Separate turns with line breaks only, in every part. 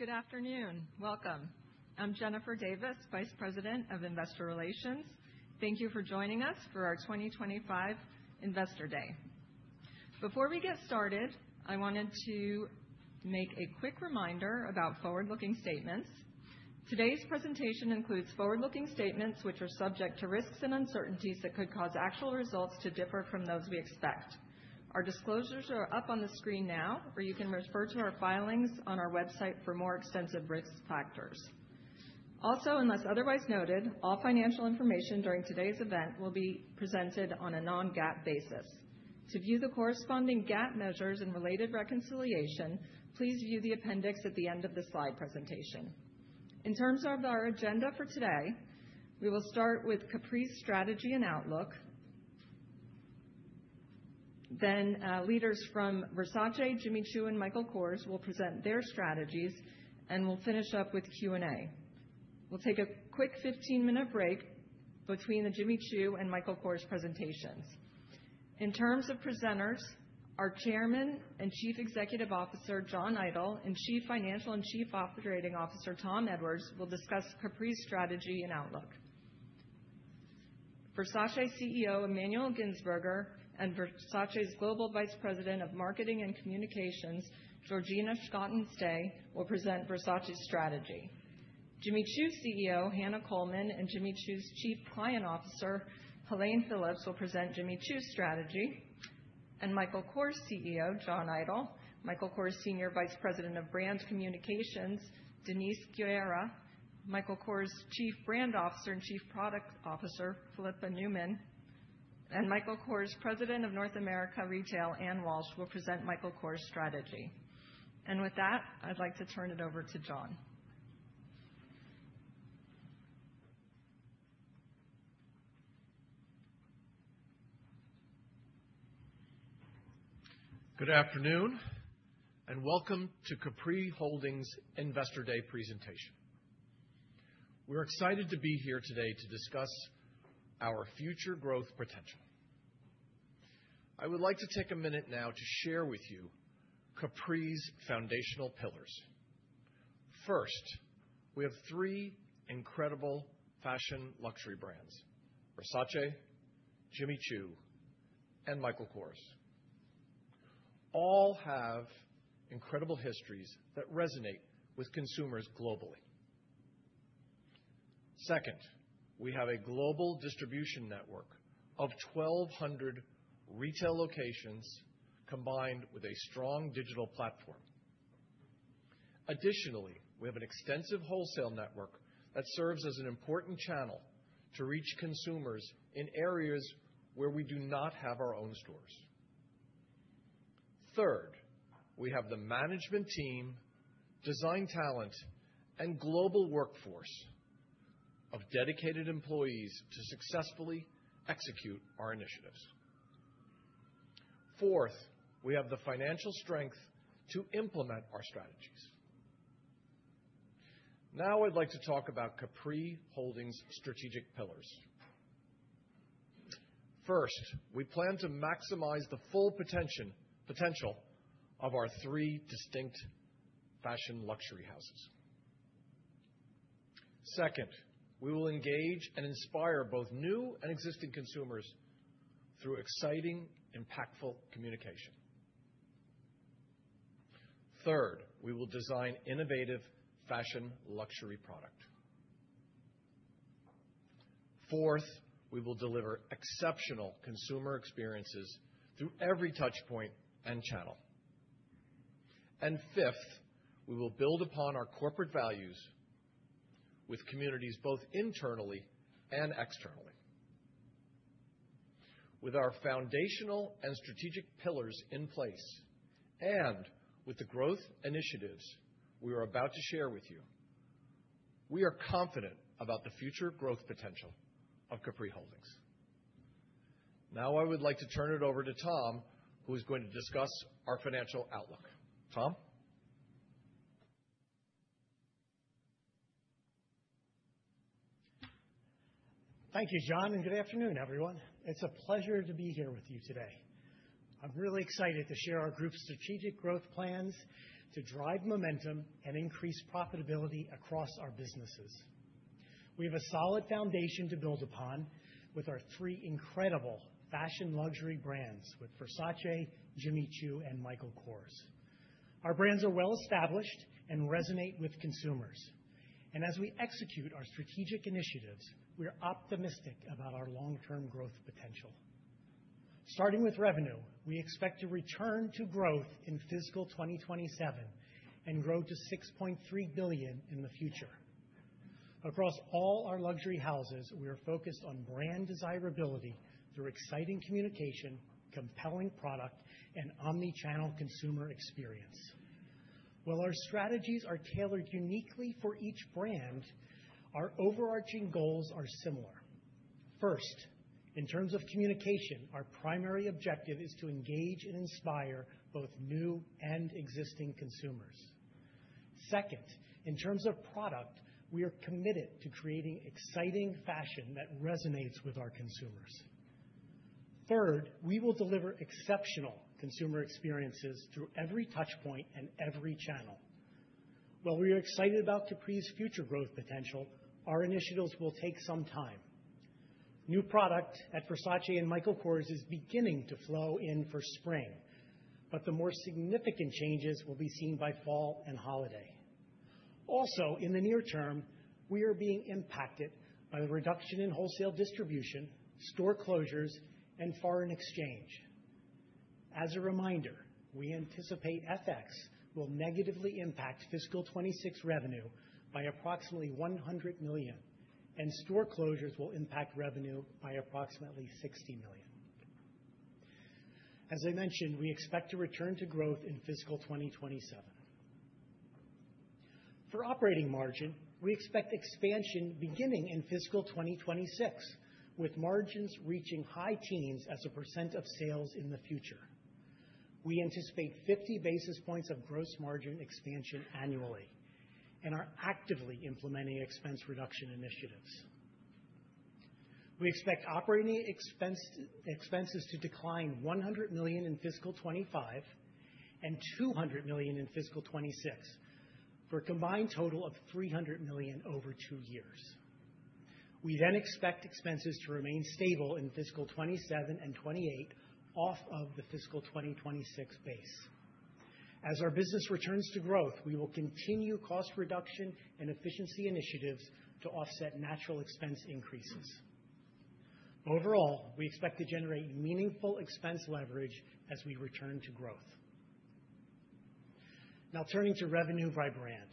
Good afternoon. Welcome. I'm Jennifer Davis, Vice President of Investor Relations. Thank you for joining us for our 2025 Investor Day. Before we get started, I wanted to make a quick reminder about forward-looking statements. Today's presentation includes forward-looking statements which are subject to risks and uncertainties that could cause actual results to differ from those we expect. Our disclosures are up on the screen now, or you can refer to our filings on our website for more extensive risk factors. Also, unless otherwise noted, all financial information during today's event will be presented on a non-GAAP basis. To view the corresponding GAAP measures and related reconciliation, please view the appendix at the end of the slide presentation. In terms of our agenda for today, we will start with Capri's strategy and outlook. Leaders from Versace, Jimmy Choo, and Michael Kors will present their strategies, and we'll finish up with Q&A. We'll take a quick 15-minute break between the Jimmy Choo and Michael Kors presentations. In terms of presenters, our Chairman and Chief Executive Officer John Idol and Chief Financial and Chief Operating Officer Tom Edwards will discuss Capri's strategy and outlook. Versace CEO Emmanuel Gintzburger and Versace's Global Vice President of Marketing and Communications Georgina Scholtens-Day will present Versace's strategy. Jimmy Choo's CEO Hannah Colman and Jimmy Choo's Chief Client Officer Helene Phillips will present Jimmy Choo's strategy, and Michael Kors' CEO John Idol, Michael Kors' Senior Vice President of Brand Communications Denise Guerra, Michael Kors' Chief Brand Officer and Chief Product Officer Philippa Newman, and Michael Kors' President of North America Retail Anne Walsh will present Michael Kors' strategy. With that, I'd like to turn it over to John.
Good afternoon and welcome to Capri Holdings' Investor Day presentation. We're excited to be here today to discuss our future growth potential. I would like to take a minute now to share with you Capri's foundational pillars. First, we have three incredible fashion luxury brands: Versace, Jimmy Choo, and Michael Kors. All have incredible histories that resonate with consumers globally. Second, we have a global distribution network of 1,200 retail locations combined with a strong digital platform. Additionally, we have an extensive wholesale network that serves as an important channel to reach consumers in areas where we do not have our own stores. Third, we have the management team, design talent, and global workforce of dedicated employees to successfully execute our initiatives. Fourth, we have the financial strength to implement our strategies. Now I'd like to talk about Capri Holdings' strategic pillars. First, we plan to maximize the full potential of our three distinct fashion luxury houses. Second, we will engage and inspire both new and existing consumers through exciting, impactful communication. Third, we will design innovative fashion luxury products. Fourth, we will deliver exceptional consumer experiences through every touchpoint and channel. And fifth, we will build upon our corporate values with communities both internally and externally. With our foundational and strategic pillars in place and with the growth initiatives we are about to share with you, we are confident about the future growth potential of Capri Holdings. Now I would like to turn it over to Tom, who is going to discuss our financial outlook. Tom?
Thank you, John, and good afternoon, everyone. It's a pleasure to be here with you today. I'm really excited to share our group's strategic growth plans to drive momentum and increase profitability across our businesses. We have a solid foundation to build upon with our three incredible fashion luxury brands with Versace, Jimmy Choo, and Michael Kors. Our brands are well-established and resonate with consumers, and as we execute our strategic initiatives, we're optimistic about our long-term growth potential. Starting with revenue, we expect to return to growth in fiscal 2027 and grow to $6.3 billion in the future. Across all our luxury houses, we are focused on brand desirability through exciting communication, compelling product, and omnichannel consumer experience. While our strategies are tailored uniquely for each brand, our overarching goals are similar. First, in terms of communication, our primary objective is to engage and inspire both new and existing consumers. Second, in terms of product, we are committed to creating exciting fashion that resonates with our consumers. Third, we will deliver exceptional consumer experiences through every touchpoint and every channel. While we are excited about Capri's future growth potential, our initiatives will take some time. New product at Versace and Michael Kors is beginning to flow in for spring, but the more significant changes will be seen by fall and holiday. Also, in the near-term, we are being impacted by the reduction in wholesale distribution, store closures, and foreign exchange. As a reminder, we anticipate FX will negatively impact fiscal 2026 revenue by approximately $100 million, and store closures will impact revenue by approximately $60 million. As I mentioned, we expect to return to growth in fiscal 2027. For operating margin, we expect expansion beginning in fiscal 2026, with margins reaching high-teens% of sales in the future. We anticipate 50 basis points of gross margin expansion annually and are actively implementing expense reduction initiatives. We expect operating expenses to decline $100 million in fiscal 2025 and $200 million in fiscal 2026 for a combined total of $300 million over two years. We then expect expenses to remain stable in fiscal 2027 and 2028 off of the fiscal 2026 base. As our business returns to growth, we will continue cost reduction and efficiency initiatives to offset natural expense increases. Overall, we expect to generate meaningful expense leverage as we return to growth. Now turning to revenue by brand.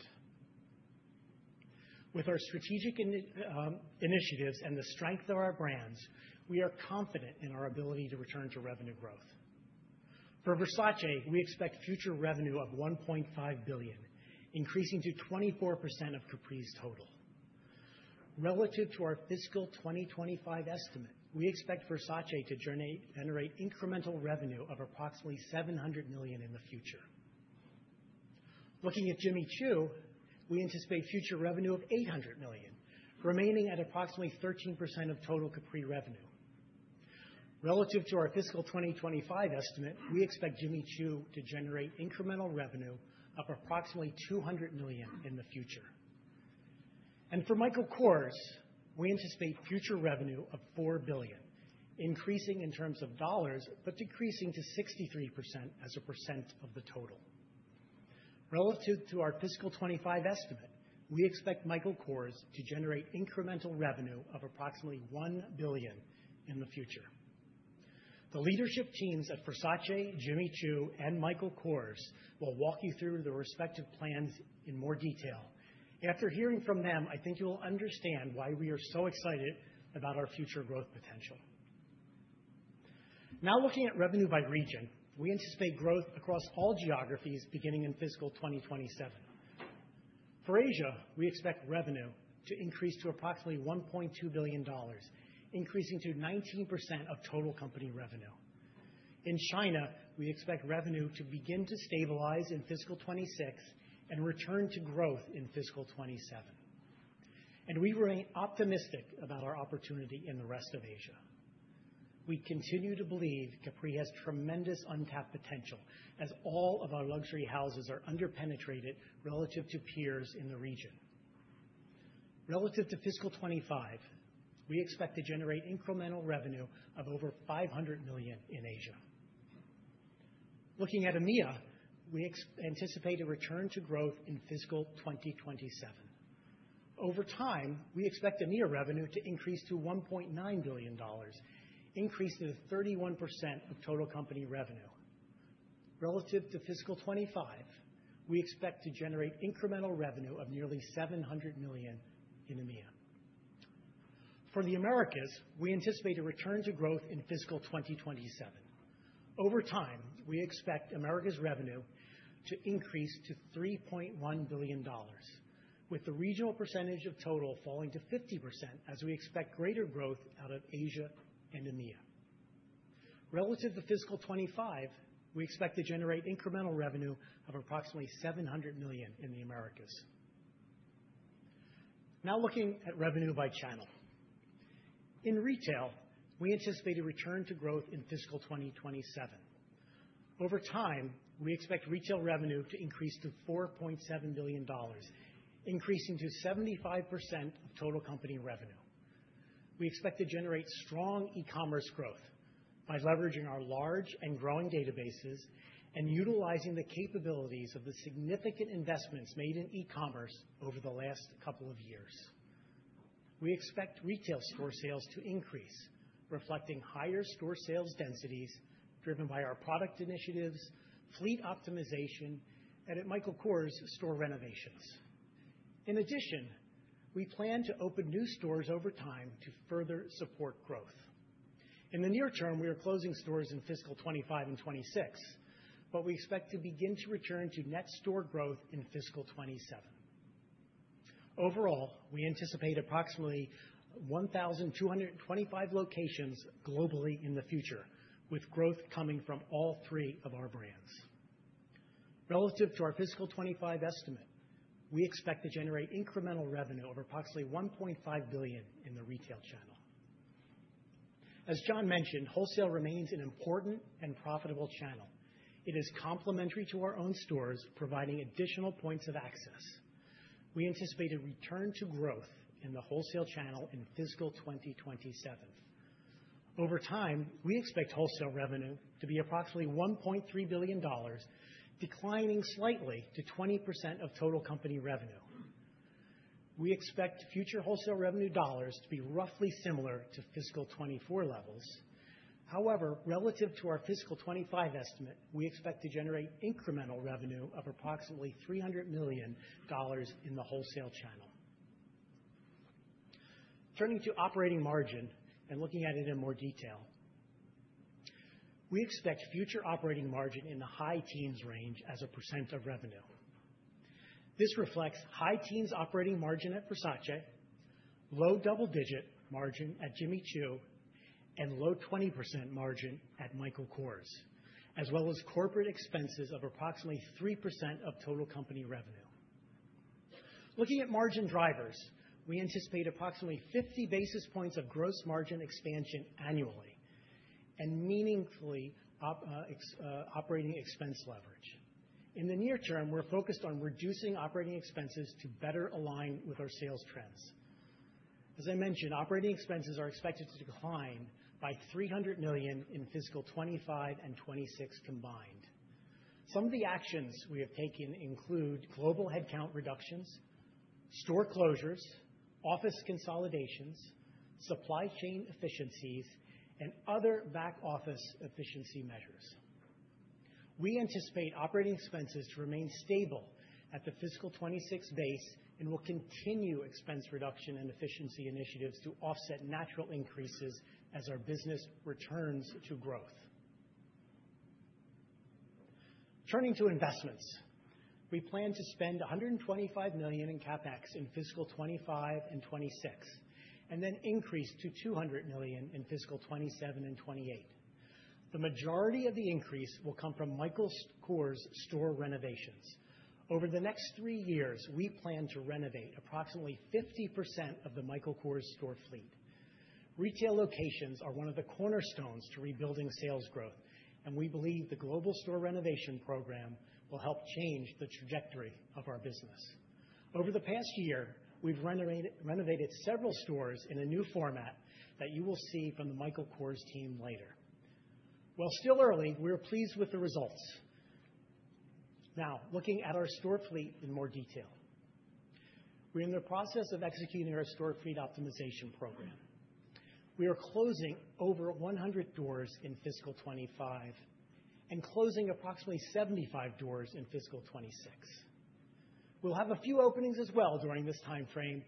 With our strategic initiatives and the strength of our brands, we are confident in our ability to return to revenue growth. For Versace, we expect future revenue of $1.5 billion, increasing to 24% of Capri's total. Relative to our fiscal 2025 estimate, we expect Versace to generate incremental revenue of approximately $700 million in the future. Looking at Jimmy Choo, we anticipate future revenue of $800 million, remaining at approximately 13% of total Capri revenue. Relative to our fiscal 2025 estimate, we expect Jimmy Choo to generate incremental revenue of approximately $200 million in the future. And for Michael Kors, we anticipate future revenue of $4 billion, increasing in terms of dollars but decreasing to 63% as a percent of the total. Relative to our fiscal 2025 estimate, we expect Michael Kors to generate incremental revenue of approximately $1 billion in the future. The leadership teams at Versace, Jimmy Choo, and Michael Kors will walk you through the respective plans in more detail. After hearing from them, I think you'll understand why we are so excited about our future growth potential. Now looking at revenue by region, we anticipate growth across all geographies beginning in fiscal 2027. For Asia, we expect revenue to increase to approximately $1.2 billion, increasing to 19% of total company revenue. In China, we expect revenue to begin to stabilize in fiscal 2026 and return to growth in fiscal 2027. And we remain optimistic about our opportunity in the rest of Asia. We continue to believe Capri has tremendous untapped potential as all of our luxury houses are underpenetrated relative to peers in the region. Relative to fiscal 2025, we expect to generate incremental revenue of over $500 million in Asia. Looking at EMEA, we anticipate a return to growth in fiscal 2027. Over time, we expect EMEA revenue to increase to $1.9 billion, increasing to 31% of total company revenue. Relative to fiscal 2025, we expect to generate incremental revenue of nearly $700 million in EMEA. For the Americas, we anticipate a return to growth in fiscal 2027. Over time, we expect Americas' revenue to increase to $3.1 billion, with the regional percentage of total falling to 50% as we expect greater growth out of Asia and EMEA. Relative to fiscal 2025, we expect to generate incremental revenue of approximately $700 million in the Americas. Now looking at revenue by channel. In retail, we anticipate a return to growth in fiscal 2027. Over time, we expect retail revenue to increase to $4.7 billion, increasing to 75% of total company revenue. We expect to generate strong e-commerce growth by leveraging our large and growing databases and utilizing the capabilities of the significant investments made in e-commerce over the last couple of years. We expect retail store sales to increase, reflecting higher store sales densities driven by our product initiatives, fleet optimization, and at Michael Kors store renovations. In addition, we plan to open new stores over time to further support growth. In the near-term, we are closing stores in fiscal 2025 and 2026, but we expect to begin to return to net store growth in fiscal 2027. Overall, we anticipate approximately 1,225 locations globally in the future, with growth coming from all three of our brands. Relative to our fiscal 2025 estimate, we expect to generate incremental revenue of approximately $1.5 billion in the retail channel. As John mentioned, wholesale remains an important and profitable channel. It is complementary to our own stores, providing additional points of access. We anticipate a return to growth in the wholesale channel in fiscal 2027. Over time, we expect wholesale revenue to be approximately $1.3 billion, declining slightly to 20% of total company revenue. We expect future wholesale revenue dollars to be roughly similar to fiscal 2024 levels. However, relative to our fiscal 2025 estimate, we expect to generate incremental revenue of approximately $300 million in the wholesale channel. Turning to operating margin and looking at it in more detail, we expect future operating margin in the high-teens range as a percent of revenue. This reflects high-teens operating margin at Versace, low double-digit margin at Jimmy Choo, and low 20% margin at Michael Kors, as well as corporate expenses of approximately 3% of total company revenue. Looking at margin drivers, we anticipate approximately 50 basis points of gross margin expansion annually and meaningfully operating expense leverage. In the near-term, we're focused on reducing operating expenses to better align with our sales trends. As I mentioned, operating expenses are expected to decline by $300 million in fiscal 2025 and 2026 combined. Some of the actions we have taken include global headcount reductions, store closures, office consolidations, supply chain efficiencies, and other back-office efficiency measures. We anticipate operating expenses to remain stable at the fiscal 2026 base and will continue expense reduction and efficiency initiatives to offset natural increases as our business returns to growth. Turning to investments, we plan to spend $125 million in CapEx in fiscal 2025 and 2026 and then increase to $200 million in fiscal 2027 and 2028. The majority of the increase will come from Michael Kors store renovations. Over the next three years, we plan to renovate approximately 50% of the Michael Kors store fleet. Retail locations are one of the cornerstones to rebuilding sales growth, and we believe the global store renovation program will help change the trajectory of our business. Over the past year, we've renovated several stores in a new format that you will see from the Michael Kors team later. While still early, we are pleased with the results. Now looking at our store fleet in more detail, we're in the process of executing our store fleet optimization program. We are closing over 100 doors in fiscal 25 and closing approximately 75 doors in fiscal 26. We'll have a few openings as well during this timeframe,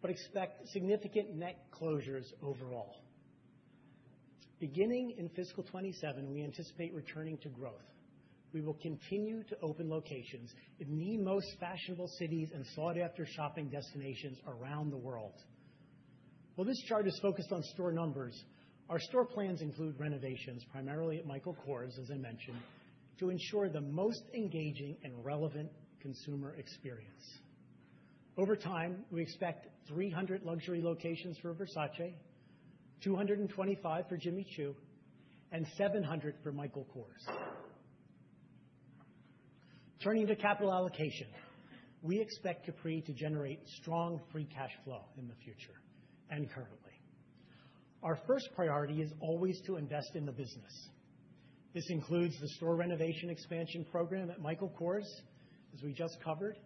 but expect significant net closures overall. Beginning in fiscal 27, we anticipate returning to growth. We will continue to open locations in the most fashionable cities and sought-after shopping destinations around the world. While this chart is focused on store numbers, our store plans include renovations primarily at Michael Kors, as I mentioned, to ensure the most engaging and relevant consumer experience. Over time, we expect 300 luxury locations for Versace, 225 for Jimmy Choo, and 700 for Michael Kors. Turning to capital allocation, we expect Capri to generate strong free cash flow in the future and currently. Our first priority is always to invest in the business. This includes the store renovation expansion program at Michael Kors, as we just covered,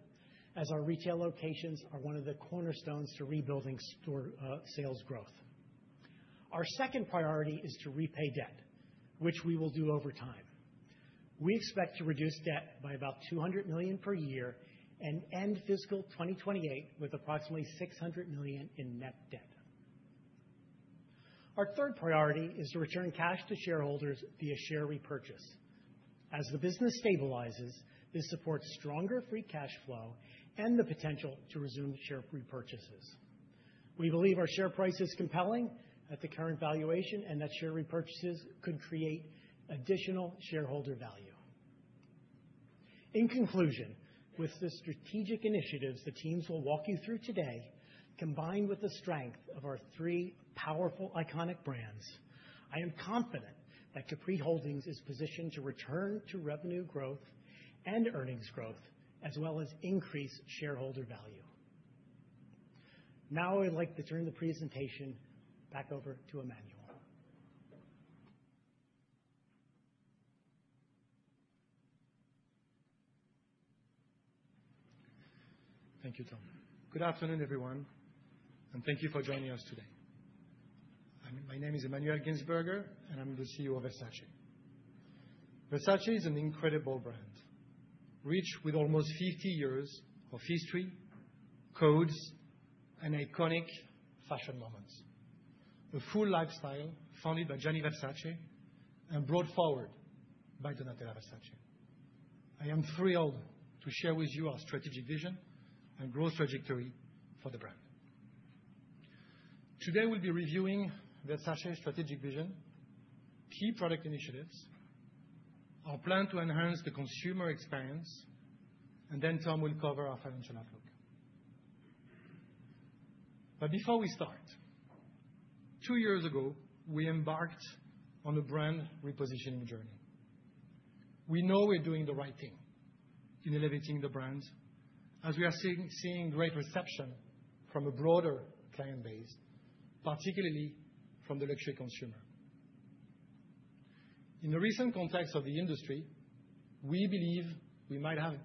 as our retail locations are one of the cornerstones to rebuilding store sales growth. Our second priority is to repay debt, which we will do over time. We expect to reduce debt by about $200 million per year and end fiscal 2028 with approximately $600 million in net debt. Our third priority is to return cash to shareholders via share repurchase. As the business stabilizes, this supports stronger free cash flow and the potential to resume share repurchases. We believe our share price is compelling at the current valuation and that share repurchases could create additional shareholder value. In conclusion, with the strategic initiatives the teams will walk you through today, combined with the strength of our three powerful iconic brands, I am confident that Capri Holdings is positioned to return to revenue growth and earnings growth, as well as increase shareholder value. Now I'd like to turn the presentation back over to Emmanuel.
Thank you, Tom. Good afternoon, everyone, and thank you for joining us today. My name is Emmanuel Gintzburger, and I'm the CEO of Versace. Versace is an incredible brand, rich with almost 50 years of history, codes, and iconic fashion moments. A full lifestyle founded by Gianni Versace and brought forward by Donatella Versace. I am thrilled to share with you our strategic vision and growth trajectory for the brand. Today, we'll be reviewing Versace's strategic vision, key product initiatives, our plan to enhance the consumer experience, and then Tom will cover our financial outlook. But before we start, two years ago, we embarked on a brand repositioning journey. We know we're doing the right thing in elevating the brand, as we are seeing great reception from a broader client base, particularly from the luxury consumer. In the recent context of the industry, we believe we might have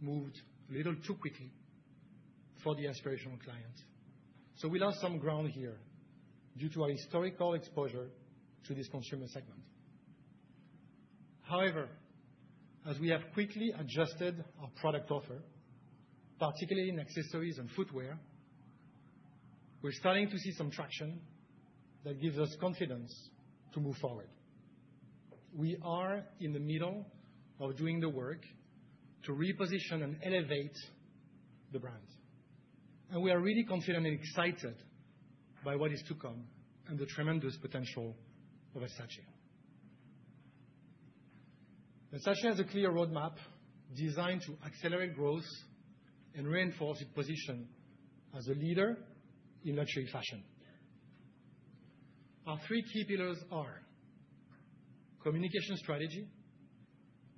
moved a little too quickly for the aspirational clients. So we lost some ground here due to our historical exposure to this consumer segment. However, as we have quickly adjusted our product offer, particularly in accessories and footwear, we're starting to see some traction that gives us confidence to move forward. We are in the middle of doing the work to reposition and elevate the brand. And we are really confident and excited by what is to come and the tremendous potential of Versace. Versace has a clear roadmap designed to accelerate growth and reinforce its position as a leader in luxury fashion. Our three key pillars are communication strategy,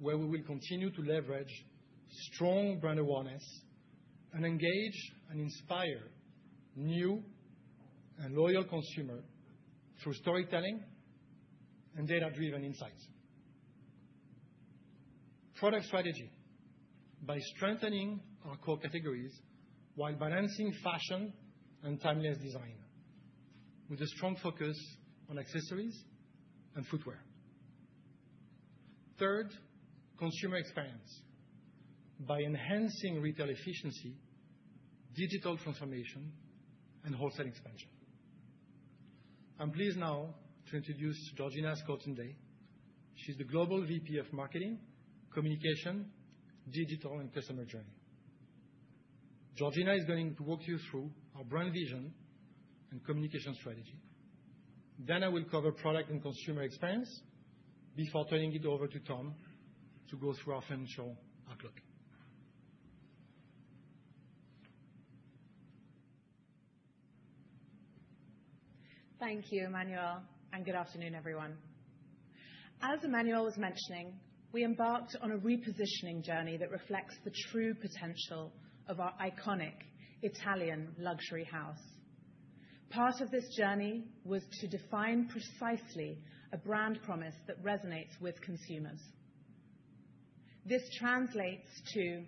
where we will continue to leverage strong brand awareness and engage and inspire new and loyal consumers through storytelling and data-driven insights. Product strategy, by strengthening our core categories while balancing fashion and timeless design, with a strong focus on accessories and footwear. Third, consumer experience, by enhancing retail efficiency, digital transformation, and wholesale expansion. I'm pleased now to introduce Georgina Scholtens-Day. She's the Global VP of Marketing, Communications, Digital, and Customer Journey. Georgina is going to walk you through our brand vision and communication strategy. Then I will cover product and consumer experience before turning it over to Tom to go through our financial outlook.
Thank you, Emmanuel, and good afternoon, everyone. As Emmanuel was mentioning, we embarked on a repositioning journey that reflects the true potential of our iconic Italian luxury house. Part of this journey was to define precisely a brand promise that resonates with consumers. This translates to,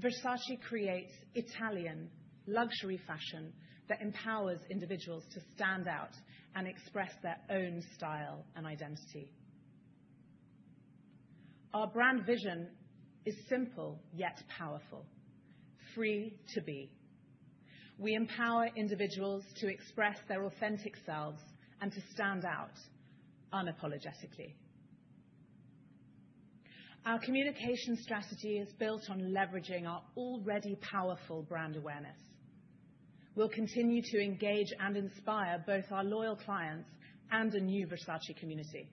Versace creates Italian luxury fashion that empowers individuals to stand out and express their own style and identity. Our brand vision is simple yet powerful, free to be. We empower individuals to express their authentic selves and to stand out unapologetically. Our communication strategy is built on leveraging our already powerful brand awareness. We'll continue to engage and inspire both our loyal clients and a new Versace community,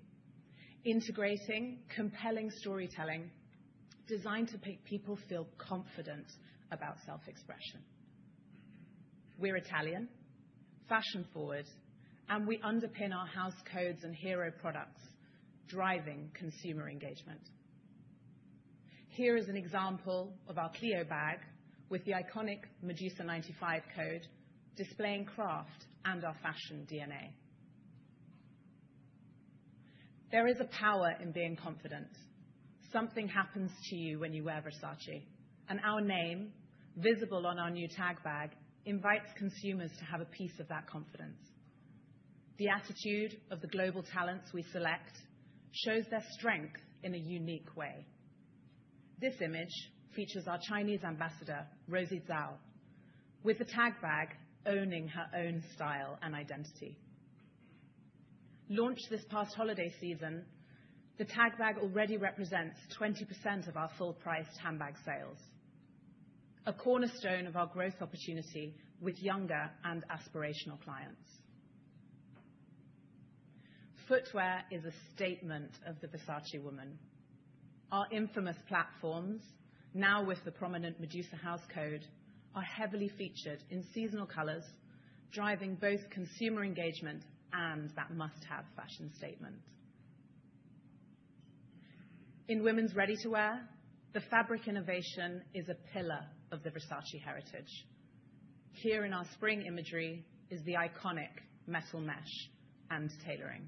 integrating compelling storytelling designed to make people feel confident about self-expression. We're Italian, fashion-forward, and we underpin our house codes and hero products, driving consumer engagement. Here is an example of our Kleio bag with the iconic Medusa '95 code, displaying craft and our fashion DNA. There is a power in being confident. Something happens to you when you wear Versace. And our name, visible on our new Tag bag, invites consumers to have a piece of that confidence. The attitude of the global talents we select shows their strength in a unique way. This image features our Chinese ambassador, Rosy Zhao, with the Tag bag owning her own style and identity. Launched this past holiday season, the Tag bag already represents 20% of our full-priced handbag sales, a cornerstone of our growth opportunity with younger and aspirational clients. Footwear is a statement of the Versace woman. Our infamous platforms, now with the prominent Medusa house code, are heavily featured in seasonal colors, driving both consumer engagement and that must-have fashion statement. In women's ready-to-wear, the fabric innovation is a pillar of the Versace heritage. Here in our spring imagery is the iconic metal mesh and tailoring.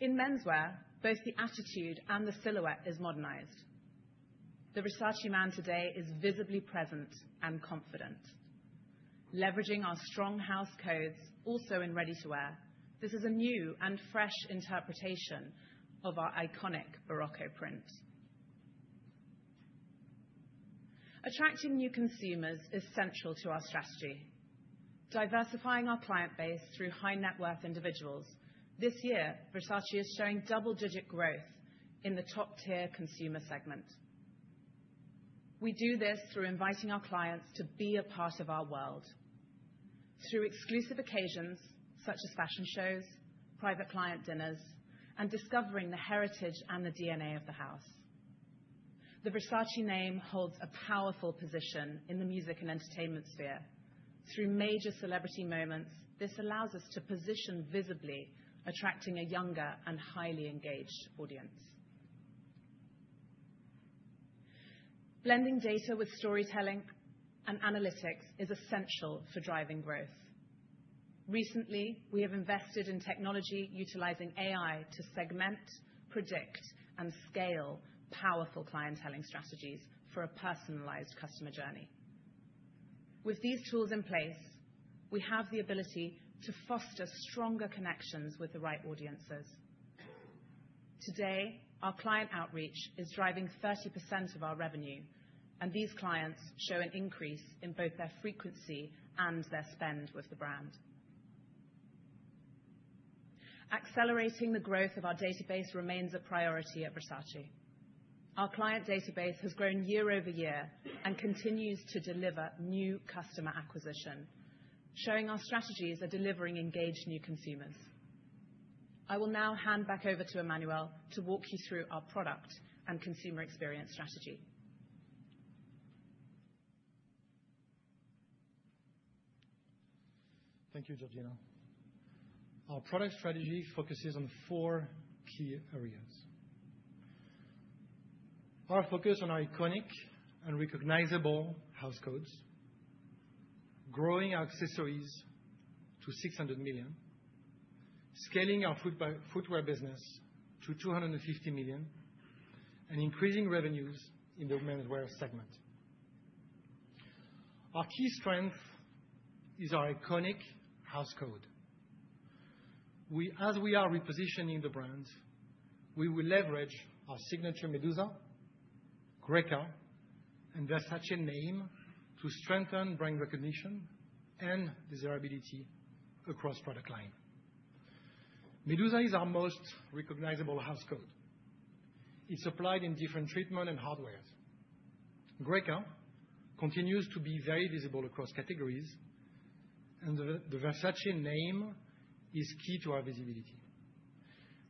In menswear, both the attitude and the silhouette is modernized. The Versace man today is visibly present and confident. Leveraging our strong house codes, also in ready-to-wear, this is a new and fresh interpretation of our iconic Barocco print. Attracting new consumers is central to our strategy. Diversifying our client base through high-net-worth individuals, this year, Versace is showing double-digit growth in the top-tier consumer segment. We do this through inviting our clients to be a part of our world, through exclusive occasions such as fashion shows, private client dinners, and discovering the heritage and the DNA of the house. The Versace name holds a powerful position in the music and entertainment sphere. Through major celebrity moments, this allows us to position visibly, attracting a younger and highly engaged audience. Blending data with storytelling and analytics is essential for driving growth. Recently, we have invested in technology utilizing AI to segment, predict, and scale powerful clienteling strategies for a personalized customer journey. With these tools in place, we have the ability to foster stronger connections with the right audiences. Today, our client outreach is driving 30% of our revenue, and these clients show an increase in both their frequency and their spend with the brand. Accelerating the growth of our database remains a priority at Versace. Our client database has grown year-over-year and continues to deliver new customer acquisition, showing our strategies are delivering engaged new consumers. I will now hand back over to Emmanuel to walk you through our product and consumer experience strategy.
Thank you, Georgina. Our product strategy focuses on four key areas. Our focus on our iconic and recognizable house codes, growing our accessories to $600 million, scaling our footwear business to $250 million, and increasing revenues in the menswear segment. Our key strength is our iconic house code. As we are repositioning the brands, we will leverage our signature Medusa, Greca, and Versace name to strengthen brand recognition and desirability across product line. Medusa is our most recognizable house code. It's applied in different treatment and hardware. Greca continues to be very visible across categories, and the Versace name is key to our visibility.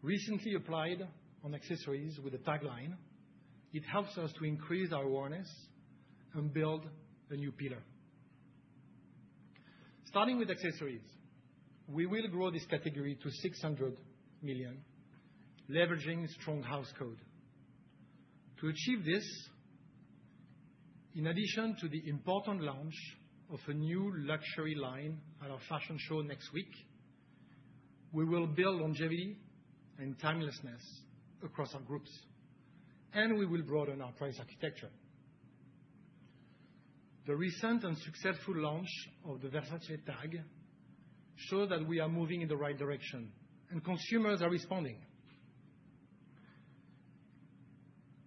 Recently applied on accessories with a tag line, it helps us to increase our awareness and build a new pillar. Starting with accessories, we will grow this category to 600 million, leveraging strong house code. To achieve this, in addition to the important launch of a new luxury line at our fashion show next week, we will build longevity and timelessness across our groups, and we will broaden our price architecture. The recent and successful launch of the Versace Tag shows that we are moving in the right direction, and consumers are responding.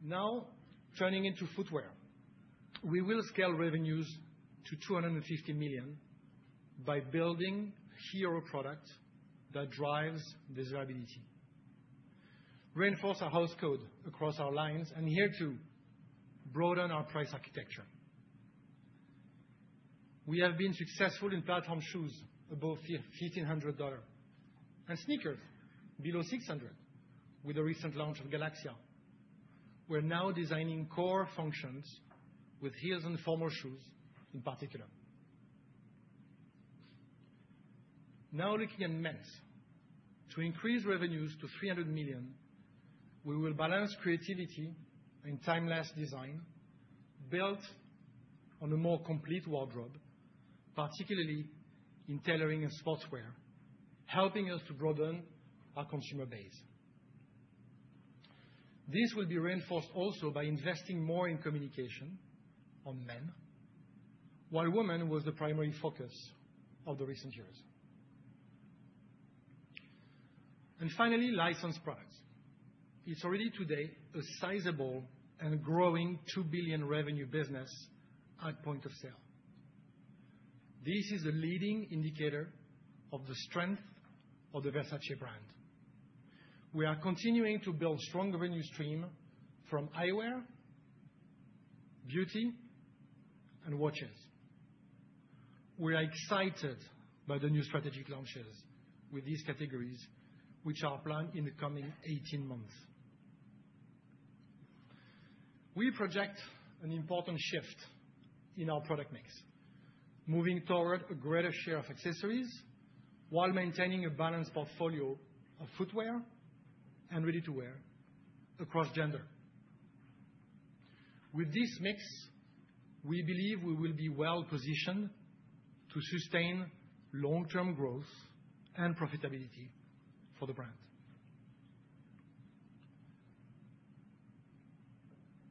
Now, turning into footwear, we will scale revenues to $250 million by building a hero product that drives desirability, reinforce our house code across our lines, and here too, broaden our price architecture. We have been successful in platform shoes above $1,500 and sneakers below $600 with the recent launch of Galaxia. We're now designing core functions with heels and formal shoes in particular. Now looking at men's, to increase revenues to $300 million, we will balance creativity and timeless design built on a more complete wardrobe, particularly in tailoring and sportswear, helping us to broaden our consumer base. This will be reinforced also by investing more in communication on men, while women was the primary focus of the recent years. And finally, licensed products. It's already today a sizable and growing $2 billion revenue business at point of sale. This is a leading indicator of the strength of the Versace brand. We are continuing to build strong revenue streams from eyewear, beauty, and watches. We are excited by the new strategic launches with these categories, which are planned in the coming 18 months. We project an important shift in our product mix, moving toward a greater share of accessories while maintaining a balanced portfolio of footwear and ready-to-wear across gender. With this mix, we believe we will be well positioned to sustain long-term growth and profitability for the brand.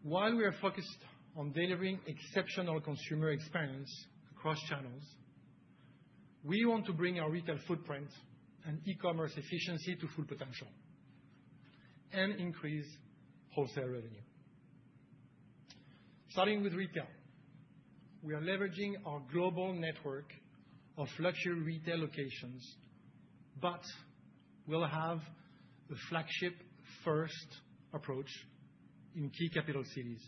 While we are focused on delivering exceptional consumer experience across channels, we want to bring our retail footprint and e-commerce efficiency to full potential and increase wholesale revenue. Starting with retail, we are leveraging our global network of luxury retail locations, but we'll have a flagship-first approach in key capital cities,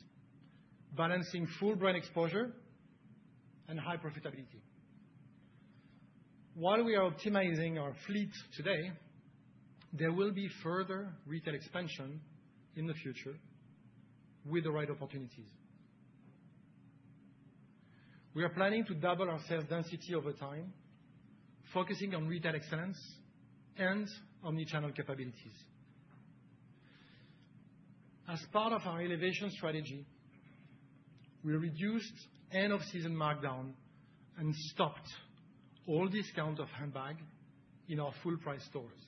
balancing full brand exposure and high profitability. While we are optimizing our fleet today, there will be further retail expansion in the future with the right opportunities. We are planning to double our sales density over time, focusing on retail excellence and omnichannel capabilities. As part of our elevation strategy, we reduced end-of-season markdown and stopped all discounts of handbags in our full-price stores.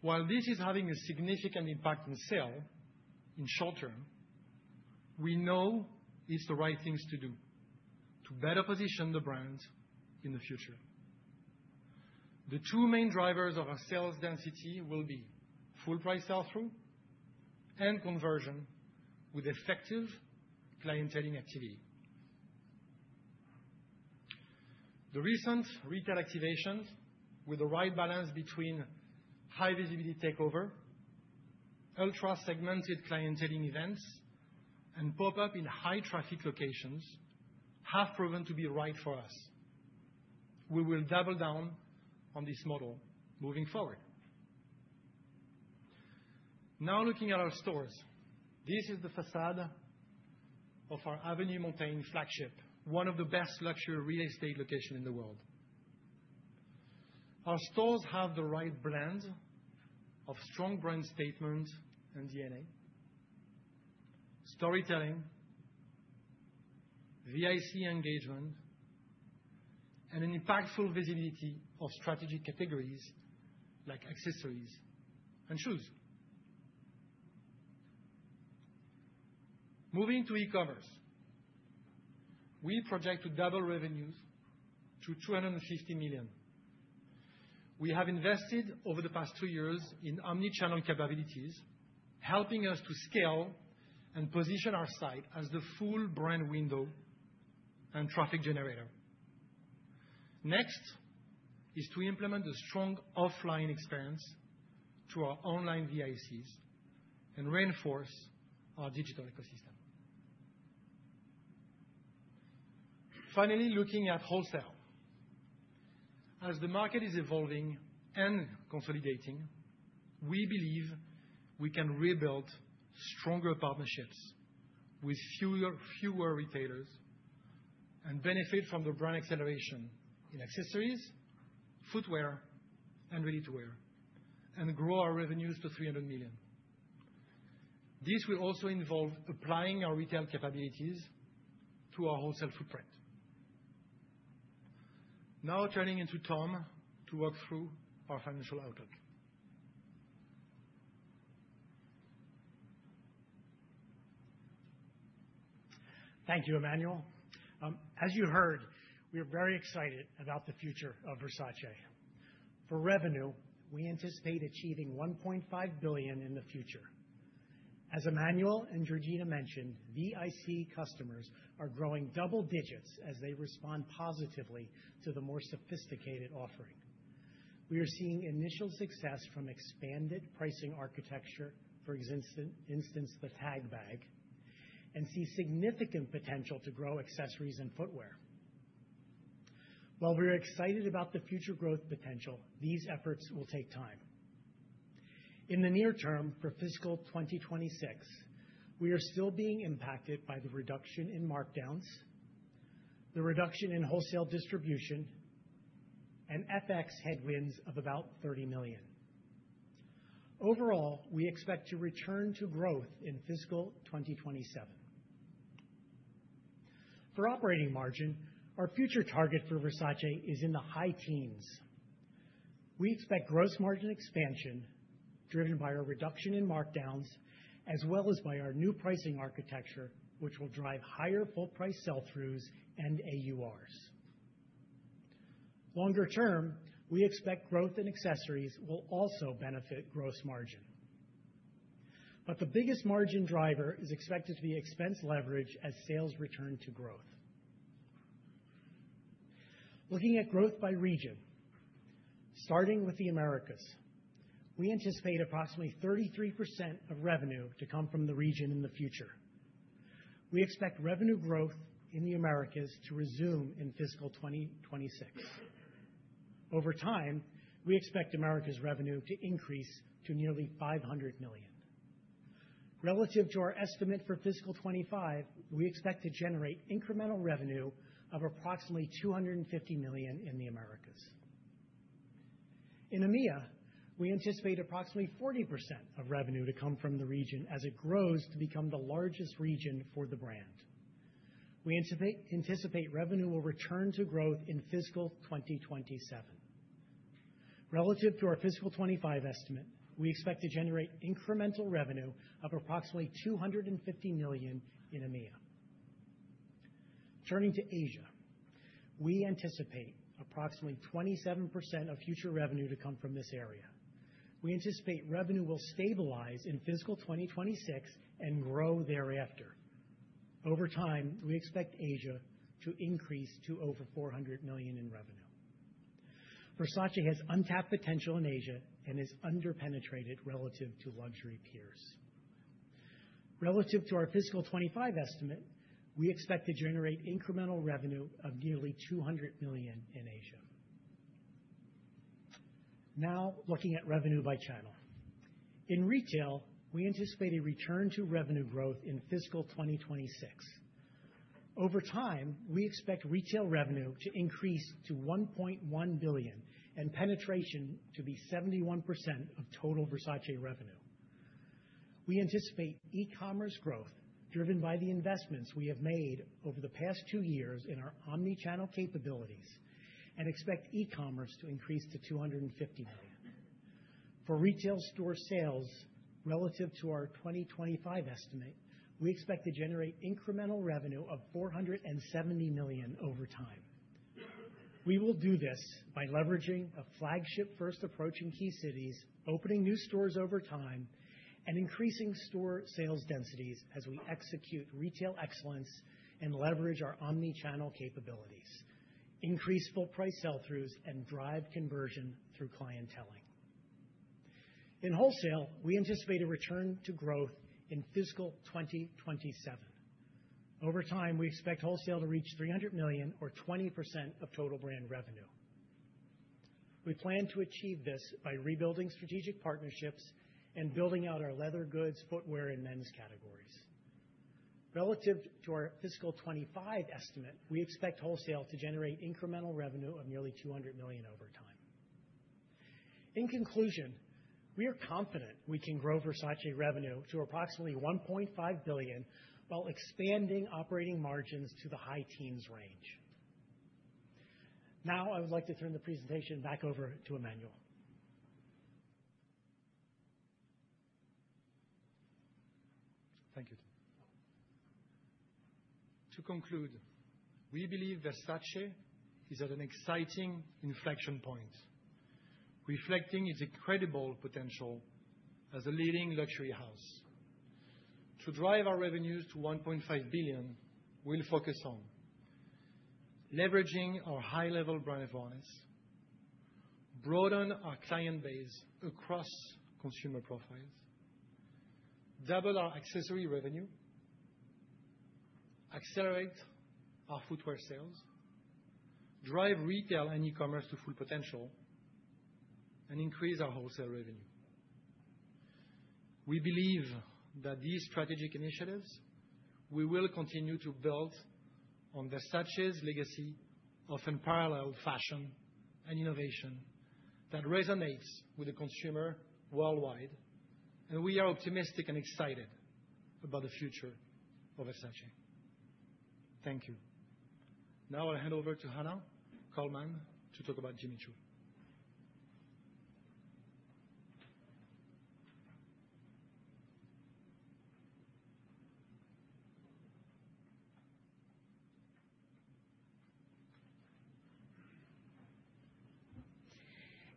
While this is having a significant impact on sales in the short-term, we know it's the right thing to do to better position the brands in the future. The two main drivers of our sales density will be full-price sell-through and conversion with effective clienteling activity. The recent retail activations with the right balance between high-visibility takeover, ultra-segmented clienteling events, and pop-up in high-traffic locations have proven to be right for us. We will double down on this model moving forward. Now looking at our stores, this is the façade of our Avenue Montaigne flagship, one of the best luxury real estate locations in the world. Our stores have the right blend of strong brand statement and DNA, storytelling, VIC engagement, and an impactful visibility of strategic categories like accessories and shoes. Moving to e-commerce, we project to double revenues to $250 million. We have invested over the past three years in omnichannel capabilities, helping us to scale and position our site as the full brand window and traffic generator. Next is to implement a strong offline experience to our online VICs and reinforce our digital ecosystem. Finally, looking at wholesale. As the market is evolving and consolidating, we believe we can rebuild stronger partnerships with fewer retailers and benefit from the brand acceleration in accessories, footwear, and ready-to-wear, and grow our revenues to $300 million. This will also involve applying our retail capabilities to our wholesale footprint. Now turning to Tom to walk through our financial outlook.
Thank you, Emmanuel. As you heard, we are very excited about the future of Versace. For revenue, we anticipate achieving $1.5 billion in the future. As Emmanuel and Georgina mentioned, VIC customers are growing double digits as they respond positively to the more sophisticated offering. We are seeing initial success from expanded pricing architecture for instance, the Tag bag, and see significant potential to grow accessories and footwear. While we are excited about the future growth potential, these efforts will take time. In the near-term for fiscal 2026, we are still being impacted by the reduction in markdowns, the reduction in wholesale distribution, and FX headwinds of about $30 million. Overall, we expect to return to growth in fiscal 2027. For operating margin, our future target for Versace is in the high-teens. We expect gross margin expansion driven by our reduction in markdowns as well as by our new pricing architecture, which will drive higher full-price sell-throughs and AURs. Longer-term, we expect growth in accessories will also benefit gross margin. But the biggest margin driver is expected to be expense leverage as sales return to growth. Looking at growth by region, starting with the Americas, we anticipate approximately 33% of revenue to come from the region in the future. We expect revenue growth in the Americas to resume in fiscal 2026. Over time, we expect Americas' revenue to increase to nearly $500 million. Relative to our estimate for fiscal 2025, we expect to generate incremental revenue of approximately $250 million in the Americas. In EMEA, we anticipate approximately 40% of revenue to come from the region as it grows to become the largest region for the brand. We anticipate revenue will return to growth in fiscal 2027. Relative to our fiscal 2025 estimate, we expect to generate incremental revenue of approximately $250 million in EMEA. Turning to Asia, we anticipate approximately 27% of future revenue to come from this area. We anticipate revenue will stabilize in fiscal 2026 and grow thereafter. Over time, we expect Asia to increase to over $400 million in revenue. Versace has untapped potential in Asia and is underpenetrated relative to luxury peers. Relative to our fiscal 2025 estimate, we expect to generate incremental revenue of nearly $200 million in Asia. Now looking at revenue by channel. In retail, we anticipate a return to revenue growth in fiscal 2026. Over time, we expect retail revenue to increase to $1.1 billion and penetration to be 71% of total Versace revenue. We anticipate e-commerce growth driven by the investments we have made over the past two years in our omnichannel capabilities and expect e-commerce to increase to $250 million. For retail store sales, relative to our 2025 estimate, we expect to generate incremental revenue of $470 million over time. We will do this by leveraging a flagship-first approach in key cities, opening new stores over time, and increasing store sales densities as we execute retail excellence and leverage our omnichannel capabilities, increase full-price sell-throughs, and drive conversion through clienteling. In wholesale, we anticipate a return to growth in fiscal 2027. Over time, we expect wholesale to reach $300 million or 20% of total brand revenue. We plan to achieve this by rebuilding strategic partnerships and building out our leather goods, footwear, and men's categories. Relative to our fiscal 2025 estimate, we expect wholesale to generate incremental revenue of nearly $200 million over time. In conclusion, we are confident we can grow Versace revenue to approximately $1.5 billion while expanding operating margins to the high-teens range. Now, I would like to turn the presentation back over to Emmanuel.
Thank you. To conclude, we believe Versace is at an exciting inflection point, reflecting its incredible potential as a leading luxury house. To drive our revenues to $1.5 billion, we'll focus on leveraging our high-level brand awareness, broaden our client base across consumer profiles, double our accessory revenue, accelerate our footwear sales, drive retail and e-commerce to full potential, and increase our wholesale revenue. We believe that these strategic initiatives. We will continue to build on Versace's legacy of unparalleled fashion and innovation that resonates with the consumer worldwide, and we are optimistic and excited about the future of Versace. Thank you. Now I'll hand over to Hannah Colman to talk about Jimmy Choo.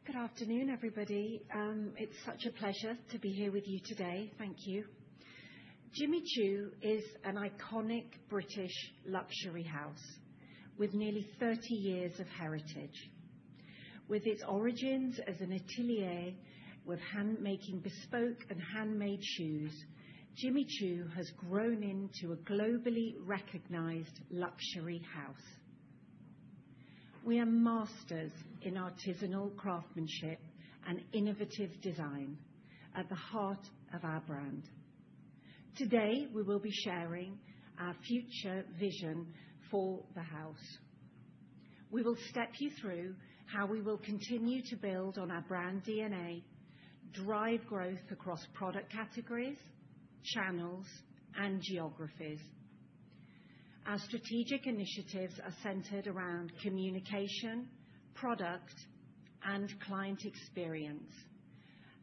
Good afternoon, everybody. It's such a pleasure to be here with you today. Thank you. Jimmy Choo is an iconic British luxury house with nearly 30 years of heritage. With its origins as an atelier with handmaking bespoke and handmade shoes, Jimmy Choo has grown into a globally recognized luxury house. We are masters in artisanal craftsmanship and innovative design at the heart of our brand. Today, we will be sharing our future vision for the house. We will step you through how we will continue to build on our brand DNA, drive growth across product categories, channels, and geographies. Our strategic initiatives are centered around communication, product, and client experience,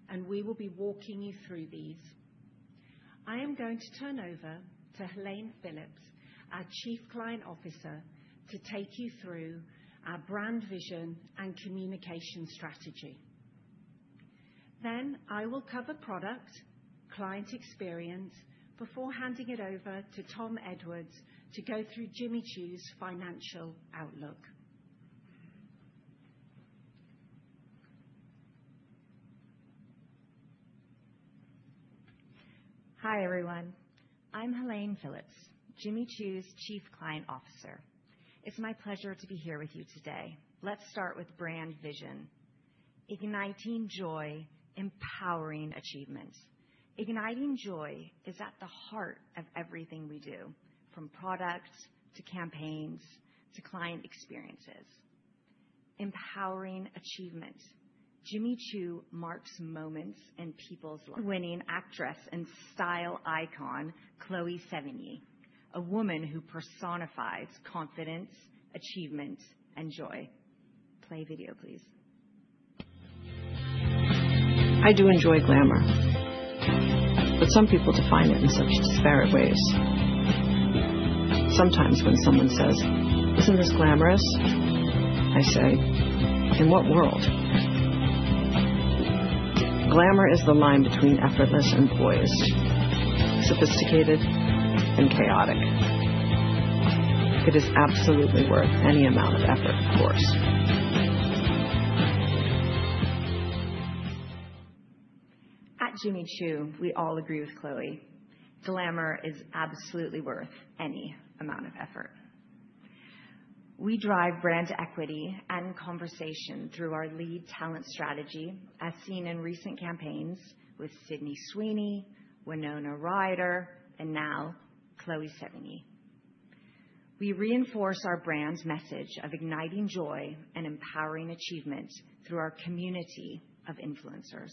and we will be walking you through these. I am going to turn over to Helene Phillips, our Chief Client Officer, to take you through our brand vision and communication strategy. Then, I will cover product, client experience before handing it over to Tom Edwards to go through Jimmy Choo's financial outlook.
Hi, everyone. I'm Helene Phillips, Jimmy Choo's Chief Client Officer. It's my pleasure to be here with you today. Let's start with brand vision: igniting joy, empowering achievement. Igniting joy is at the heart of everything we do, from products to campaigns to client experiences. Empowering achievement. Jimmy Choo marks moments in people's lives. Winning actress and style icon, Chloë Sevigny, a woman who personifies confidence, achievement, and joy. Play video, please. I do enjoy glamour, but some people define it in such disparate ways. Sometimes when someone says, "Isn't this glamorous?" I say, "In what world?" Glamour is the line between effortless and poised, sophisticated and chaotic. It is absolutely worth any amount of effort, of course. At Jimmy Choo, we all agree with Chloë. Glamour is absolutely worth any amount of effort. We drive brand equity and conversation through our lead talent strategy, as seen in recent campaigns with Sydney Sweeney, Winona Ryder, and now Chloë Sevigny. We reinforce our brand's message of igniting joy and empowering achievement through our community of influencers.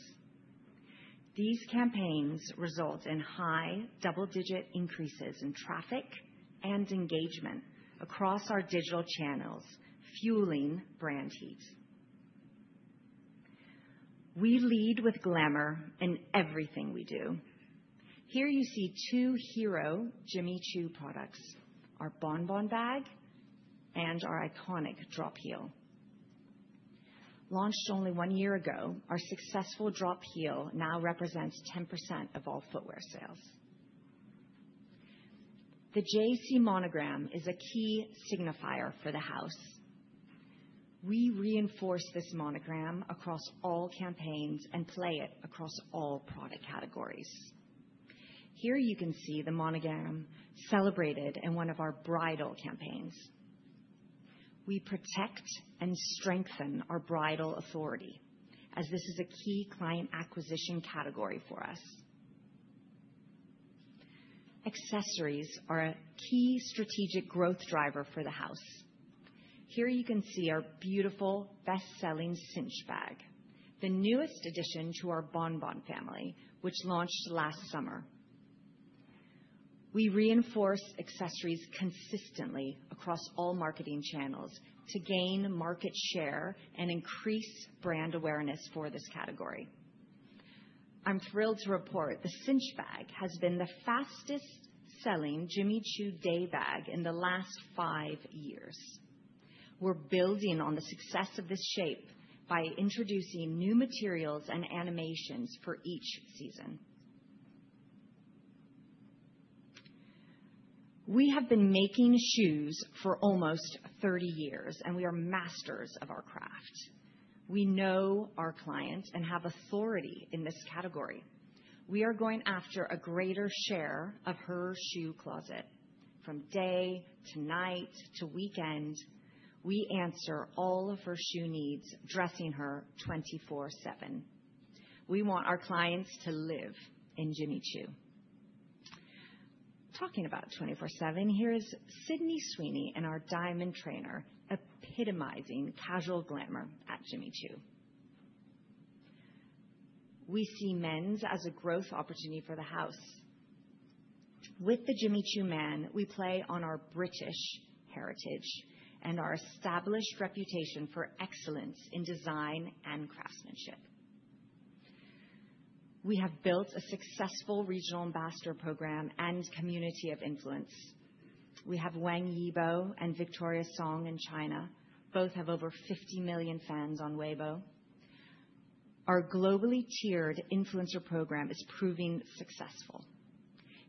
These campaigns result in high double-digit increases in traffic and engagement across our digital channels, fueling brand heat. We lead with glamour in everything we do. Here you see two hero Jimmy Choo products, our Bon Bon Bag and our iconic Drop Heel. Launched only one year ago, our successful Drop Heel now represents 10% of all footwear sales. The JC monogram is a key signifier for the house. We reinforce this monogram across all campaigns and play it across all product categories. Here you can see the monogram celebrated in one of our bridal campaigns. We protect and strengthen our bridal authority, as this is a key client acquisition category for us. Accessories are a key strategic growth driver for the house. Here you can see our beautiful, best-selling Cinch bag, the newest addition to our Bon Bon family, which launched last summer. We reinforce accessories consistently across all marketing channels to gain market share and increase brand awareness for this category. I'm thrilled to report the Cinch bag has been the fastest-selling Jimmy Choo day bag in the last five years. We're building on the success of this shape by introducing new materials and animations for each season. We have been making shoes for almost 30 years, and we are masters of our craft. We know our client and have authority in this category. We are going after a greater share of her shoe closet. From day to night to weekend, we answer all of her shoe needs, dressing her 24/7. We want our clients to live in Jimmy Choo. Talking about 24/7, here is Sydney Sweeney in our Diamond trainer, epitomizing casual glamour at Jimmy Choo. We see men's as a growth opportunity for the house. With the Jimmy Choo man, we play on our British heritage and our established reputation for excellence in design and craftsmanship. We have built a successful regional ambassador program and community of influence. We have Wang Yibo and Victoria Song in China. Both have over 50 million fans on Weibo. Our globally tiered influencer program is proving successful.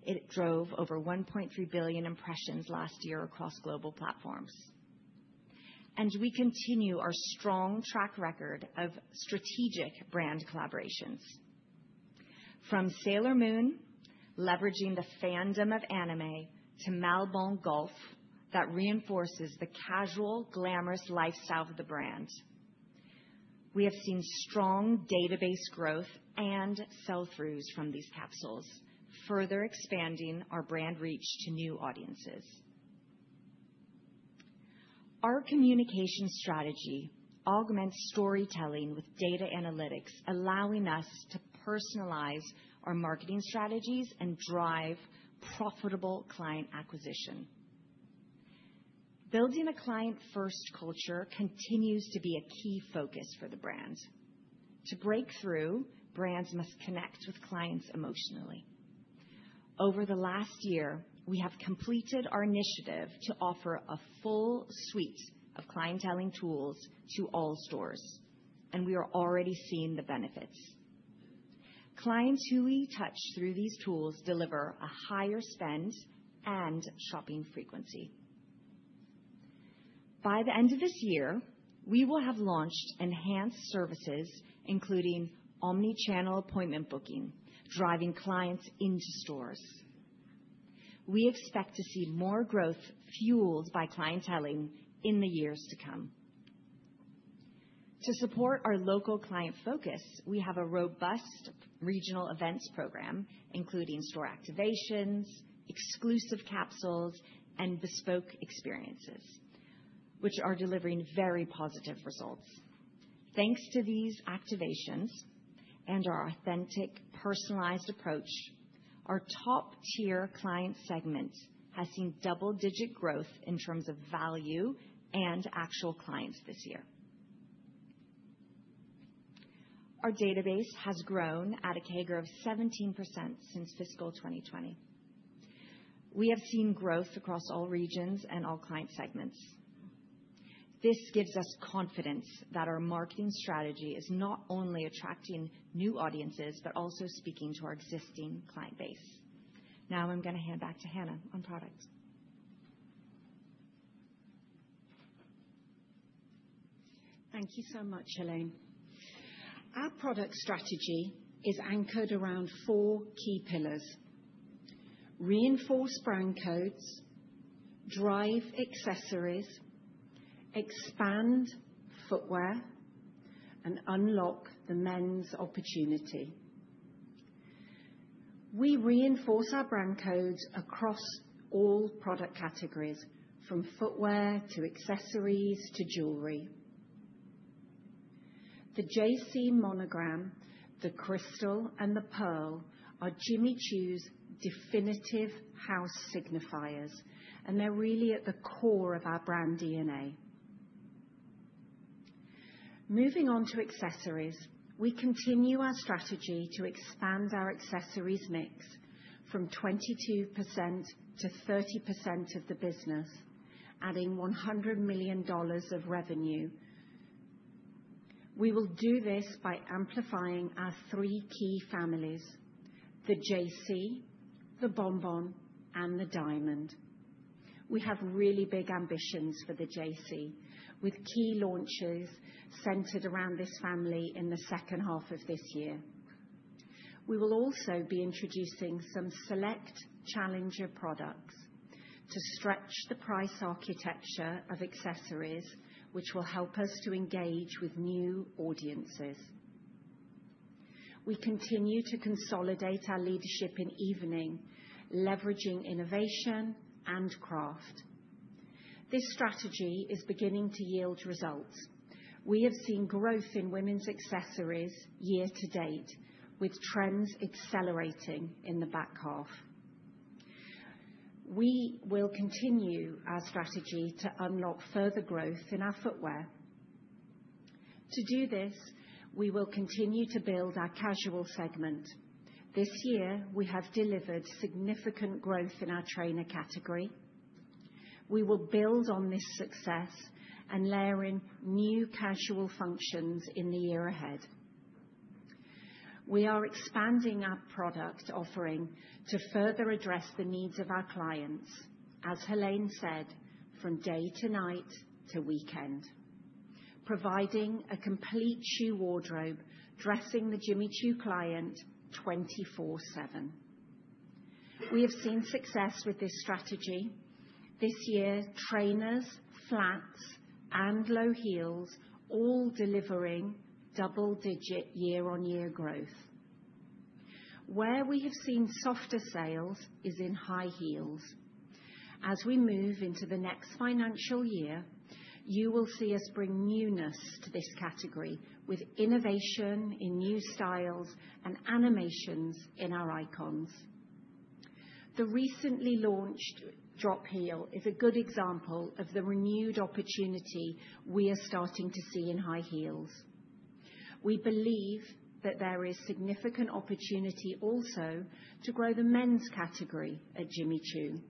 It drove over 1.3 billion impressions last year across global platforms, and we continue our strong track record of strategic brand collaborations. From Sailor Moon, leveraging the fandom of anime, to Malbon Golf that reinforces the casual, glamorous lifestyle of the brand. We have seen strong database growth and sell-throughs from these capsules, further expanding our brand reach to new audiences. Our communication strategy augments storytelling with data analytics, allowing us to personalize our marketing strategies and drive profitable client acquisition. Building a client-first culture continues to be a key focus for the brand. To break through, brands must connect with clients emotionally. Over the last year, we have completed our initiative to offer a full suite of clienteling tools to all stores, and we are already seeing the benefits. Clients who we touch through these tools deliver a higher spend and shopping frequency. By the end of this year, we will have launched enhanced services, including omnichannel appointment booking, driving clients into stores. We expect to see more growth fueled by clienteling in the years to come. To support our local client focus, we have a robust regional events program, including store activations, exclusive capsules, and bespoke experiences, which are delivering very positive results. Thanks to these activations and our authentic, personalized approach, our top-tier client segment has seen double-digit growth in terms of value and actual clients this year. Our database has grown at a CAGR of 17% since fiscal 2020. We have seen growth across all regions and all client segments. This gives us confidence that our marketing strategy is not only attracting new audiences, but also speaking to our existing client base. Now I'm going to hand back to Hannah on product.
Thank you so much, Helene. Our product strategy is anchored around four key pillars: reinforce brand codes, drive accessories, expand footwear, and unlock the men's opportunity. We reinforce our brand codes across all product categories, from footwear to accessories to jewelry. The JC monogram, the crystal, and the pearl are Jimmy Choo's definitive house signifiers, and they're really at the core of our brand DNA. Moving on to accessories, we continue our strategy to expand our accessories mix from 22%-30% of the business, adding $100 million of revenue. We will do this by amplifying our three key families: the JC, the Bon Bon, and the Diamond. We have really big ambitions for the JC, with key launches centered around this family in the second half of this year. We will also be introducing some select challenger products to stretch the price architecture of accessories, which will help us to engage with new audiences. We continue to consolidate our leadership in evening, leveraging innovation and craft. This strategy is beginning to yield results. We have seen growth in women's accessories year to date, with trends accelerating in the back half. We will continue our strategy to unlock further growth in our footwear. To do this, we will continue to build our casual segment. This year, we have delivered significant growth in our trainer category. We will build on this success and layer in new casual functions in the year ahead. We are expanding our product offering to further address the needs of our clients, as Helene said, from day to night to weekend, providing a complete shoe wardrobe dressing the Jimmy Choo client 24/7. We have seen success with this strategy. This year, trainers, flats, and low heels all delivering double-digit year-on-year growth. Where we have seen softer sales is in high heels. As we move into the next financial year, you will see us bring newness to this category with innovation in new styles and animations in our icons. The recently launched Drop Heel is a good example of the renewed opportunity we are starting to see in high heels. We believe that there is significant opportunity also to grow the men's category at Jimmy Choo.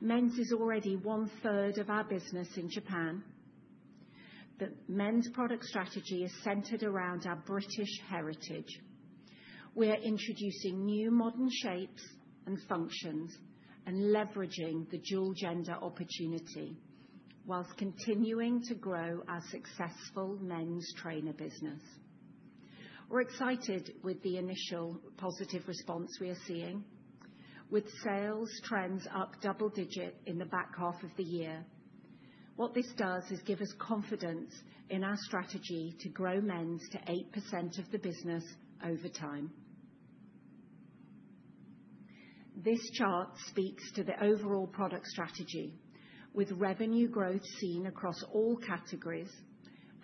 Men's is already one-third of our business in Japan. The men's product strategy is centered around our British heritage. We are introducing new modern shapes and functions and leveraging the dual gender opportunity whilst continuing to grow our successful men's trainer business. We're excited with the initial positive response we are seeing, with sales trends up double-digit in the back half of the year. What this does is give us confidence in our strategy to grow men's to 8% of the business over time. This chart speaks to the overall product strategy, with revenue growth seen across all categories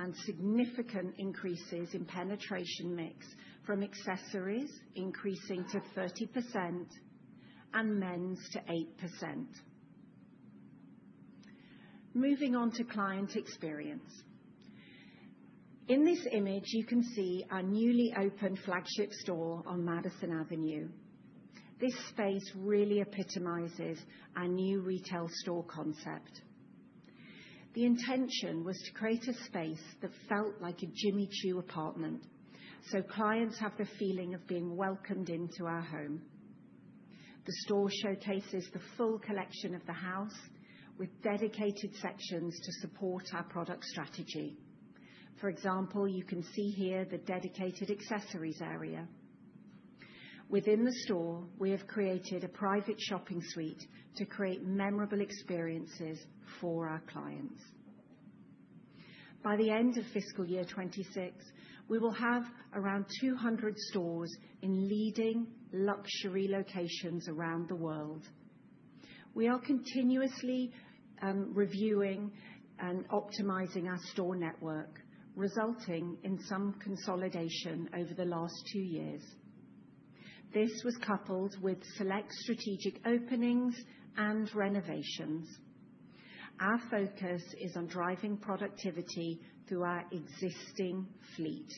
and significant increases in penetration mix from accessories increasing to 30% and men's to 8%. Moving on to client experience. In this image, you can see our newly opened flagship store on Madison Avenue. This space really epitomizes our new retail store concept. The intention was to create a space that felt like a Jimmy Choo apartment, so clients have the feeling of being welcomed into our home. The store showcases the full collection of the house, with dedicated sections to support our product strategy. For example, you can see here the dedicated accessories area. Within the store, we have created a private shopping suite to create memorable experiences for our clients. By the end of fiscal year 2026, we will have around 200 stores in leading luxury locations around the world. We are continuously reviewing and optimizing our store network, resulting in some consolidation over the last two years. This was coupled with select strategic openings and renovations. Our focus is on driving productivity through our existing fleet.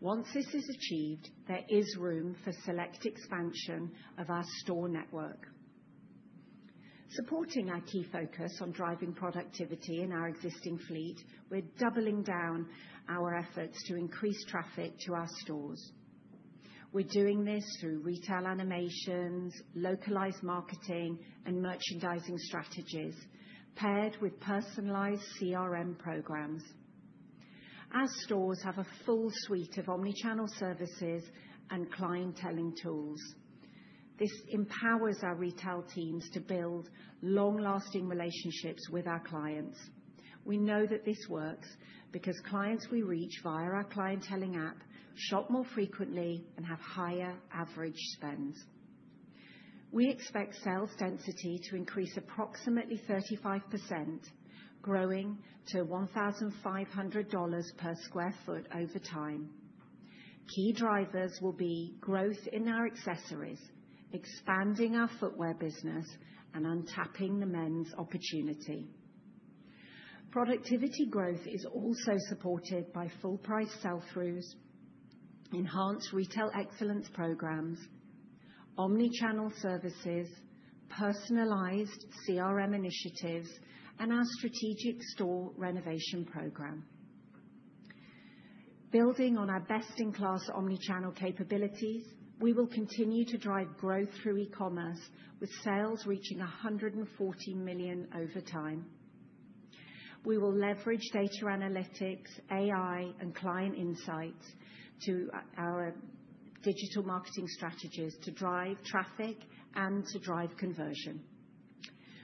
Once this is achieved, there is room for select expansion of our store network. Supporting our key focus on driving productivity in our existing fleet, we're doubling down our efforts to increase traffic to our stores. We're doing this through retail animations, localized marketing, and merchandising strategies, paired with personalized CRM programs. Our stores have a full suite of omnichannel services and clienteling tools. This empowers our retail teams to build long-lasting relationships with our clients. We know that this works because clients we reach via our clienteling app shop more frequently and have higher average spends. We expect sales density to increase approximately 35%, growing to $1,500 per sq ft over time. Key drivers will be growth in our accessories, expanding our footwear business, and untapping the men's opportunity. Productivity growth is also supported by full-price sell-throughs, enhanced retail excellence programs, omnichannel services, personalized CRM initiatives, and our strategic store renovation program. Building on our best-in-class omnichannel capabilities, we will continue to drive growth through e-commerce, with sales reaching $140 million over time. We will leverage data analytics, AI, and client insights to our digital marketing strategies to drive traffic and to drive conversion.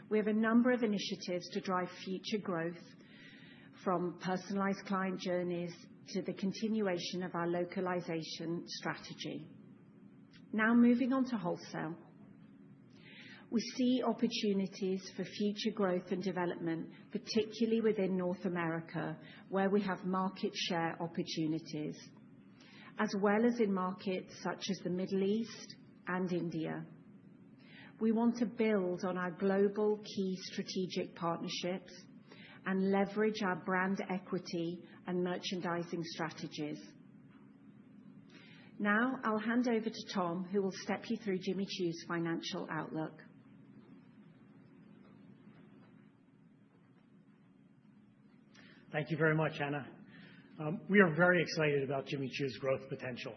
We have a number of initiatives to drive future growth, from personalized client journeys to the continuation of our localization strategy. Now moving on to wholesale, we see opportunities for future growth and development, particularly within North America, where we have market share opportunities, as well as in markets such as the Middle East and India. We want to build on our global key strategic partnerships and leverage our brand equity and merchandising strategies. Now I'll hand over to Tom, who will step you through Jimmy Choo's financial outlook.
Thank you very much, Hannah. We are very excited about Jimmy Choo's growth potential.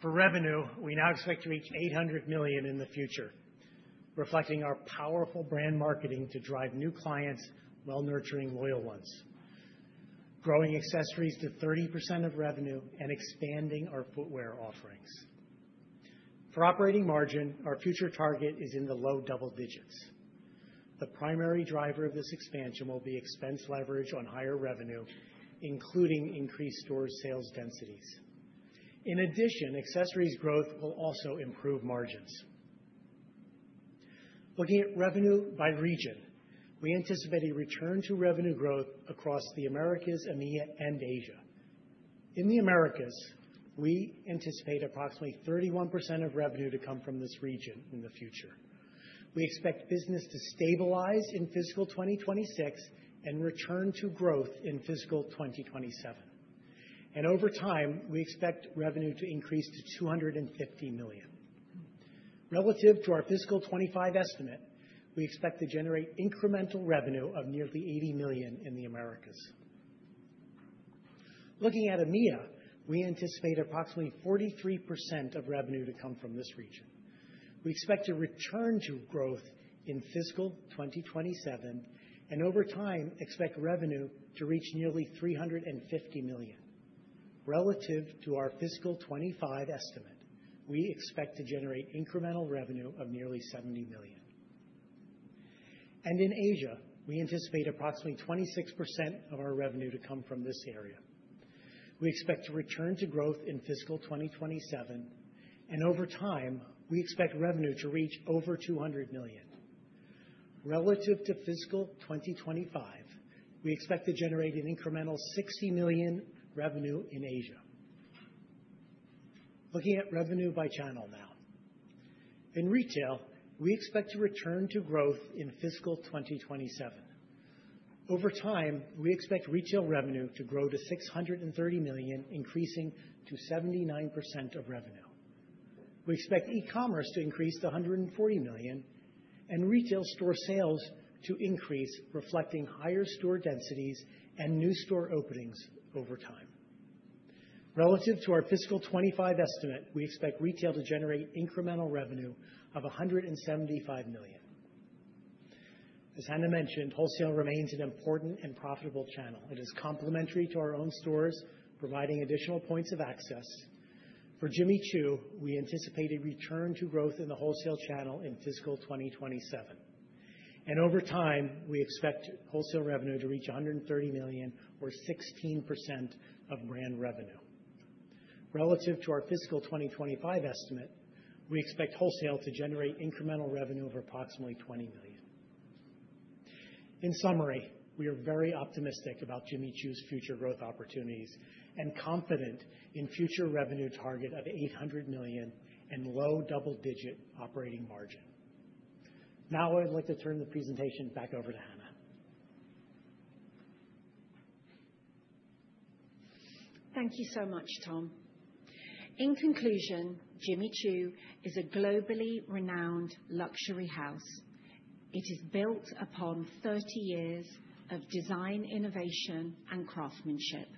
For revenue, we now expect to reach $800 million in the future, reflecting our powerful brand marketing to drive new clients, while nurturing loyal ones, growing accessories to 30% of revenue and expanding our footwear offerings. For operating margin, our future target is in the low double digits. The primary driver of this expansion will be expense leverage on higher revenue, including increased store sales densities. In addition, accessories growth will also improve margins. Looking at revenue by region, we anticipate a return to revenue growth across the Americas, EMEA, and Asia. In the Americas, we anticipate approximately 31% of revenue to come from this region in the future. We expect business to stabilize in fiscal 2026 and return to growth in fiscal 2027, and over time, we expect revenue to increase to $250 million. Relative to our fiscal 2025 estimate, we expect to generate incremental revenue of nearly $80 million in the Americas. Looking at EMEA, we anticipate approximately 43% of revenue to come from this region. We expect to return to growth in fiscal 2027, and over time expect revenue to reach nearly $350 million. Relative to our fiscal 2025 estimate, we expect to generate incremental revenue of nearly $70 million, and in Asia, we anticipate approximately 26% of our revenue to come from this area. We expect to return to growth in fiscal 2027, and over time, we expect revenue to reach over $200 million. Relative to fiscal 2025, we expect to generate an incremental $60 million revenue in Asia. Looking at revenue by channel now. In retail, we expect to return to growth in fiscal 2027. Over time, we expect retail revenue to grow to $630 million, increasing to 79% of revenue. We expect e-commerce to increase to $140 million and retail store sales to increase, reflecting higher store densities and new store openings over time. Relative to our fiscal 2025 estimate, we expect retail to generate incremental revenue of $175 million. As Hannah mentioned, wholesale remains an important and profitable channel. It is complementary to our own stores, providing additional points of access. For Jimmy Choo, we anticipate a return to growth in the wholesale channel in fiscal 2027. And over time, we expect wholesale revenue to reach $130 million, or 16% of brand revenue. Relative to our fiscal 2025 estimate, we expect wholesale to generate incremental revenue of approximately $20 million. In summary, we are very optimistic about Jimmy Choo's future growth opportunities and confident in a future revenue target of $800 million and low double-digit operating margin. Now I'd like to turn the presentation back over to Hannah.
Thank you so much, Tom. In conclusion, Jimmy Choo is a globally renowned luxury house. It is built upon 30 years of design, innovation, and craftsmanship.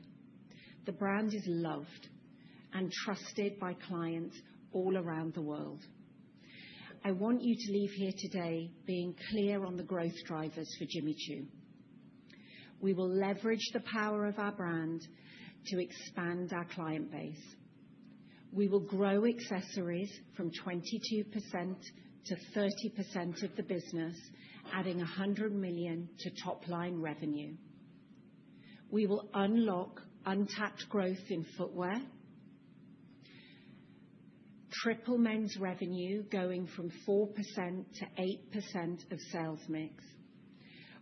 The brand is loved and trusted by clients all around the world. I want you to leave here today being clear on the growth drivers for Jimmy Choo. We will leverage the power of our brand to expand our client base. We will grow accessories from 22%-30% of the business, adding $100 million to top-line revenue. We will unlock untapped growth in footwear, triple men's revenue going from 4%-8% of sales mix.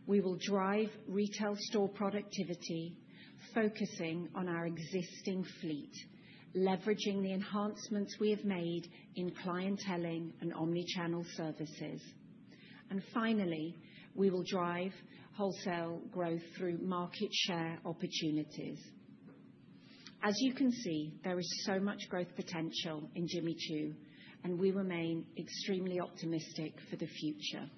We will drive retail store productivity, focusing on our existing fleet, leveraging the enhancements we have made in clienteling and omnichannel services. And finally, we will drive wholesale growth through market share opportunities. As you can see, there is so much growth potential in Jimmy Choo, and we remain extremely optimistic for the future.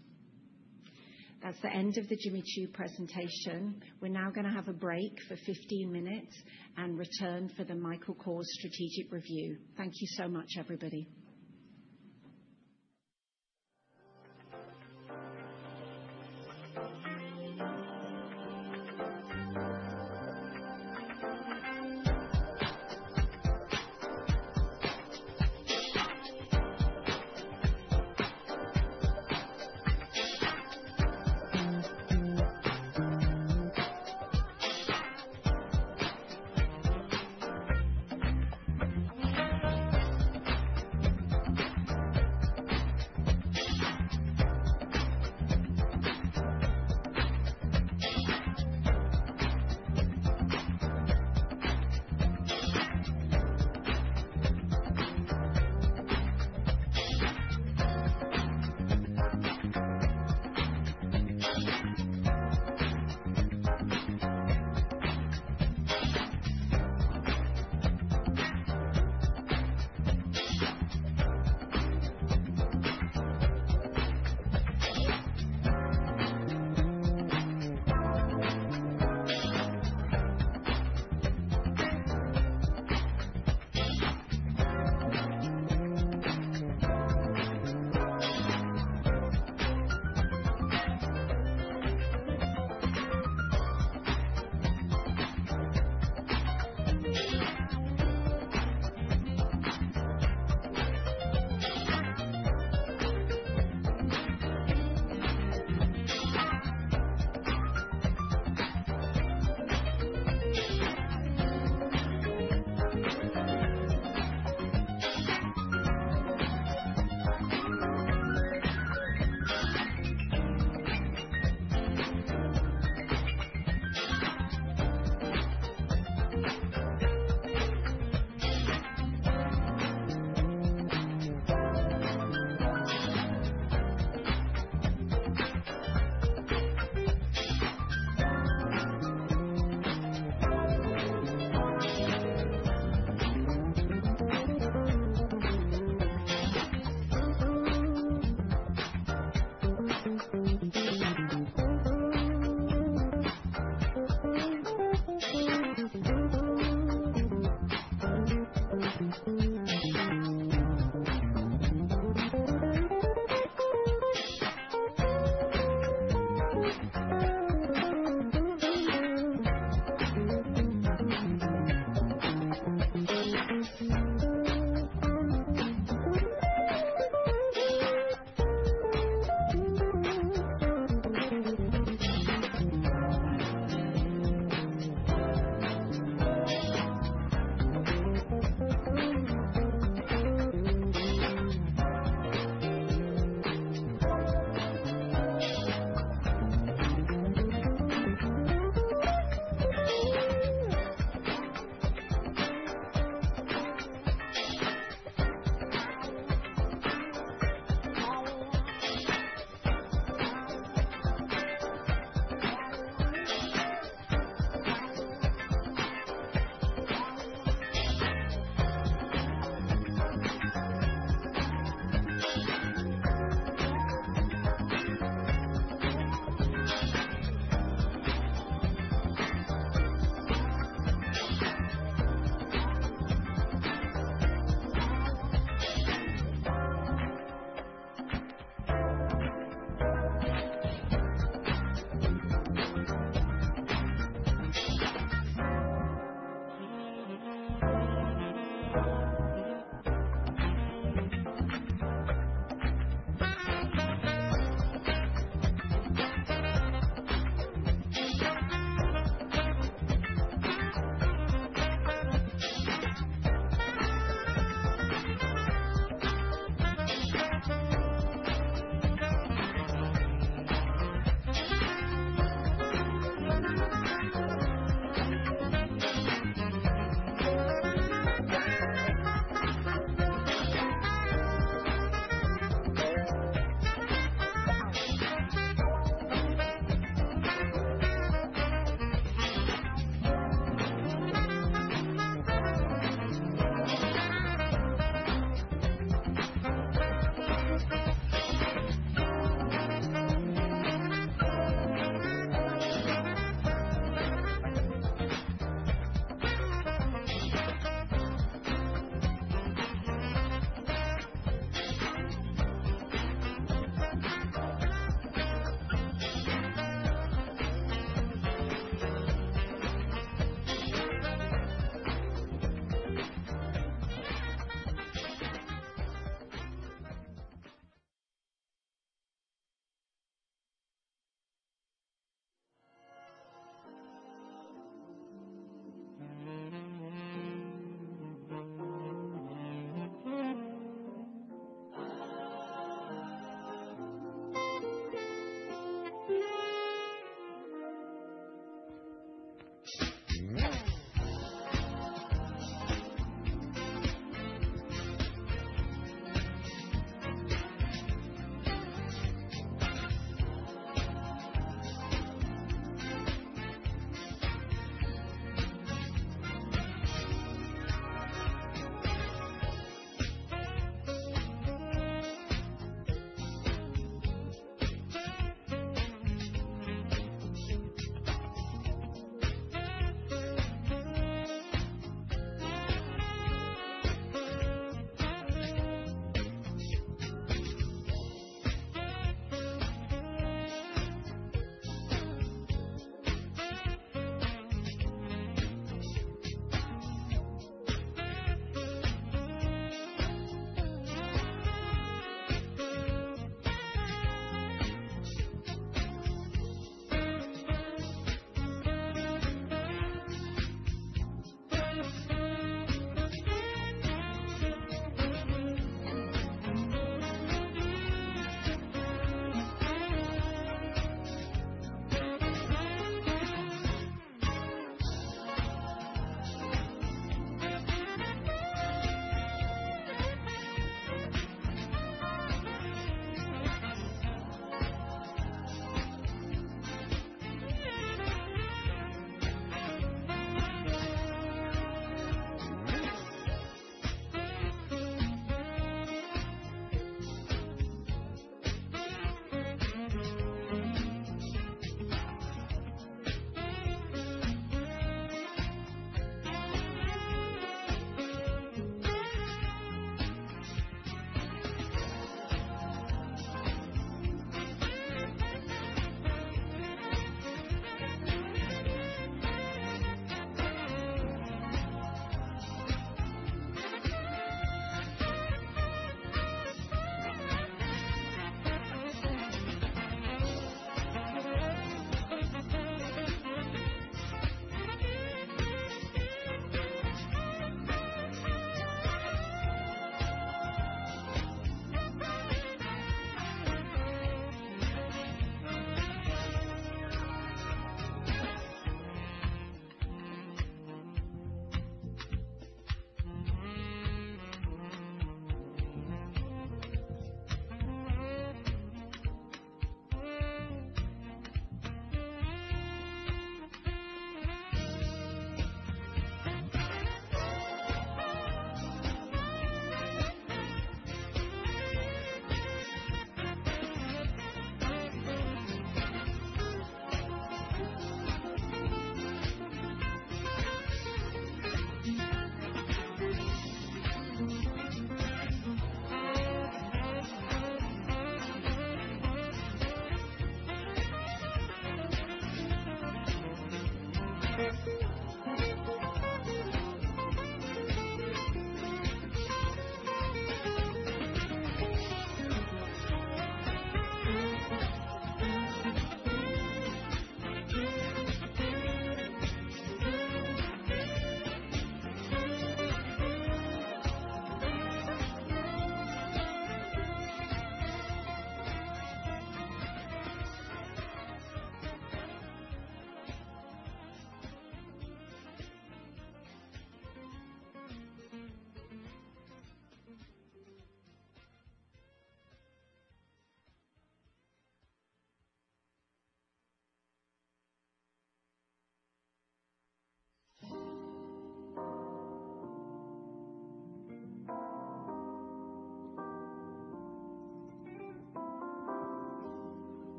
That's the end of the Jimmy Choo presentation. We're now going to have a break for 15 minutes and return for the Michael Kors strategic review. Thank you so much, everybody.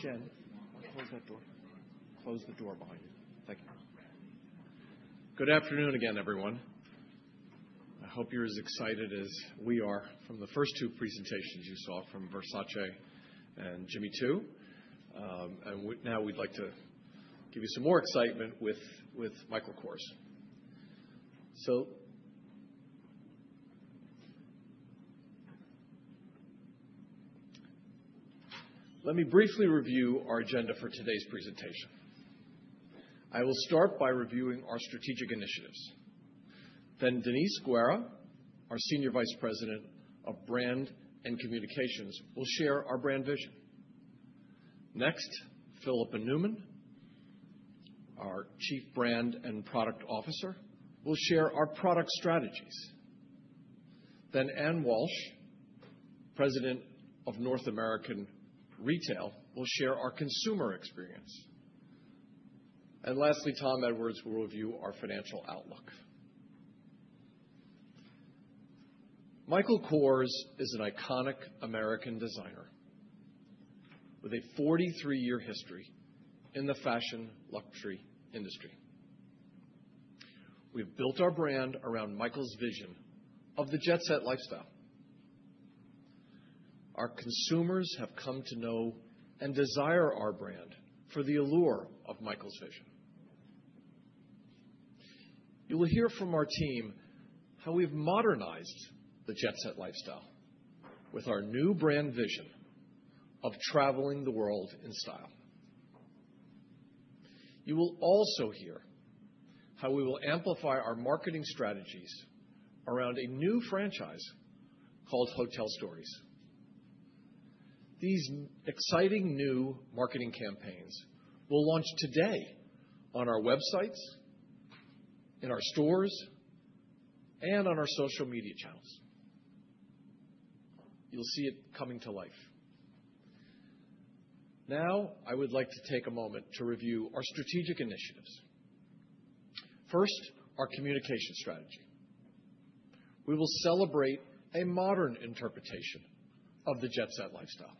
Jen, close that door. Close the door behind you. Thank you. Good afternoon again, everyone. I hope you're as excited as we are from the first two presentations you saw from Versace and Jimmy Choo.
Now we'd like to give you some more excitement with Michael Kors. Let me briefly review our agenda for today's presentation. I will start by reviewing our strategic initiatives. Then Denise Guerra, our Senior Vice President of Brand and Communications, will share our brand vision. Next, Philippa Newman, our Chief Brand and Product Officer, will share our product strategies. Then Anne Walsh, President of North American Retail, will share our consumer experience. And lastly, Tom Edwards will review our financial outlook. Michael Kors is an iconic American designer with a 43-year history in the fashion luxury industry. We've built our brand around Michael's vision of the Jet Set lifestyle. Our consumers have come to know and desire our brand for the allure of Michael's vision. You will hear from our team how we've modernized the Jet Set lifestyle with our new brand vision of Traveling the World in Style. You will also hear how we will amplify our marketing strategies around a new franchise called Hotel Stories. These exciting new marketing campaigns will launch today on our websites, in our stores, and on our social media channels. You'll see it coming to life. Now, I would like to take a moment to review our strategic initiatives. First, our communication strategy. We will celebrate a modern interpretation of the Jet Set lifestyle.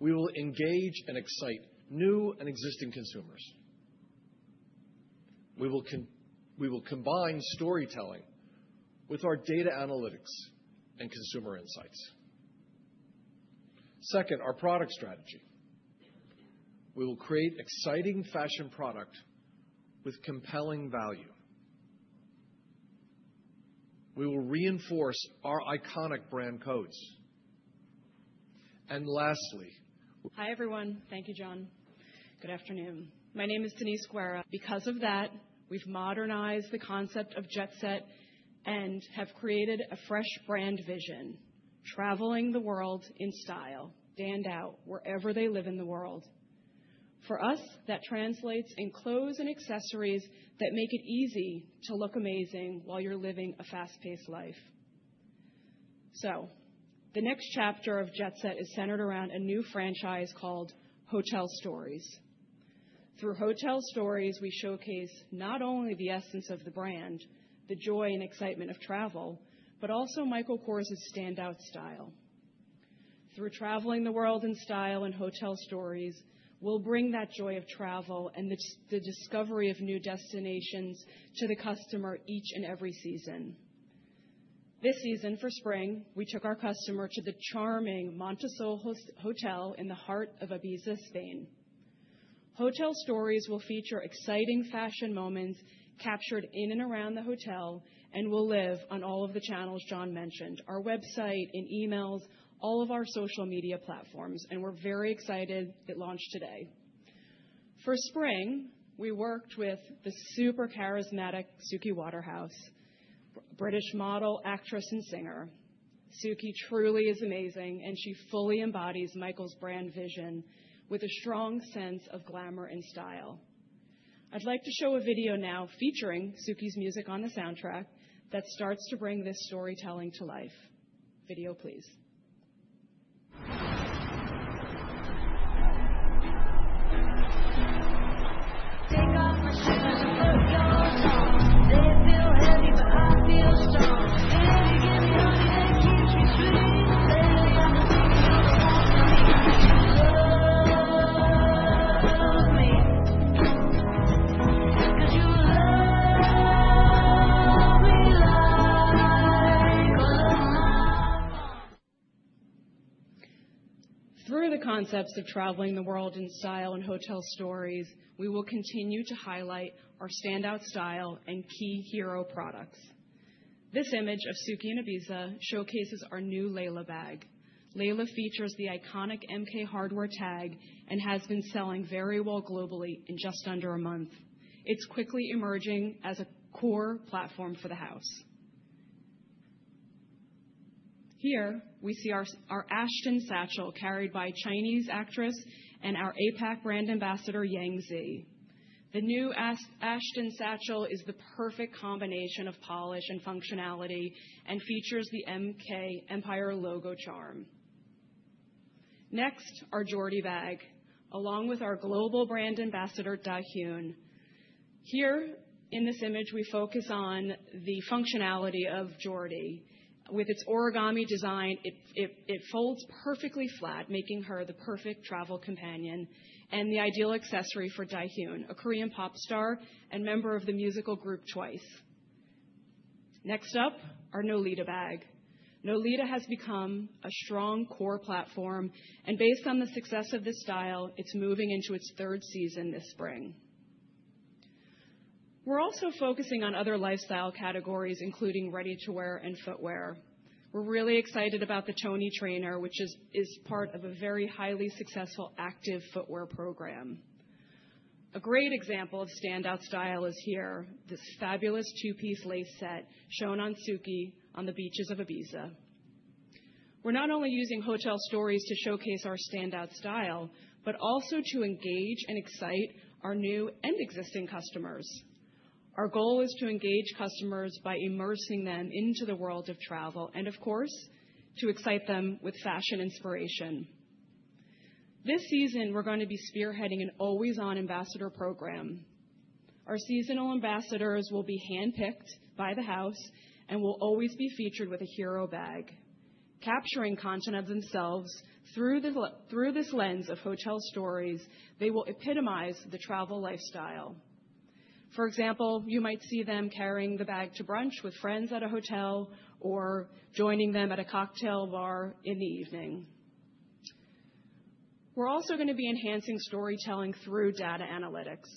We will engage and excite new and existing consumers. We will combine storytelling with our data analytics and consumer insights. Second, our product strategy. We will create exciting fashion products with compelling value. We will reinforce our iconic brand codes. And lastly, we...
Hi everyone. Thank you, John. Good afternoon. My name is Denise Guerra. Because of that, we've modernized the concept of Jet Set and have created a fresh brand vision: Traveling the World in Style. Stand out wherever they live in the world. For us, that translates in clothes and accessories that make it easy to look amazing while you're living a fast-paced life. So, the next chapter of Jet Set is centered around a new franchise called Hotel Stories. Through Hotel Stories, we showcase not only the essence of the brand, the joy and excitement of travel, but also Michael Kors' standout style. Through Traveling the World in Style and Hotel Stories, we'll bring that joy of travel and the discovery of new destinations to the customer each and every season. This season, for spring, we took our customer to the charming Montesol Hotel in the heart of Ibiza, Spain. Hotel Stories will feature exciting fashion moments captured in and around the hotel and will live on all of the channels John mentioned: our website, in emails, all of our social media platforms, and we're very excited it launched today. For spring, we worked with the super charismatic Suki Waterhouse, British model, actress, and singer. Suki truly is amazing, and she fully embodies Michael's brand vision with a strong sense of glamour and style. I'd like to show a video now featuring Suki's music on the soundtrack that starts to bring this storytelling to life. Video, please. Take off my shoes and put yours on. They feel heavy, but I feel strong. Baby, give me honey, make it keep sweet and baby, I'm a sweetheart. I want you to love me 'cause you love me like all of my mom. Through the concepts of Traveling the World in Style and Hotel Stories, we will continue to highlight our standout style and key hero products. This image of Suki in Ibiza showcases our new Laila bag. Laila features the iconic MK hardware tag and has been selling very well globally in just under a month. It's quickly emerging as a core platform for the house. Here, we see our Ashton satchel carried by a Chinese actress and our APAC brand ambassador, Yang Zi. The new Ashton satchel is the perfect combination of polish and functionality and features the MK Empire Logo charm. Next, our Jordi bag, along with our global brand ambassador, Dahyun. Here, in this image, we focus on the functionality of Jordi. With its origami design, it folds perfectly flat, making her the perfect travel companion and the ideal accessory for Dahyun, a Korean pop star and member of the musical group TWICE. Next up, our Nolita bag. Nolita has become a strong core platform, and based on the success of this style, it's moving into its third season this spring. We're also focusing on other lifestyle categories, including ready-to-wear and footwear. We're really excited about the Toni Trainer, which is part of a very highly successful active footwear program. A great example of standout style is here, this fabulous two-piece lace set shown on Suki on the beaches of Ibiza. We're not only using Hotel Stories to showcase our standout style, but also to engage and excite our new and existing customers. Our goal is to engage customers by immersing them into the world of travel and, of course, to excite them with fashion inspiration. This season, we're going to be spearheading an always-on ambassador program. Our seasonal ambassadors will be handpicked by the house and will always be featured with a hero bag. Capturing content of themselves through this lens of Hotel Stories, they will epitomize the travel lifestyle. For example, you might see them carrying the bag to brunch with friends at a hotel or joining them at a cocktail bar in the evening. We're also going to be enhancing storytelling through data analytics.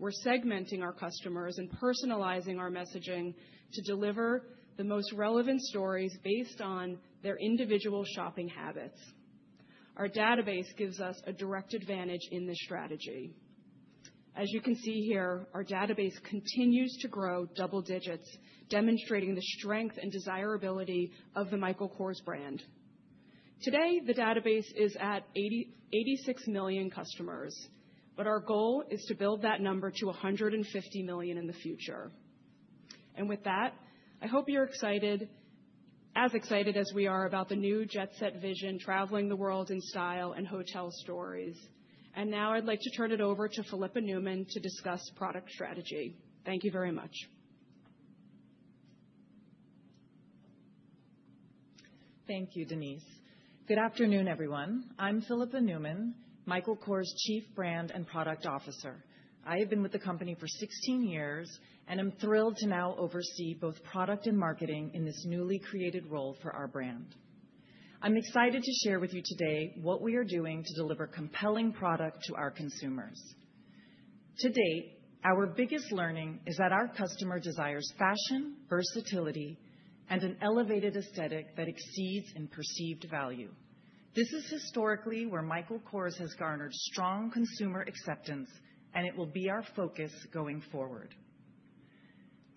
We're segmenting our customers and personalizing our messaging to deliver the most relevant stories based on their individual shopping habits. Our database gives us a direct advantage in this strategy. As you can see here, our database continues to grow double digits, demonstrating the strength and desirability of the Michael Kors brand. Today, the database is at 86 million customers, but our goal is to build that number to 150 million in the future. And with that, I hope you're as excited as we are about the new Jet Set vision, Traveling the World in Style and Hotel Stories. And now, I'd like to turn it over to Philippa Newman to discuss product strategy. Thank you very much.
Thank you, Denise. Good afternoon, everyone. I'm Philippa Newman, Michael Kors' Chief Brand and Product Officer. I have been with the company for 16 years and am thrilled to now oversee both product and marketing in this newly created role for our brand. I'm excited to share with you today what we are doing to deliver compelling product to our consumers. To date, our biggest learning is that our customer desires fashion, versatility, and an elevated aesthetic that exceeds in perceived value. This is historically where Michael Kors has garnered strong consumer acceptance, and it will be our focus going forward.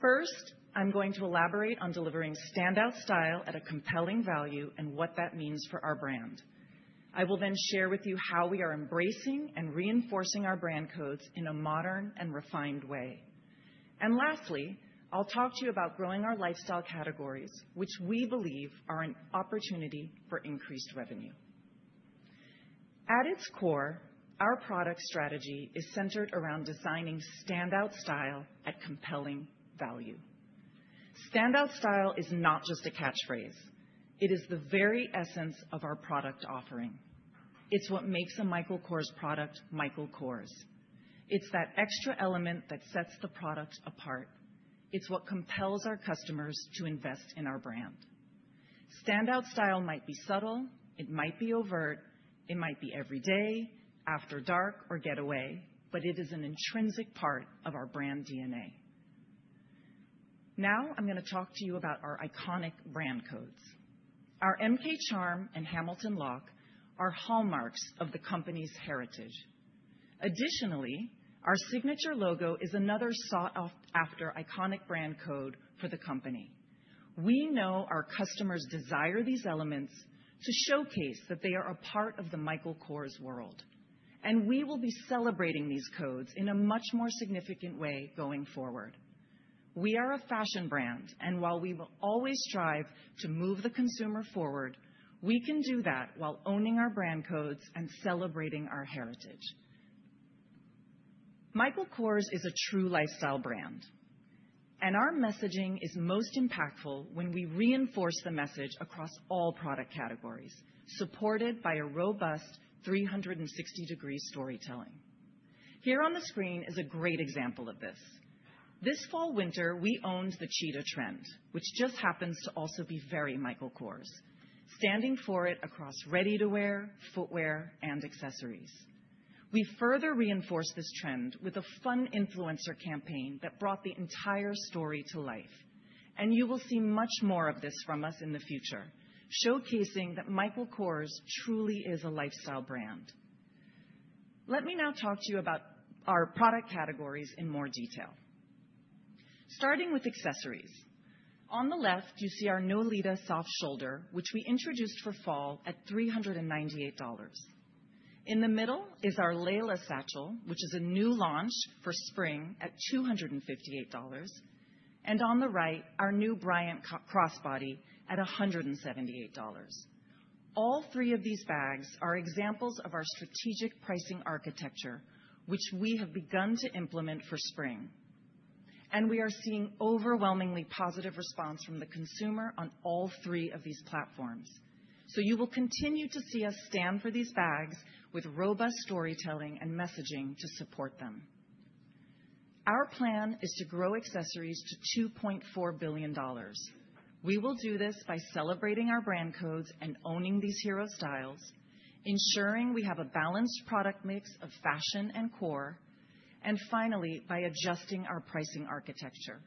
First, I'm going to elaborate on delivering standout style at a compelling value and what that means for our brand. I will then share with you how we are embracing and reinforcing our brand codes in a modern and refined way, and lastly, I'll talk to you about growing our lifestyle categories, which we believe are an opportunity for increased revenue. At its core, our product strategy is centered around designing standout style at compelling value. Standout style is not just a catchphrase. It is the very essence of our product offering. It's what makes a Michael Kors product Michael Kors. It's that extra element that sets the product apart. It's what compels our customers to invest in our brand. Standout style might be subtle. It might be overt. It might be every day, after dark, or getaway, but it is an intrinsic part of our brand DNA. Now, I'm going to talk to you about our iconic brand codes. Our MK Charm and Hamilton Lock are hallmarks of the company's heritage. Additionally, our signature logo is another sought-after iconic brand code for the company. We know our customers desire these elements to showcase that they are a part of the Michael Kors world, and we will be celebrating these codes in a much more significant way going forward. We are a fashion brand, and while we will always strive to move the consumer forward, we can do that while owning our brand codes and celebrating our heritage. Michael Kors is a true lifestyle brand, and our messaging is most impactful when we reinforce the message across all product categories, supported by a robust 360-degree storytelling. Here on the screen is a great example of this. This fall/winter, we owned the cheetah trend, which just happens to also be very Michael Kors, standing for it across ready-to-wear, footwear, and accessories. We further reinforced this trend with a fun influencer campaign that brought the entire story to life, and you will see much more of this from us in the future, showcasing that Michael Kors truly is a lifestyle brand. Let me now talk to you about our product categories in more detail. Starting with accessories, on the left, you see our Nolita soft shoulder, which we introduced for fall at $398. In the middle is our Laila satchel, which is a new launch for spring at $258. On the right, our new Brynn crossbody at $178. All three of these bags are examples of our strategic pricing architecture, which we have begun to implement for spring. We are seeing overwhelmingly positive response from the consumer on all three of these platforms. You will continue to see us stand for these bags with robust storytelling and messaging to support them. Our plan is to grow accessories to $2.4 billion. We will do this by celebrating our brand codes and owning these hero styles, ensuring we have a balanced product mix of fashion and core, and finally, by adjusting our pricing architecture.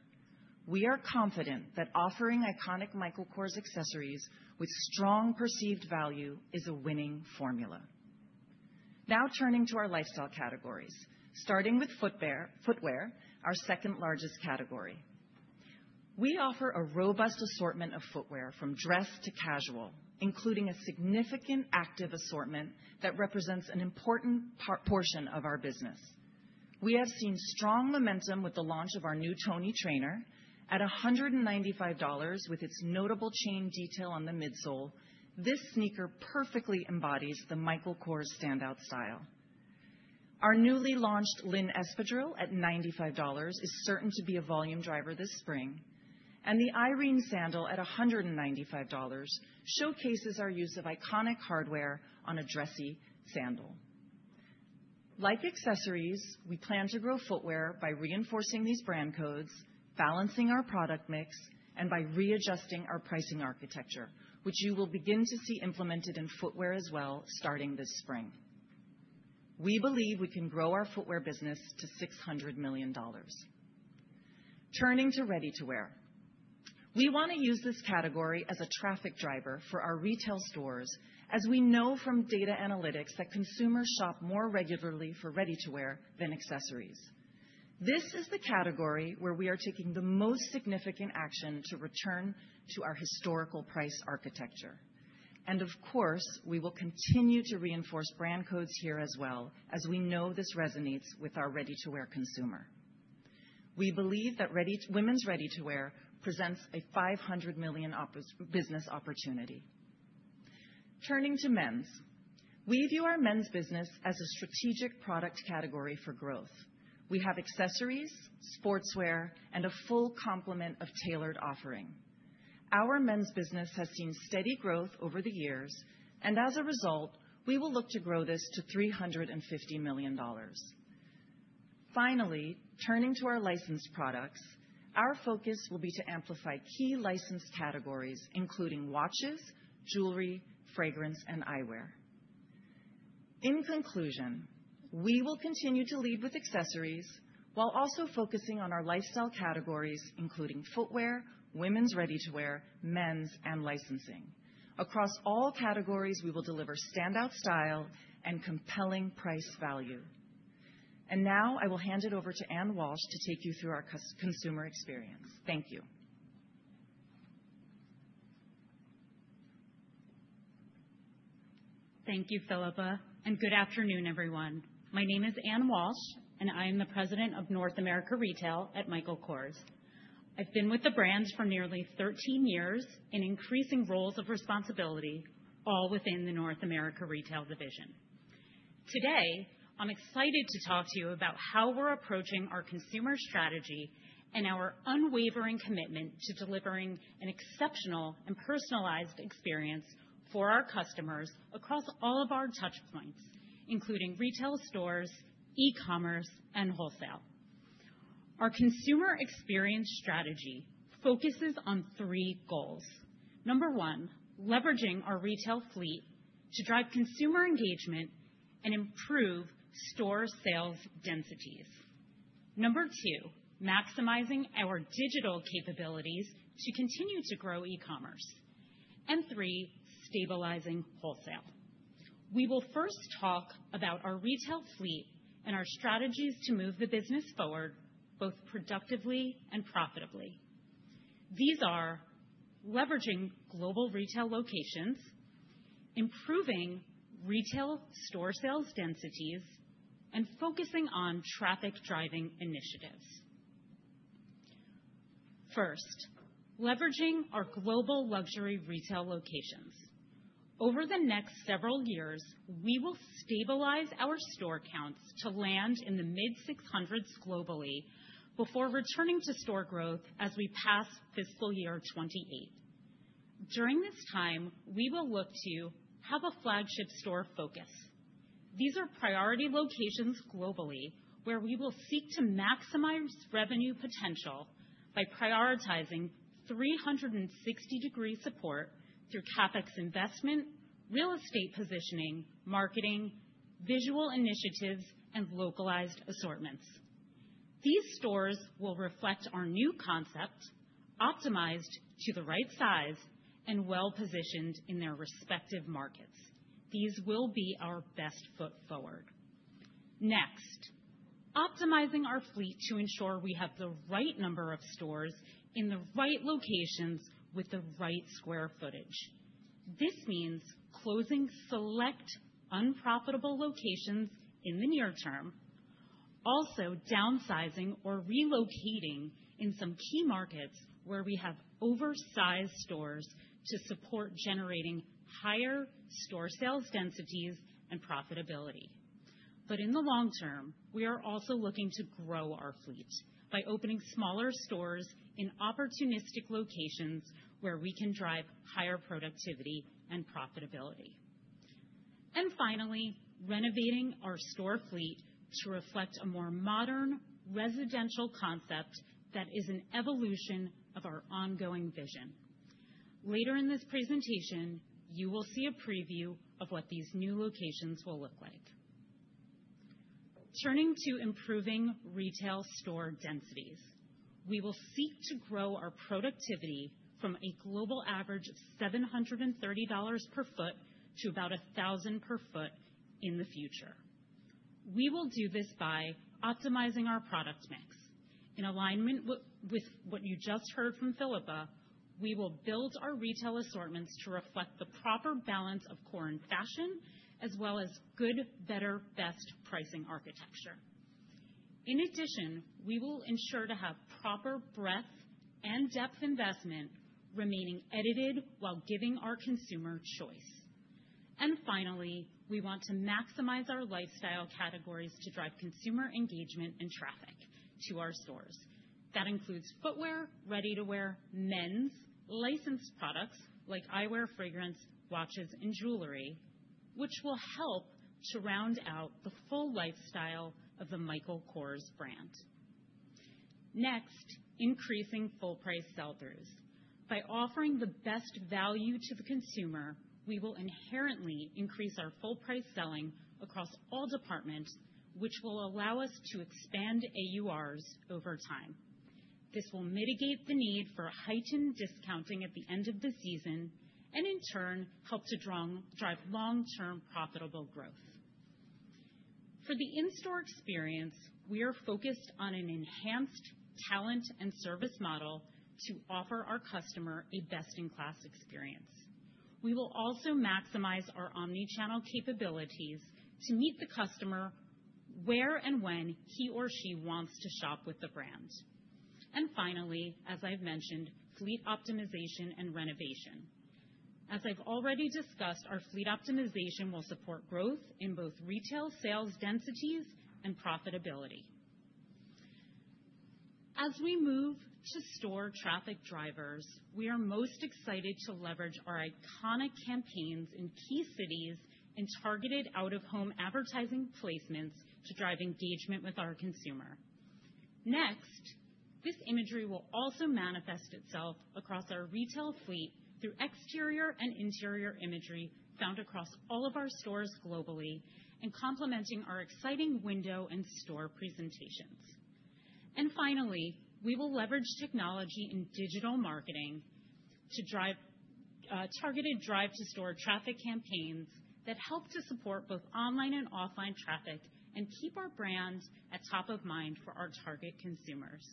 We are confident that offering iconic Michael Kors accessories with strong perceived value is a winning formula. Now, turning to our lifestyle categories, starting with footwear, our second largest category. We offer a robust assortment of footwear from dress to casual, including a significant active assortment that represents an important portion of our business. We have seen strong momentum with the launch of our new Toni Trainer at $195. With its notable chain detail on the midsole, this sneaker perfectly embodies the Michael Kors standout style. Our newly launched Lynn Espadrille at $95 is certain to be a volume driver this spring. And the Irene sandal at $195 showcases our use of iconic hardware on a dressy sandal. Like accessories, we plan to grow footwear by reinforcing these brand codes, balancing our product mix, and by readjusting our pricing architecture, which you will begin to see implemented in footwear as well starting this spring. We believe we can grow our footwear business to $600 million. Turning to ready-to-wear, we want to use this category as a traffic driver for our retail stores, as we know from data analytics that consumers shop more regularly for ready-to-wear than accessories. This is the category where we are taking the most significant action to return to our historical price architecture. And of course, we will continue to reinforce brand codes here as well, as we know this resonates with our ready-to-wear consumer. We believe that women's ready-to-wear presents a $500 million business opportunity. Turning to men's, we view our men's business as a strategic product category for growth. We have accessories, sportswear, and a full complement of tailored offering. Our men's business has seen steady growth over the years, and as a result, we will look to grow this to $350 million. Finally, turning to our licensed products, our focus will be to amplify key licensed categories, including watches, jewelry, fragrance, and eyewear. In conclusion, we will continue to lead with accessories while also focusing on our lifestyle categories, including footwear, women's ready-to-wear, men's, and licensing. Across all categories, we will deliver standout style and compelling price value. And now, I will hand it over to Anne Walsh to take you through our consumer experience. Thank you.
Thank you, Philippa, and good afternoon, everyone. My name is Anne Walsh, and I am the President of North America Retail at Michael Kors. I've been with the brands for nearly 13 years in increasing roles of responsibility, all within the North America Retail division. Today, I'm excited to talk to you about how we're approaching our consumer strategy and our unwavering commitment to delivering an exceptional and personalized experience for our customers across all of our touchpoints, including retail stores, e-commerce, and wholesale. Our consumer experience strategy focuses on three goals. Number one, leveraging our retail fleet to drive consumer engagement and improve store sales densities. Number two, maximizing our digital capabilities to continue to grow e-commerce. And three, stabilizing wholesale. We will first talk about our retail fleet and our strategies to move the business forward both productively and profitably. These are leveraging global retail locations, improving retail store sales densities, and focusing on traffic driving initiatives. First, leveraging our global luxury retail locations. Over the next several years, we will stabilize our store counts to land in the mid-600s globally before returning to store growth as we pass fiscal year 2028. During this time, we will look to have a flagship store focus. These are priority locations globally where we will seek to maximize revenue potential by prioritizing 360-degree support through CapEx investment, real estate positioning, marketing, visual initiatives, and localized assortments. These stores will reflect our new concept, optimized to the right size and well-positioned in their respective markets. These will be our best foot forward. Next, optimizing our fleet to ensure we have the right number of stores in the right locations with the right square footage. This means closing select unprofitable locations in the near-term, also downsizing or relocating in some key markets where we have oversized stores to support generating higher store sales densities and profitability. But in the long-term, we are also looking to grow our fleet by opening smaller stores in opportunistic locations where we can drive higher productivity and profitability. And finally, renovating our store fleet to reflect a more modern residential concept that is an evolution of our ongoing vision. Later in this presentation, you will see a preview of what these new locations will look like. Turning to improving retail store densities, we will seek to grow our productivity from a global average of $730 per sq ft to about $1,000 per sq ft in the future. We will do this by optimizing our product mix. In alignment with what you just heard from Philippa, we will build our retail assortments to reflect the proper balance of core and fashion, as well as good, better, best pricing architecture. In addition, we will ensure to have proper breadth and depth, investment remaining dedicated while giving our consumer choice. And finally, we want to maximize our lifestyle categories to drive consumer engagement and traffic to our stores. That includes footwear, ready-to-wear, men's, licensed products like eyewear, fragrance, watches, and jewelry, which will help to round out the full lifestyle of the Michael Kors brand. Next, increasing full price sell-throughs. By offering the best value to the consumer, we will inherently increase our full price selling across all departments, which will allow us to expand AURs over time. This will mitigate the need for heightened discounting at the end of the season and, in turn, help to drive long-term profitable growth. For the in-store experience, we are focused on an enhanced talent and service model to offer our customer a best-in-class experience. We will also maximize our omnichannel capabilities to meet the customer where and when he or she wants to shop with the brand. And finally, as I've mentioned, fleet optimization and renovation. As I've already discussed, our fleet optimization will support growth in both retail sales densities and profitability. As we move to store traffic drivers, we are most excited to leverage our iconic campaigns in key cities and targeted out-of-home advertising placements to drive engagement with our consumer. Next, this imagery will also manifest itself across our retail fleet through exterior and interior imagery found across all of our stores globally and complementing our exciting window and store presentations. And finally, we will leverage technology in digital marketing to drive targeted drive-to-store traffic campaigns that help to support both online and offline traffic and keep our brand at top of mind for our target consumers.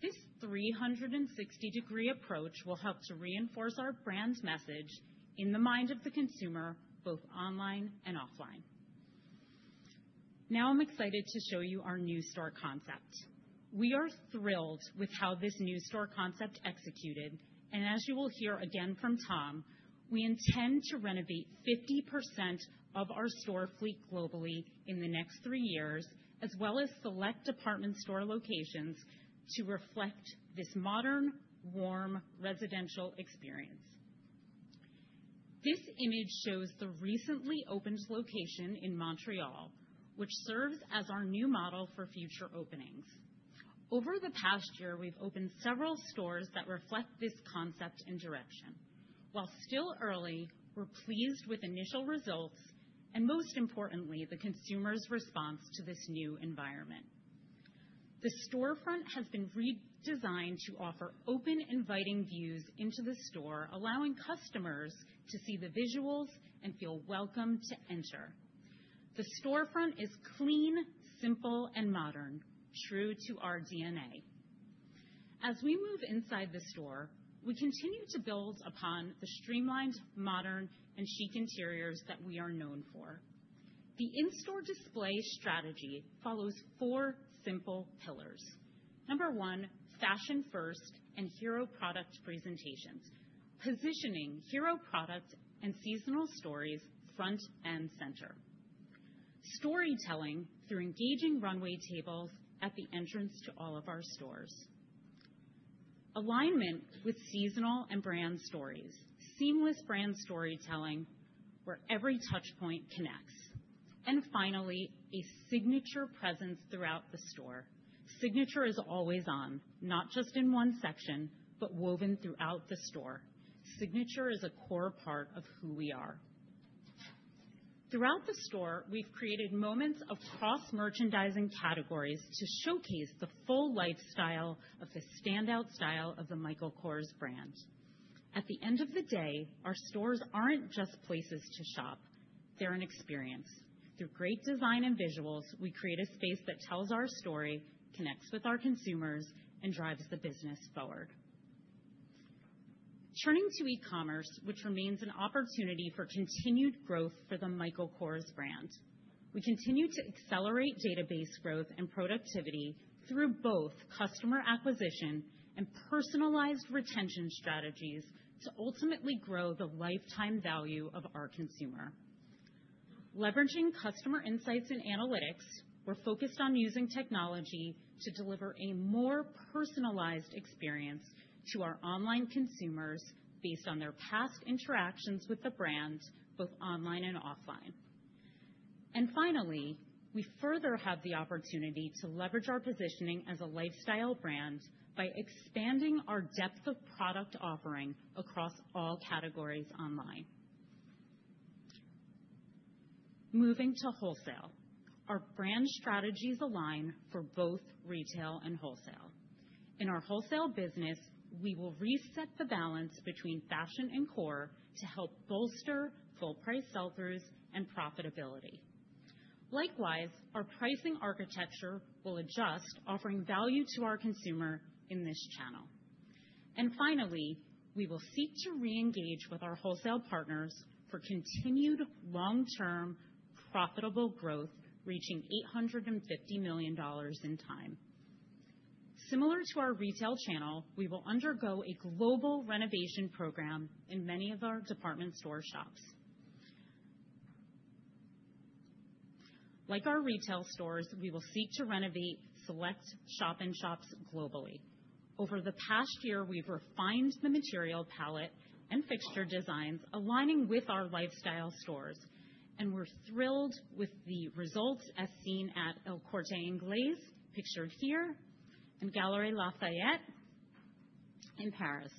This 360-degree approach will help to reinforce our brand message in the mind of the consumer both online and offline. Now, I'm excited to show you our new store concept. We are thrilled with how this new store concept executed. And as you will hear again from Tom, we intend to renovate 50% of our store fleet globally in the next three years, as well as select department store locations to reflect this modern, warm residential experience. This image shows the recently opened location in Montreal, which serves as our new model for future openings. Over the past year, we've opened several stores that reflect this concept and direction. While still early, we're pleased with initial results and, most importantly, the consumer's response to this new environment. The storefront has been redesigned to offer open, inviting views into the store, allowing customers to see the visuals and feel welcome to enter. The storefront is clean, simple, and modern, true to our DNA. As we move inside the store, we continue to build upon the streamlined, modern, and chic interiors that we are known for. The in-store display strategy follows four simple pillars. Number one, fashion-first and hero product presentations, positioning hero product and seasonal stories front and center. Storytelling through engaging runway tables at the entrance to all of our stores. Alignment with seasonal and brand stories, seamless brand storytelling where every touchpoint connects. And finally, a signature presence throughout the store. Signature is always on, not just in one section, but woven throughout the store. Signature is a core part of who we are. Throughout the store, we've created moments across merchandising categories to showcase the full lifestyle of the standout style of the Michael Kors brand. At the end of the day, our stores aren't just places to shop. They're an experience. Through great design and visuals, we create a space that tells our story, connects with our consumers, and drives the business forward. Turning to e-commerce, which remains an opportunity for continued growth for the Michael Kors brand. We continue to accelerate database growth and productivity through both customer acquisition and personalized retention strategies to ultimately grow the lifetime value of our consumer. Leveraging customer insights and analytics, we're focused on using technology to deliver a more personalized experience to our online consumers based on their past interactions with the brand, both online and offline. And finally, we further have the opportunity to leverage our positioning as a lifestyle brand by expanding our depth of product offering across all categories online. Moving to wholesale, our brand strategies align for both retail and wholesale. In our wholesale business, we will reset the balance between fashion and core to help bolster full price sell-throughs and profitability. Likewise, our pricing architecture will adjust, offering value to our consumer in this channel. And finally, we will seek to re-engage with our wholesale partners for continued long-term profitable growth, reaching $850 million in time. Similar to our retail channel, we will undergo a global renovation program in many of our department store shops. Like our retail stores, we will seek to renovate select shop-in-shops globally. Over the past year, we've refined the material palette and fixture designs aligning with our lifestyle stores. And we're thrilled with the results as seen at El Corte Inglés, pictured here, and Galeries Lafayette in Paris.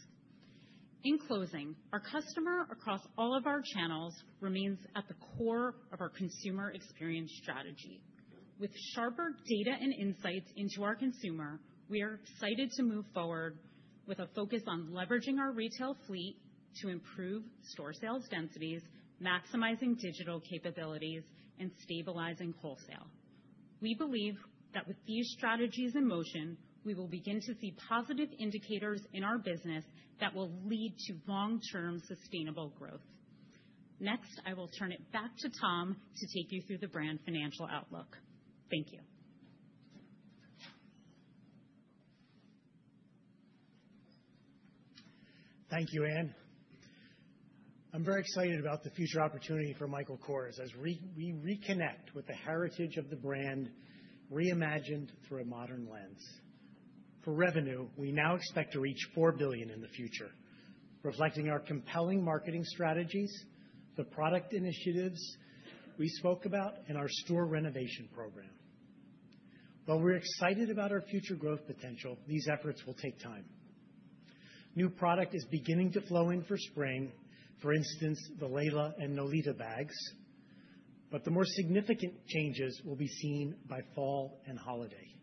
In closing, our customer across all of our channels remains at the core of our consumer experience strategy. With sharper data and insights into our consumer, we are excited to move forward with a focus on leveraging our retail fleet to improve store sales densities, maximizing digital capabilities, and stabilizing wholesale. We believe that with these strategies in motion, we will begin to see positive indicators in our business that will lead to long-term sustainable growth. Next, I will turn it back to Tom to take you through the brand financial outlook. Thank you.
Thank you, Anne. I'm very excited about the future opportunity for Michael Kors as we reconnect with the heritage of the brand reimagined through a modern lens. For revenue, we now expect to reach $4 billion in the future, reflecting our compelling marketing strategies, the product initiatives we spoke about, and our store renovation program. While we're excited about our future growth potential, these efforts will take time. New product is beginning to flow in for spring, for instance, the Laila and Nolita bags. But the more significant changes will be seen by fall and holiday.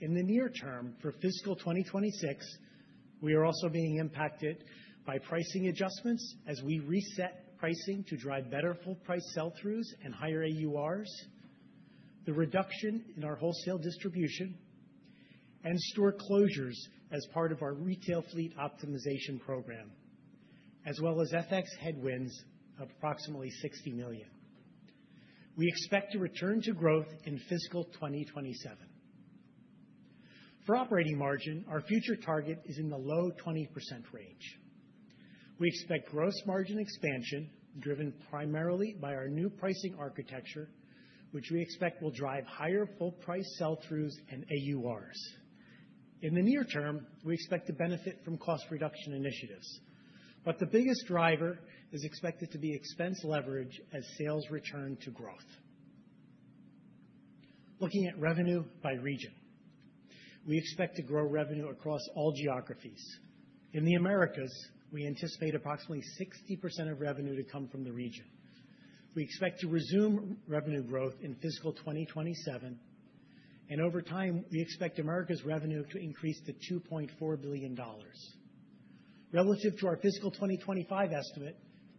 In the near-term, for fiscal 2026, we are also being impacted by pricing adjustments as we reset pricing to drive better full price sell-throughs and higher AURs, the reduction in our wholesale distribution, and store closures as part of our retail fleet optimization program, as well as FX headwinds of approximately $60 million. We expect to return to growth in fiscal 2027. For operating margin, our future target is in the low 20% range. We expect gross margin expansion driven primarily by our new pricing architecture, which we expect will drive higher full price sell-throughs and AURs. In the near-term, we expect to benefit from cost reduction initiatives. But the biggest driver is expected to be expense leverage as sales return to growth. Looking at revenue by region, we expect to grow revenue across all geographies. In the Americas, we anticipate approximately 60% of revenue to come from the region. We expect to resume revenue growth in fiscal 2027. And over time, we expect Americas revenue to increase to $2.4 billion. Relative to our fiscal 2025 estimate,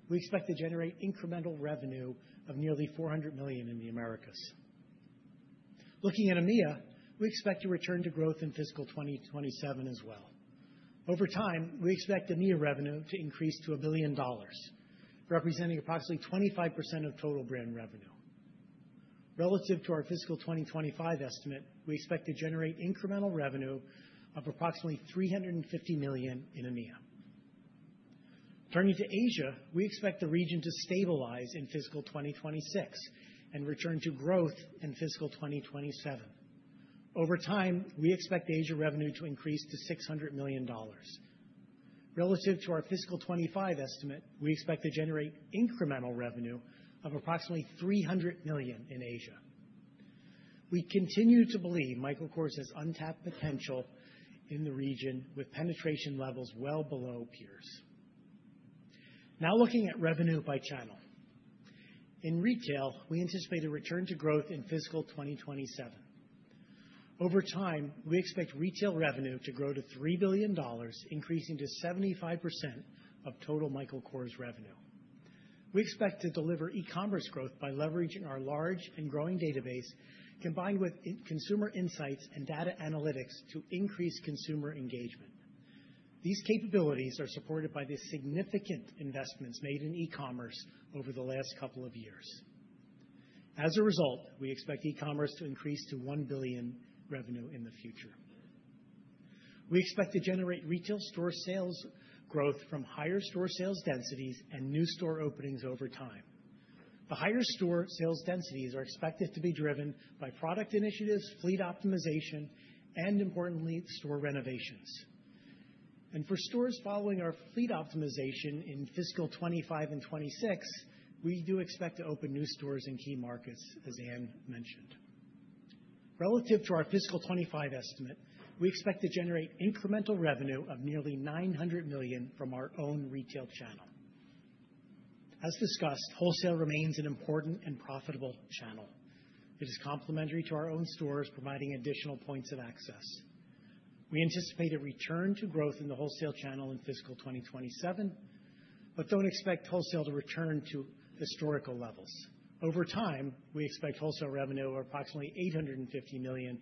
we expect to generate incremental revenue of nearly $400 million in the Americas. Looking at EMEA, we expect to return to growth in fiscal 2027 as well. Over time, we expect EMEA revenue to increase to $1 billion, representing approximately 25% of total brand revenue. Relative to our fiscal 2025 estimate, we expect to generate incremental revenue of approximately $350 million in EMEA. Turning to Asia, we expect the region to stabilize in fiscal 2026 and return to growth in fiscal 2027. Over time, we expect Asia revenue to increase to $600 million. Relative to our fiscal 2025 estimate, we expect to generate incremental revenue of approximately $300 million in Asia. We continue to believe Michael Kors has untapped potential in the region with penetration levels well below peers. Now, looking at revenue by channel. In retail, we anticipate a return to growth in fiscal 2027. Over time, we expect retail revenue to grow to $3 billion, increasing to 75% of total Michael Kors revenue. We expect to deliver e-commerce growth by leveraging our large and growing database, combined with consumer insights and data analytics to increase consumer engagement. These capabilities are supported by the significant investments made in e-commerce over the last couple of years. As a result, we expect e-commerce to increase to $1 billion revenue in the future. We expect to generate retail store sales growth from higher store sales densities and new store openings over time. The higher store sales densities are expected to be driven by product initiatives, fleet optimization, and, importantly, store renovations. And for stores following our fleet optimization in fiscal 2025 and 2026, we do expect to open new stores in key markets, as Ann mentioned. Relative to our fiscal 2025 estimate, we expect to generate incremental revenue of nearly $900 million from our own retail channel. As discussed, wholesale remains an important and profitable channel. It is complementary to our own stores, providing additional points of access. We anticipate a return to growth in the wholesale channel in fiscal 2027, but don't expect wholesale to return to historical levels. Over time, we expect wholesale revenue of approximately $850 million,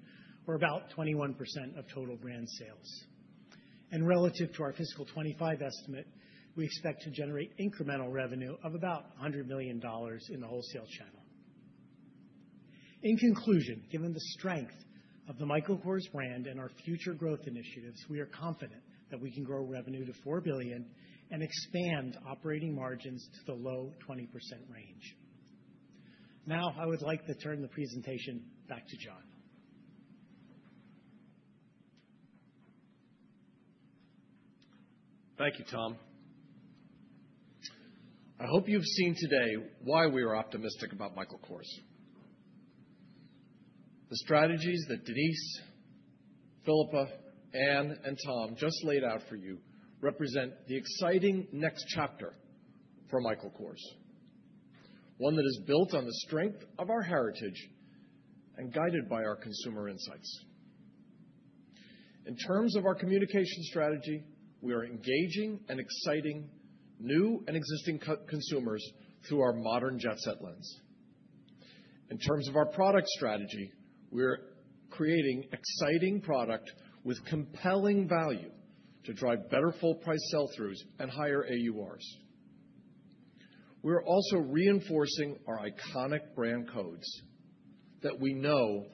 or about 21% of total brand sales, and relative to our fiscal 2025 estimate, we expect to generate incremental revenue of about $100 million in the wholesale channel. In conclusion, given the strength of the Michael Kors brand and our future growth initiatives, we are confident that we can grow revenue to $4 billion and expand operating margins to the low 20% range. Now, I would like to turn the presentation back to John.
Thank you, Tom. I hope you've seen today why we are optimistic about Michael Kors. The strategies that Denise, Philippa, Anne, and Tom just laid out for you represent the exciting next chapter for Michael Kors, one that is built on the strength of our heritage and guided by our consumer insights. In terms of our communication strategy, we are engaging and exciting new and existing consumers through our modern jet set lens. In terms of our product strategy, we are creating exciting product with compelling value to drive better full price sell-throughs and higher AURs. We are also reinforcing our iconic brand codes that we know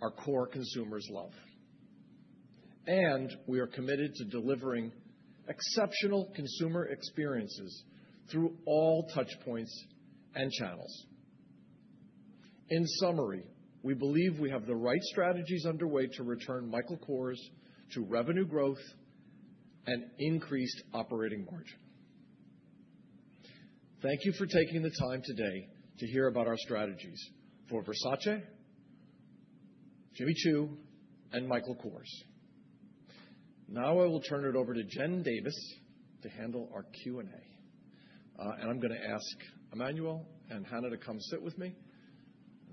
our core consumers love. And we are committed to delivering exceptional consumer experiences through all touchpoints and channels. In summary, we believe we have the right strategies underway to return Michael Kors to revenue growth and increased operating margin. Thank you for taking the time today to hear about our strategies for Versace, Jimmy Choo, and Michael Kors. Now, I will turn it over to Jen Davis to handle our Q&A. And I'm going to ask Emmanuel and Hannah to come sit with me.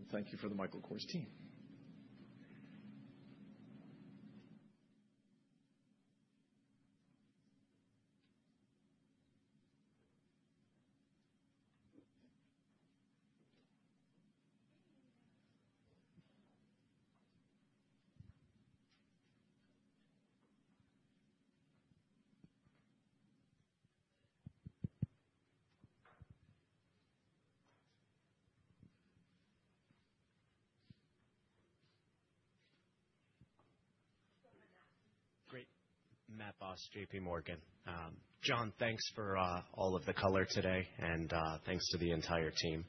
And thank you for the Michael Kors team.
Great. Matt Boss, JPMorgan. John, thanks for all of the color today. And thanks to the entire team.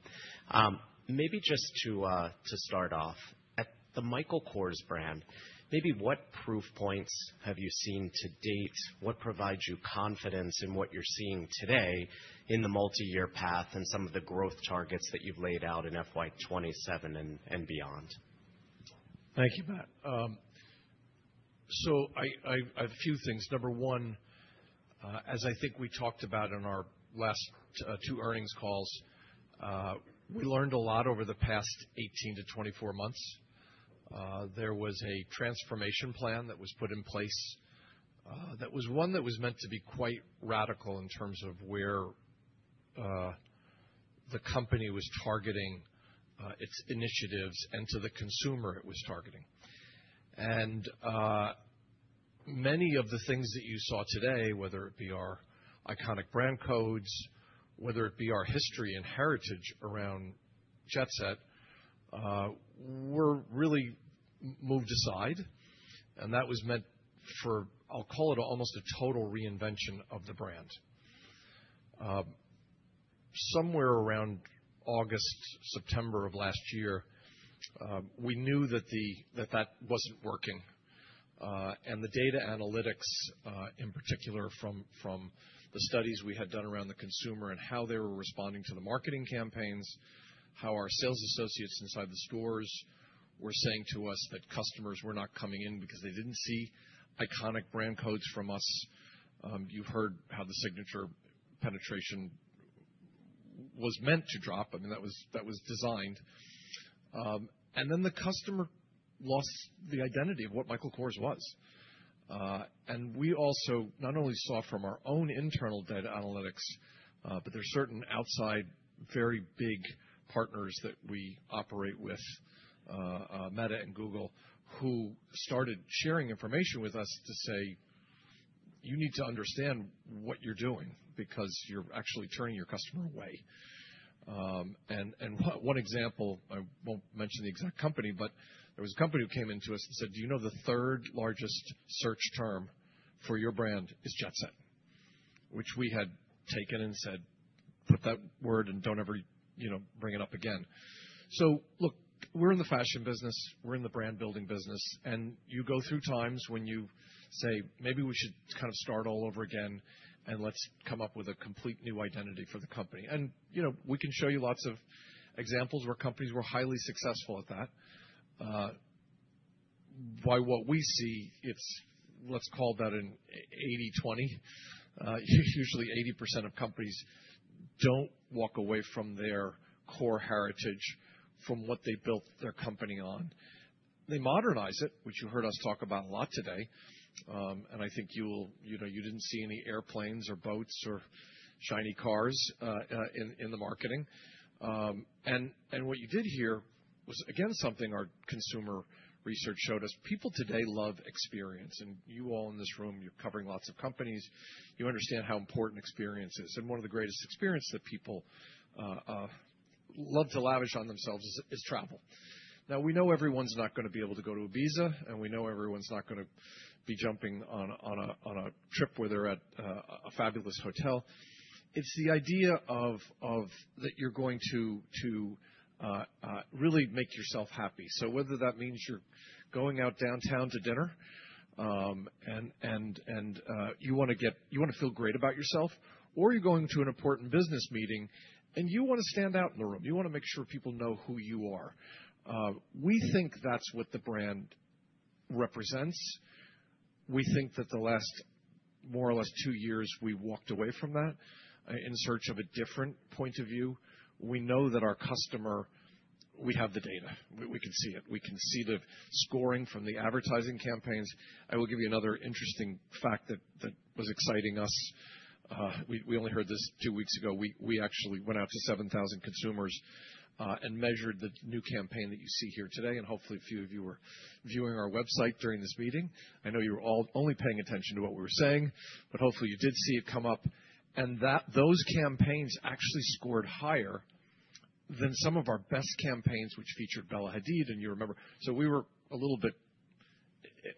Maybe just to start off, at the Michael Kors brand, maybe what proof points have you seen to date? What provides you confidence in what you're seeing today in the multi-year path and some of the growth targets that you've laid out in FY 2027 and beyond?
Thank you, Matt. So I have a few things. Number one, as I think we talked about in our last two earnings calls, we learned a lot over the past 18 to 24 months. There was a transformation plan that was put in place that was one that was meant to be quite radical in terms of where the company was targeting its initiatives and to the consumer it was targeting. And many of the things that you saw today, whether it be our iconic brand codes, whether it be our history and heritage around Jet Set, were really moved aside. And that was meant for, I'll call it almost a total reinvention of the brand. Somewhere around August, September of last year, we knew that that wasn't working. And the data analytics, in particular, from the studies we had done around the consumer and how they were responding to the marketing campaigns, how our sales associates inside the stores were saying to us that customers were not coming in because they didn't see iconic brand codes from us. You heard how the signature penetration was meant to drop. I mean, that was designed. And then the customer lost the identity of what Michael Kors was. We also not only saw from our own internal data analytics, but there are certain outside very big partners that we operate with, Meta and Google, who started sharing information with us to say, "You need to understand what you're doing because you're actually turning your customer away." One example, I won't mention the exact company, but there was a company who came into us and said, "Do you know the third largest search term for your brand is Jet Set," which we had taken and said, "Put that word and don't ever bring it up again." Look, we're in the fashion business. We're in the brand building business. You go through times when you say, "Maybe we should kind of start all over again and let's come up with a complete new identity for the company." And we can show you lots of examples where companies were highly successful at that. By what we see, let's call that an 80/20. Usually, 80% of companies don't walk away from their core heritage, from what they built their company on. They modernize it, which you heard us talk about a lot today. And I think you didn't see any airplanes or boats or shiny cars in the marketing. And what you did here was, again, something our consumer research showed us. People today love experience. And you all in this room, you're covering lots of companies. You understand how important experience is. And one of the greatest experiences that people love to lavish on themselves is travel. Now, we know everyone's not going to be able to go to Ibiza, and we know everyone's not going to be jumping on a trip where they're at a fabulous hotel. It's the idea that you're going to really make yourself happy. So whether that means you're going out downtown to dinner and you want to feel great about yourself, or you're going to an important business meeting and you want to stand out in the room, you want to make sure people know who you are, we think that's what the brand represents. We think that the last more or less two years, we walked away from that in search of a different point of view. We know that our customer, we have the data. We can see it. We can see the scoring from the advertising campaigns. I will give you another interesting fact that was exciting us. We only heard this two weeks ago. We actually went out to 7,000 consumers and measured the new campaign that you see here today, and hopefully, a few of you were viewing our website during this meeting. I know you were only paying attention to what we were saying, but hopefully, you did see it come up. And those campaigns actually scored higher than some of our best campaigns, which featured Bella Hadid and you remember, so we were a little bit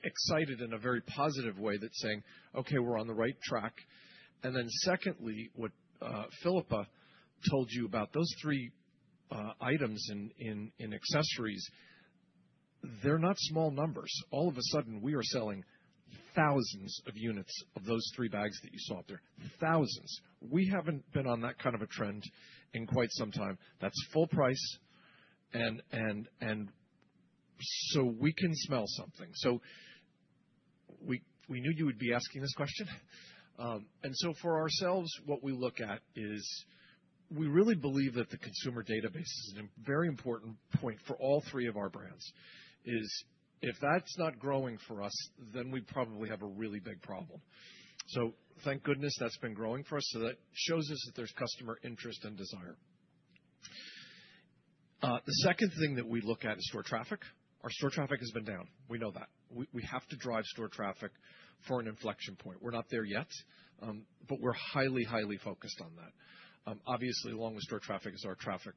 excited in a very positive way that saying, "Okay, we're on the right track," and then secondly, what Philippa told you about those three items in accessories, they're not small numbers. All of a sudden, we are selling thousands of units of those three bags that you saw up there. Thousands. We haven't been on that kind of a trend in quite some time. That's full price. And so we can smell something. So we knew you would be asking this question. And so for ourselves, what we look at is we really believe that the consumer database is a very important point for all three of our brands. If that's not growing for us, then we probably have a really big problem. So thank goodness that's been growing for us. So that shows us that there's customer interest and desire. The second thing that we look at is store traffic. Our store traffic has been down. We know that. We have to drive store traffic for an inflection point. We're not there yet, but we're highly, highly focused on that. Obviously, along with store traffic is our traffic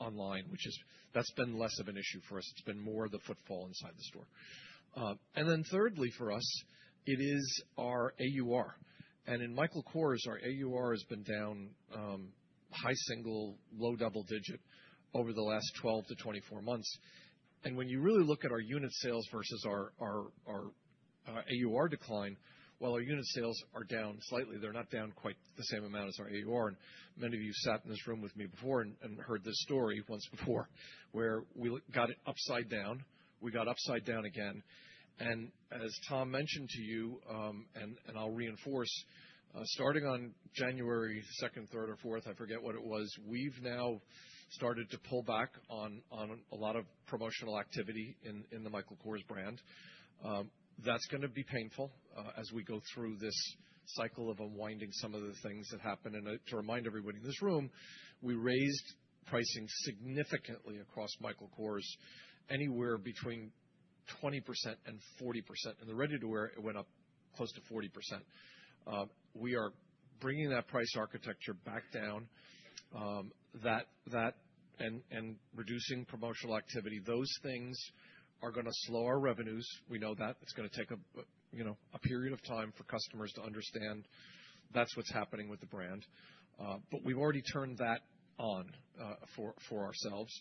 online, which, that's been less of an issue for us. It's been more the footfall inside the store. And then thirdly, for us, it is our AUR. And in Michael Kors, our AUR has been down high single-digit, low double-digit over the last 12 to 24 months. And when you really look at our unit sales versus our AUR decline, well, our unit sales are down slightly. They're not down quite the same amount as our AUR. And many of you sat in this room with me before and heard this story once before, where we got it upside down. We got upside down again. And as Tom mentioned to you, and I'll reinforce, starting on January 2nd, 3rd, or 4th, I forget what it was, we've now started to pull back on a lot of promotional activity in the Michael Kors brand. That's going to be painful as we go through this cycle of unwinding some of the things that happen. To remind everybody in this room, we raised pricing significantly across Michael Kors anywhere between 20% and 40%. In the ready-to-wear, it went up close to 40%. We are bringing that price architecture back down and reducing promotional activity. Those things are going to slow our revenues. We know that. It's going to take a period of time for customers to understand that's what's happening with the brand. But we've already turned that on for ourselves.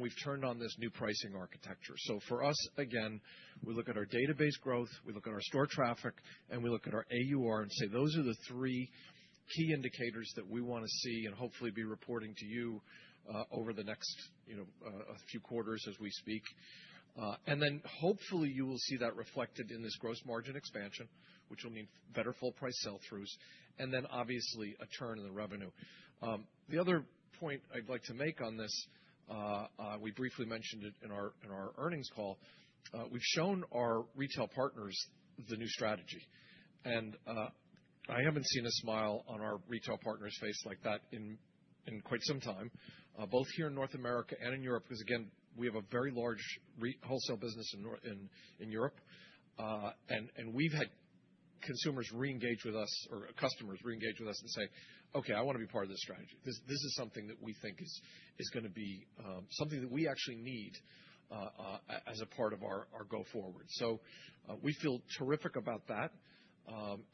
We've turned on this new pricing architecture. So for us, again, we look at our database growth, we look at our store traffic, and we look at our AUR and say, "Those are the three key indicators that we want to see and hopefully be reporting to you over the next few quarters as we speak," and then hopefully, you will see that reflected in this gross margin expansion, which will mean better full-price sell-throughs, and then obviously a turn in the revenue. The other point I'd like to make on this, we briefly mentioned it in our earnings call, we've shown our retail partners the new strategy, and I haven't seen a smile on our retail partners' face like that in quite some time, both here in North America and in Europe, because again, we have a very large wholesale business in Europe. And we've had consumers re-engage with us or customers re-engage with us and say, "Okay, I want to be part of this strategy. This is something that we think is going to be something that we actually need as a part of our go forward." So we feel terrific about that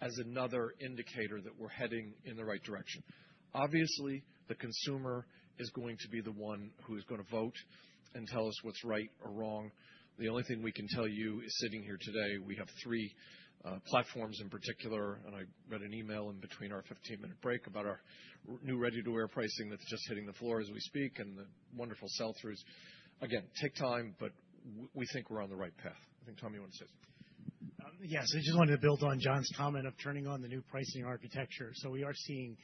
as another indicator that we're heading in the right direction. Obviously, the consumer is going to be the one who is going to vote and tell us what's right or wrong. The only thing we can tell you is sitting here today, we have three platforms in particular. And I read an email in between our 15-minute break about our new ready-to-wear pricing that's just hitting the floor as we speak and the wonderful sell-throughs. Again, take time, but we think we're on the right path. I think Tom, you want to say something. Yes.
I just wanted to build on John's comment of turning on the new pricing architecture. So we are seeing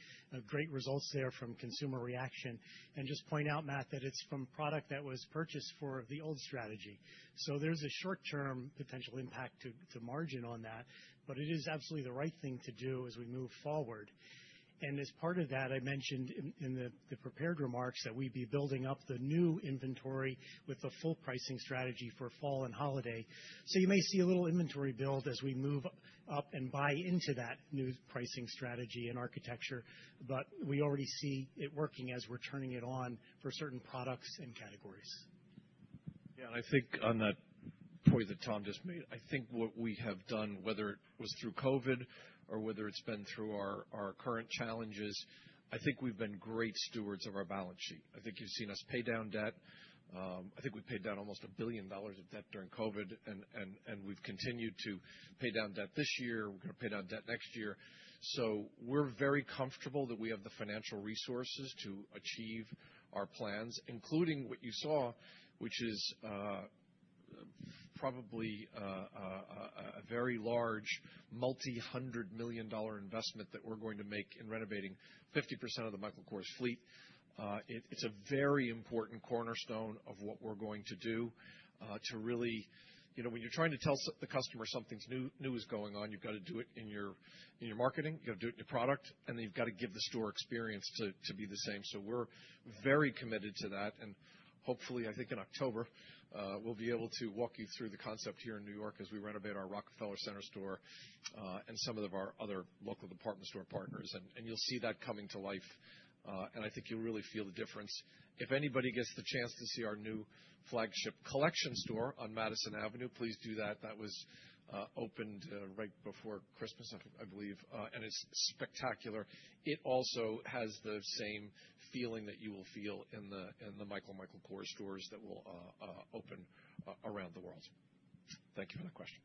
great results there from consumer reaction. And just point out, Matt, that it's from product that was purchased for the old strategy. So there's a short-term potential impact to margin on that, but it is absolutely the right thing to do as we move forward. And as part of that, I mentioned in the prepared remarks that we'd be building up the new inventory with the full pricing strategy for fall and holiday. So you may see a little inventory build as we move up and buy into that new pricing strategy and architecture. But we already see it working as we're turning it on for certain products and categories.
Yeah. I think on that point that Tom just made, I think what we have done, whether it was through COVID or whether it's been through our current challenges, I think we've been great stewards of our balance sheet. I think you've seen us pay down debt. I think we paid down almost $1 billion of debt during COVID. We've continued to pay down debt this year. We're going to pay down debt next year. We're very comfortable that we have the financial resources to achieve our plans, including what you saw, which is probably a very large multi-hundred million dollar investment that we're going to make in renovating 50% of the Michael Kors fleet. It's a very important cornerstone of what we're going to do to really when you're trying to tell the customer something new is going on, you've got to do it in your marketing. You've got to do it in your product. And then you've got to give the store experience to be the same. So we're very committed to that. And hopefully, I think in October, we'll be able to walk you through the concept here in New York as we renovate our Rockefeller Center store and some of our other local department store partners. And you'll see that coming to life. And I think you'll really feel the difference. If anybody gets the chance to see our new flagship collection store on Madison Avenue, please do that. That was opened right before Christmas, I believe. And it's spectacular. It also has the same feeling that you will feel in the Michael Michael Kors stores that will open around the world. Thank you for that question.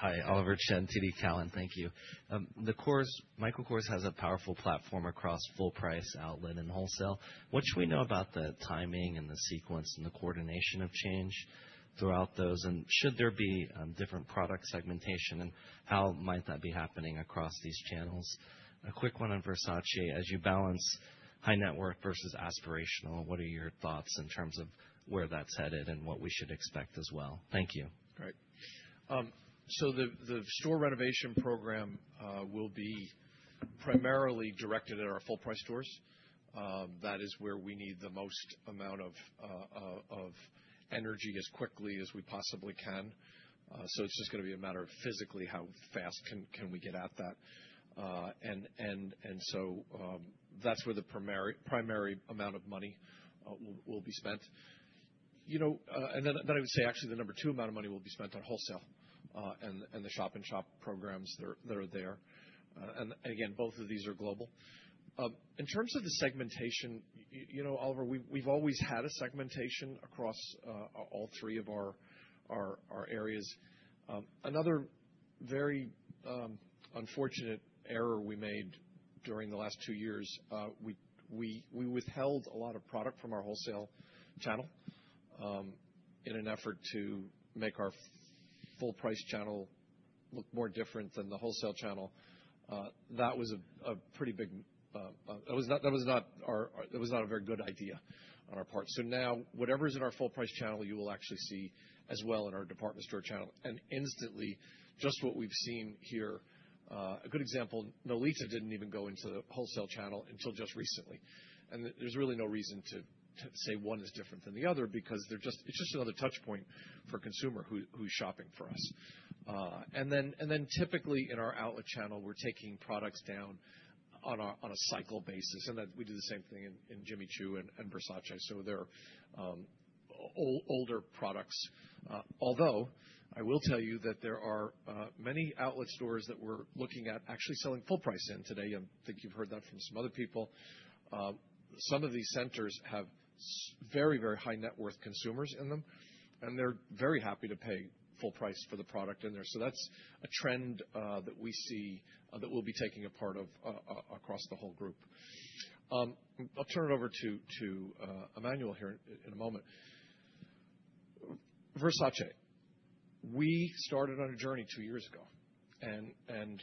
Hi, Oliver Chen, TD Cowen. Thank you. The Michael Kors has a powerful platform across full price, outlet, and wholesale. What should we know about the timing and the sequence and the coordination of change throughout those? And should there be different product segmentation? And how might that be happening across these channels? A quick one on Versace. As you balance high net worth versus aspirational, what are your thoughts in terms of where that's headed and what we should expect as well? Thank you.
All right. So the store renovation program will be primarily directed at our full price stores. That is where we need the most amount of energy as quickly as we possibly can. So it's just going to be a matter of physically how fast can we get at that. And so that's where the primary amount of money will be spent. And then I would say, actually, the number two amount of money will be spent on wholesale and the shop-in-shop programs that are there. And again, both of these are global. In terms of the segmentation, Oliver, we've always had a segmentation across all three of our areas. Another very unfortunate error we made during the last two years. We withheld a lot of product from our wholesale channel in an effort to make our full price channel look more different than the wholesale channel. That was a pretty big, that was not a very good idea on our part. So now, whatever is in our full price channel, you will actually see as well in our department store channel. And instantly, just what we've seen here, a good example, Nolita didn't even go into the wholesale channel until just recently. And there's really no reason to say one is different than the other because it's just another touchpoint for a consumer who's shopping for us. And then typically, in our outlet channel, we're taking products down on a cycle basis. And we did the same thing in Jimmy Choo and Versace. So they're older products. Although I will tell you that there are many outlet stores that we're looking at actually selling full price in today. I think you've heard that from some other people. Some of these centers have very, very high net worth consumers in them. And they're very happy to pay full price for the product in there. So that's a trend that we see that we'll be taking a part of across the whole group. I'll turn it over to Emmanuel here in a moment. Versace, we started on a journey two years ago. And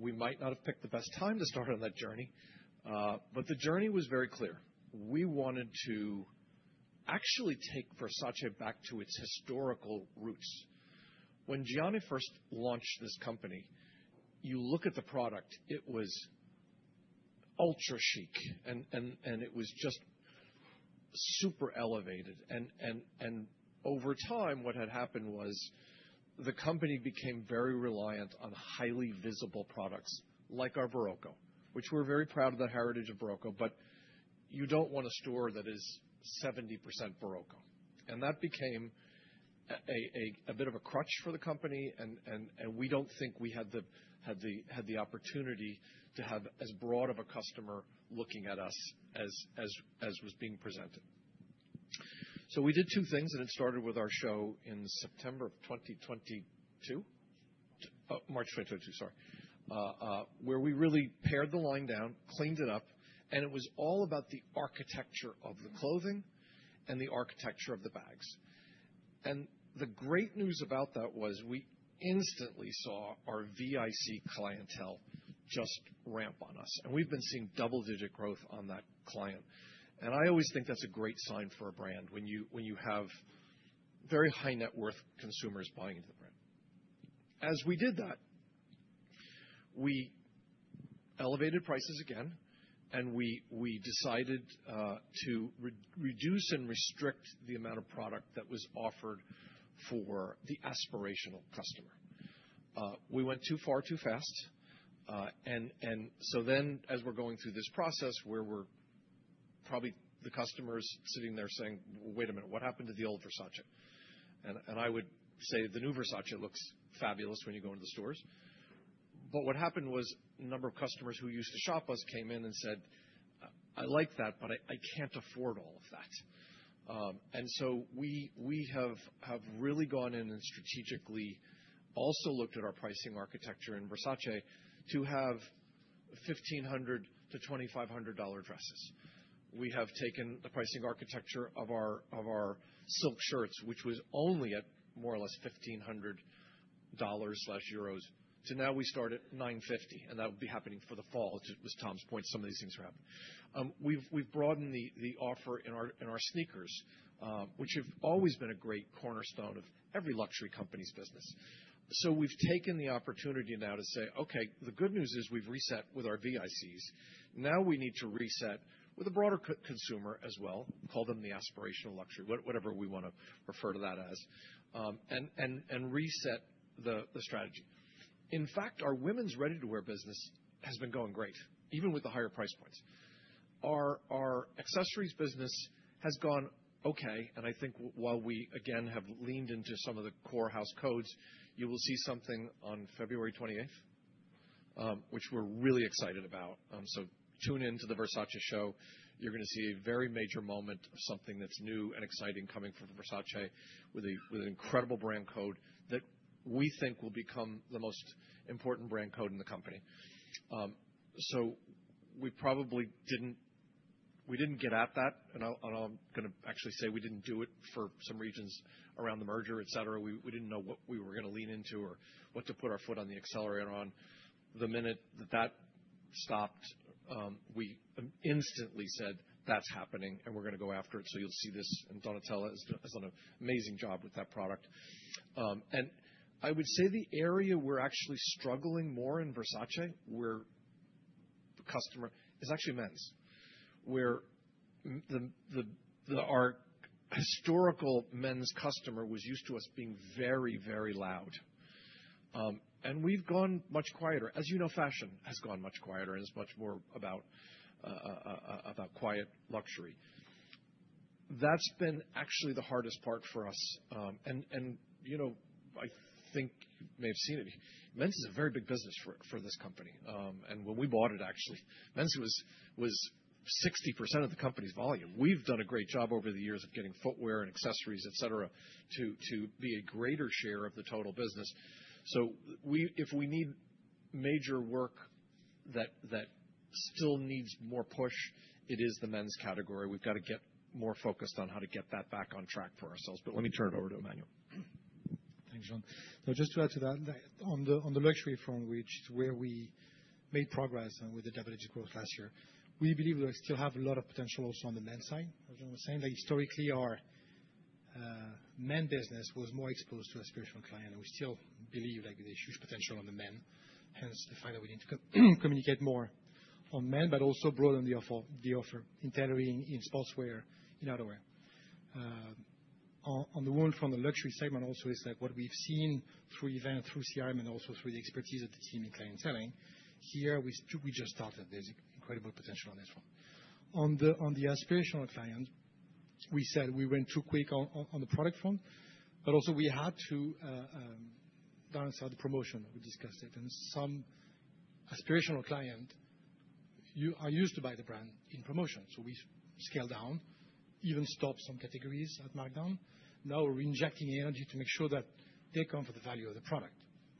we might not have picked the best time to start on that journey. But the journey was very clear. We wanted to actually take Versace back to its historical roots. When Gianni first launched this company, you look at the product, it was ultra chic. And it was just super elevated. And over time, what had happened was the company became very reliant on highly visible products like our Barocco, which we're very proud of the heritage of Barocco. But you don't want a store that is 70% Barocco. And that became a bit of a crutch for the company. And we don't think we had the opportunity to have as broad of a customer looking at us as was being presented. So we did two things. And it started with our show in September of 2022, March 2022, sorry, where we really pared the line down, cleaned it up. And it was all about the architecture of the clothing and the architecture of the bags. And the great news about that was we instantly saw our VIC clientele just ramp on us. And we've been seeing double-digit growth on that client. And I always think that's a great sign for a brand when you have very high net worth consumers buying into the brand. As we did that, we elevated prices again. And we decided to reduce and restrict the amount of product that was offered for the aspirational customer. We went too far, too fast. As we're going through this process, where we're probably the customer's sitting there saying, "Wait a minute, what happened to the old Versace?" And I would say the new Versace looks fabulous when you go into the stores. But what happened was a number of customers who used to shop us came in and said, "I like that, but I can't afford all of that." And so we have really gone in and strategically also looked at our pricing architecture in Versace to have $1,500-$2,500 dresses. We have taken the pricing architecture of our silk shirts, which was only at more or less $1,500 less Euros. To now, we start at $950. And that will be happening for the fall. It was Tom's point, some of these things are happening. We've broadened the offer in our sneakers, which have always been a great cornerstone of every luxury company's business, so we've taken the opportunity now to say, "Okay, the good news is we've reset with our VICs. Now we need to reset with a broader consumer as well. Call them the aspirational luxury, whatever we want to refer to that as, and reset the strategy." In fact, our women's ready-to-wear business has been going great, even with the higher price points. Our accessories business has gone okay, and I think while we, again, have leaned into some of the core house codes, you will see something on February 28th, which we're really excited about, so tune in to the Versace show. You're going to see a very major moment of something that's new and exciting coming from Versace with an incredible brand code that we think will become the most important brand code in the company. So we probably didn't get at that. And I'm going to actually say we didn't do it for some reasons around the merger, etc. We didn't know what we were going to lean into or what to put our foot on the accelerator on. The minute that that stopped, we instantly said, "That's happening, and we're going to go after it. So you'll see this." And Donatella has done an amazing job with that product. And I would say the area we're actually struggling more in Versace, where the customer is actually men's, where our historical men's customer was used to us being very, very loud. And we've gone much quieter. As you know, fashion has gone much quieter and is much more about quiet luxury. That's been actually the hardest part for us, and I think you may have seen it. Men's is a very big business for this company, and when we bought it, actually, men's was 60% of the company's volume. We've done a great job over the years of getting footwear and accessories, etc., to be a greater share of the total business, so if we need major work that still needs more push, it is the men's category. We've got to get more focused on how to get that back on track for ourselves, but let me turn it over to Emmanuel.
Thanks, John. So just to add to that, on the luxury front, which is where we made progress with the double-digit growth last year, we believe we still have a lot of potential also on the men's side. As John was saying, historically, our men's business was more exposed to aspirational clients, and we still believe there's huge potential on the men. Hence, the fact that we need to communicate more on men, but also broaden the offer in tailoring in sportswear, in outerwear. On the luxury segment also, it's like what we've seen through events, through CRM, and also through the expertise of the team in clienteling. Here, we just started. There's incredible potential on this one. On the aspirational client, we said we went too quick on the product front, but also we had to balance out the promotion. We discussed it. Some aspirational clients are used to buy the brand in promotion. We scaled down, even stopped some categories at markdown. Now we're injecting energy to make sure that they come for the value of the product.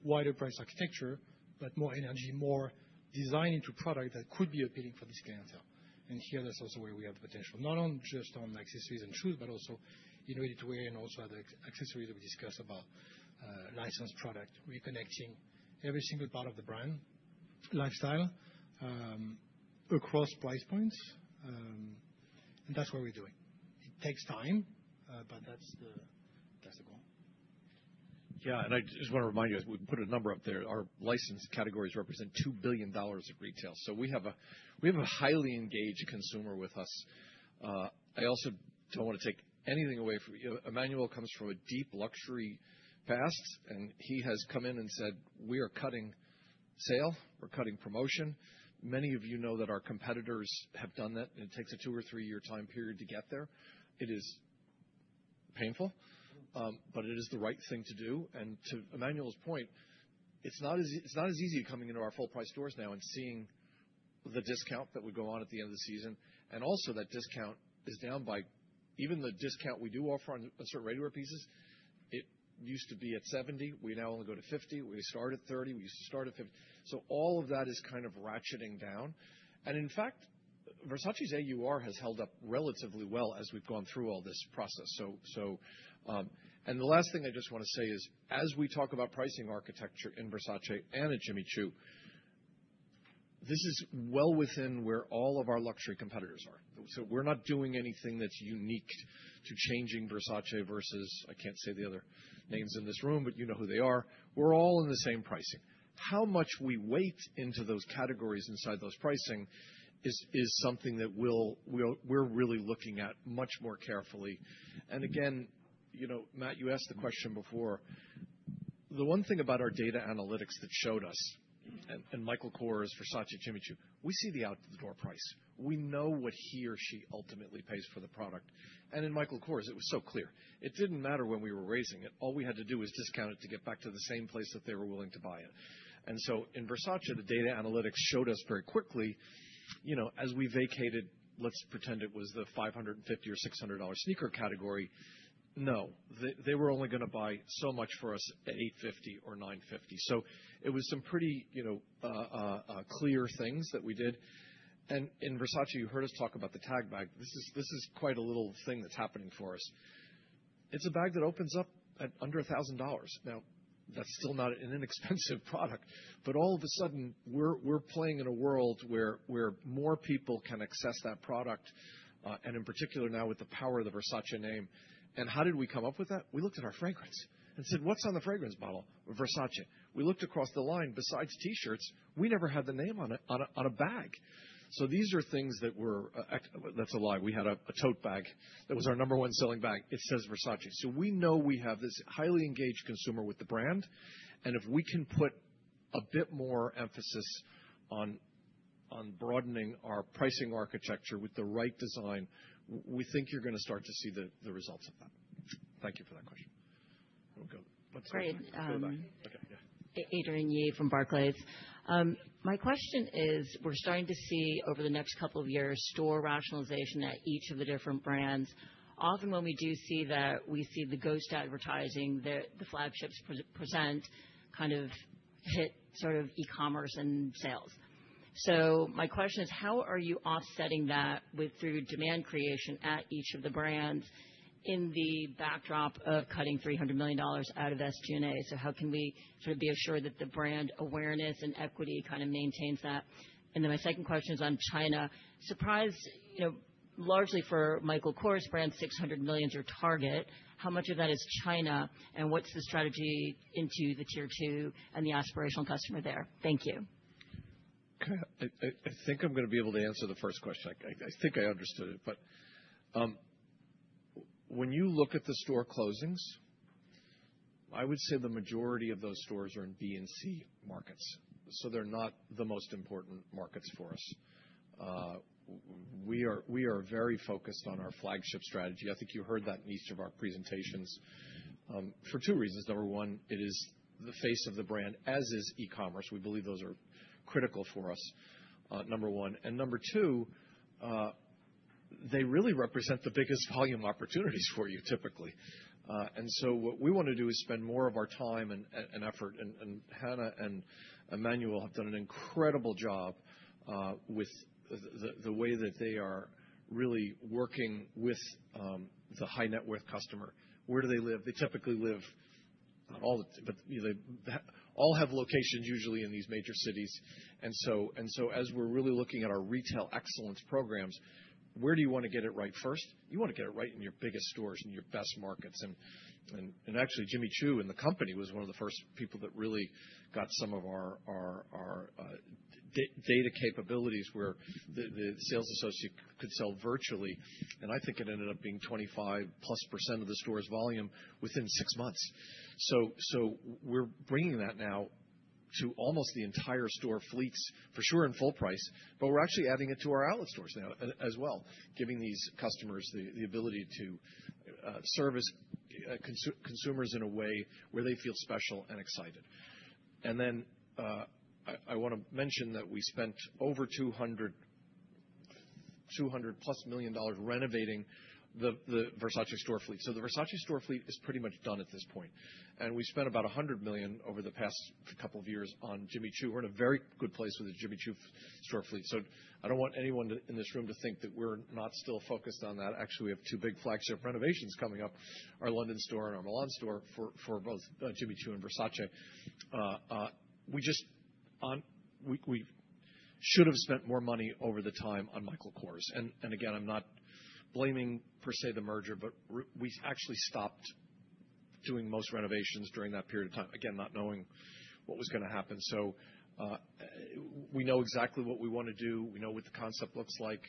Wider price architecture, but more energy, more design into product that could be appealing for this clientele. Here, that's also where we have the potential, not only just on accessories and shoes, but also in ready-to-wear and also other accessories that we discussed about licensed product. We're connecting every single part of the brand lifestyle across price points. That's what we're doing. It takes time, but that's the goal.
Yeah. I just want to remind you, we put a number up there. Our licensed categories represent $2 billion of retail. We have a highly engaged consumer with us. I also don't want to take anything away from you. Emmanuel comes from a deep luxury past. And he has come in and said, "We are cutting sale. We're cutting promotion." Many of you know that our competitors have done that. And it takes a two- or three-year time period to get there. It is painful. But it is the right thing to do. And to Emmanuel's point, it's not as easy coming into our full price stores now and seeing the discount that would go on at the end of the season. And also, that discount is down by even the discount we do offer on certain regular pieces. It used to be at 70%. We now only go to 50%. We start at 30%. We used to start at 50%. So all of that is kind of ratcheting down. And in fact, Versace's AUR has held up relatively well as we've gone through all this process. The last thing I just want to say is, as we talk about pricing architecture in Versace and at Jimmy Choo, this is well within where all of our luxury competitors are. We're not doing anything that's unique to changing Versace versus I can't say the other names in this room, but you know who they are. We're all in the same pricing. How much we weigh into those categories inside those pricing is something that we're really looking at much more carefully. Again, Matt, you asked the question before. The one thing about our data analytics that showed us, and Michael Kors, Versace, Jimmy Choo, we see the out-of-the-door price. We know what he or she ultimately pays for the product. In Michael Kors, it was so clear. It didn't matter when we were raising it. All we had to do was discount it to get back to the same place that they were willing to buy it. And so in Versace, the data analytics showed us very quickly, as we vacated, let's pretend it was the $550 or $600 sneaker category. No, they were only going to buy so much for us at $850 or $950. So it was some pretty clear things that we did. And in Versace, you heard us talk about the Tag bag. This is quite a little thing that's happening for us. It's a bag that opens up at under $1,000. Now, that's still not an inexpensive product. But all of a sudden, we're playing in a world where more people can access that product. And in particular, now with the power of the Versace name. And how did we come up with that? We looked at our fragrance and said, "What's on the fragrance bottle of Versace?" We looked across the line. Besides T-shirts, we never had the name on a bag. So these are things that were, that's a lie. We had a tote bag that was our number one selling bag. It says Versace. So we know we have this highly engaged consumer with the brand. And if we can put a bit more emphasis on broadening our pricing architecture with the right design, we think you're going to start to see the results of that. Thank you for that question. We'll go back to that.
Great. Adrienne Yih from Barclays. My question is, we're starting to see over the next couple of years store rationalization at each of the different brands. Often when we do see that, we see the ghost advertising. The flagships present kind of hit sort of e-commerce and sales. So my question is, how are you offsetting that through demand creation at each of the brands in the backdrop of cutting $300 million out of SG&A? So how can we sort of be assured that the brand awareness and equity kind of maintains that? And then my second question is on China. Surprise, largely for Michael Kors, brand $600 million is your target. How much of that is China? And what's the strategy into the tier-two and the aspirational customer there?
Thank you. Okay. I think I'm going to be able to answer the first question. I think I understood it. But when you look at the store closings, I would say the majority of those stores are in B and C markets. They're not the most important markets for us. We are very focused on our flagship strategy. I think you heard that in each of our presentations for two reasons. Number one, it is the face of the brand, as is e-commerce. We believe those are critical for us, number one. Number two, they really represent the biggest volume opportunities for you typically. What we want to do is spend more of our time and effort. Hannah and Emmanuel have done an incredible job with the way that they are really working with the high-net-worth customer. Where do they live? They typically live not all, but they all have locations usually in these major cities. As we're really looking at our retail excellence programs, where do you want to get it right? First, you want to get it right in your biggest stores and your best markets. And actually, Jimmy Choo and the company was one of the first people that really got some of our data capabilities where the sales associate could sell virtually. And I think it ended up being 25+% of the store's volume within six months. So we're bringing that now to almost the entire store fleets for sure in full price. But we're actually adding it to our outlet stores now as well, giving these customers the ability to service consumers in a way where they feel special and excited. And then I want to mention that we spent over $200+ million renovating the Versace store fleet. So the Versace store fleet is pretty much done at this point. And we spent about $100 million over the past couple of years on Jimmy Choo. We're in a very good place with the Jimmy Choo store fleet. So I don't want anyone in this room to think that we're not still focused on that. Actually, we have two big flagship renovations coming up, our London store and our Milan store for both Jimmy Choo and Versace. We should have spent more money over the time on Michael Kors. And again, I'm not blaming per se the merger, but we actually stopped doing most renovations during that period of time, again, not knowing what was going to happen. So we know exactly what we want to do. We know what the concept looks like.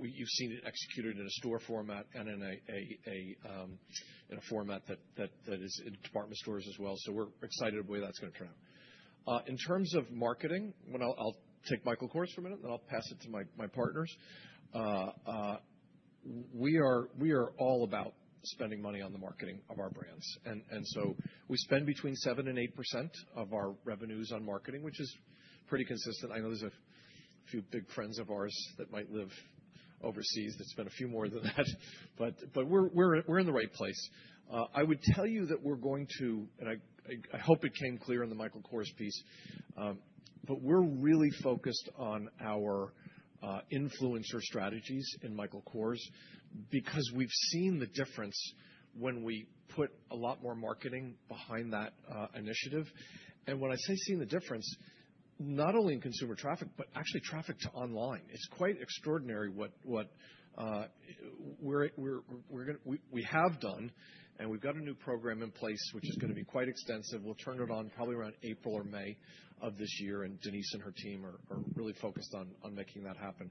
You've seen it executed in a store format and in a format that is in department stores as well. So we're excited about where that's going to turn out. In terms of marketing, I'll take Michael Kors for a minute, and then I'll pass it to my partners. We are all about spending money on the marketing of our brands. And so we spend between 7% and 8% of our revenues on marketing, which is pretty consistent. I know there's a few big friends of ours that might live overseas that spend a few more than that. But we're in the right place. I would tell you that we're going to, and I hope it came clear in the Michael Kors piece, but we're really focused on our influencer strategies in Michael Kors because we've seen the difference when we put a lot more marketing behind that initiative. And when I say seen the difference, not only in consumer traffic, but actually traffic to online. It's quite extraordinary what we have done. We've got a new program in place, which is going to be quite extensive. We'll turn it on probably around April or May of this year. Denise and her team are really focused on making that happen.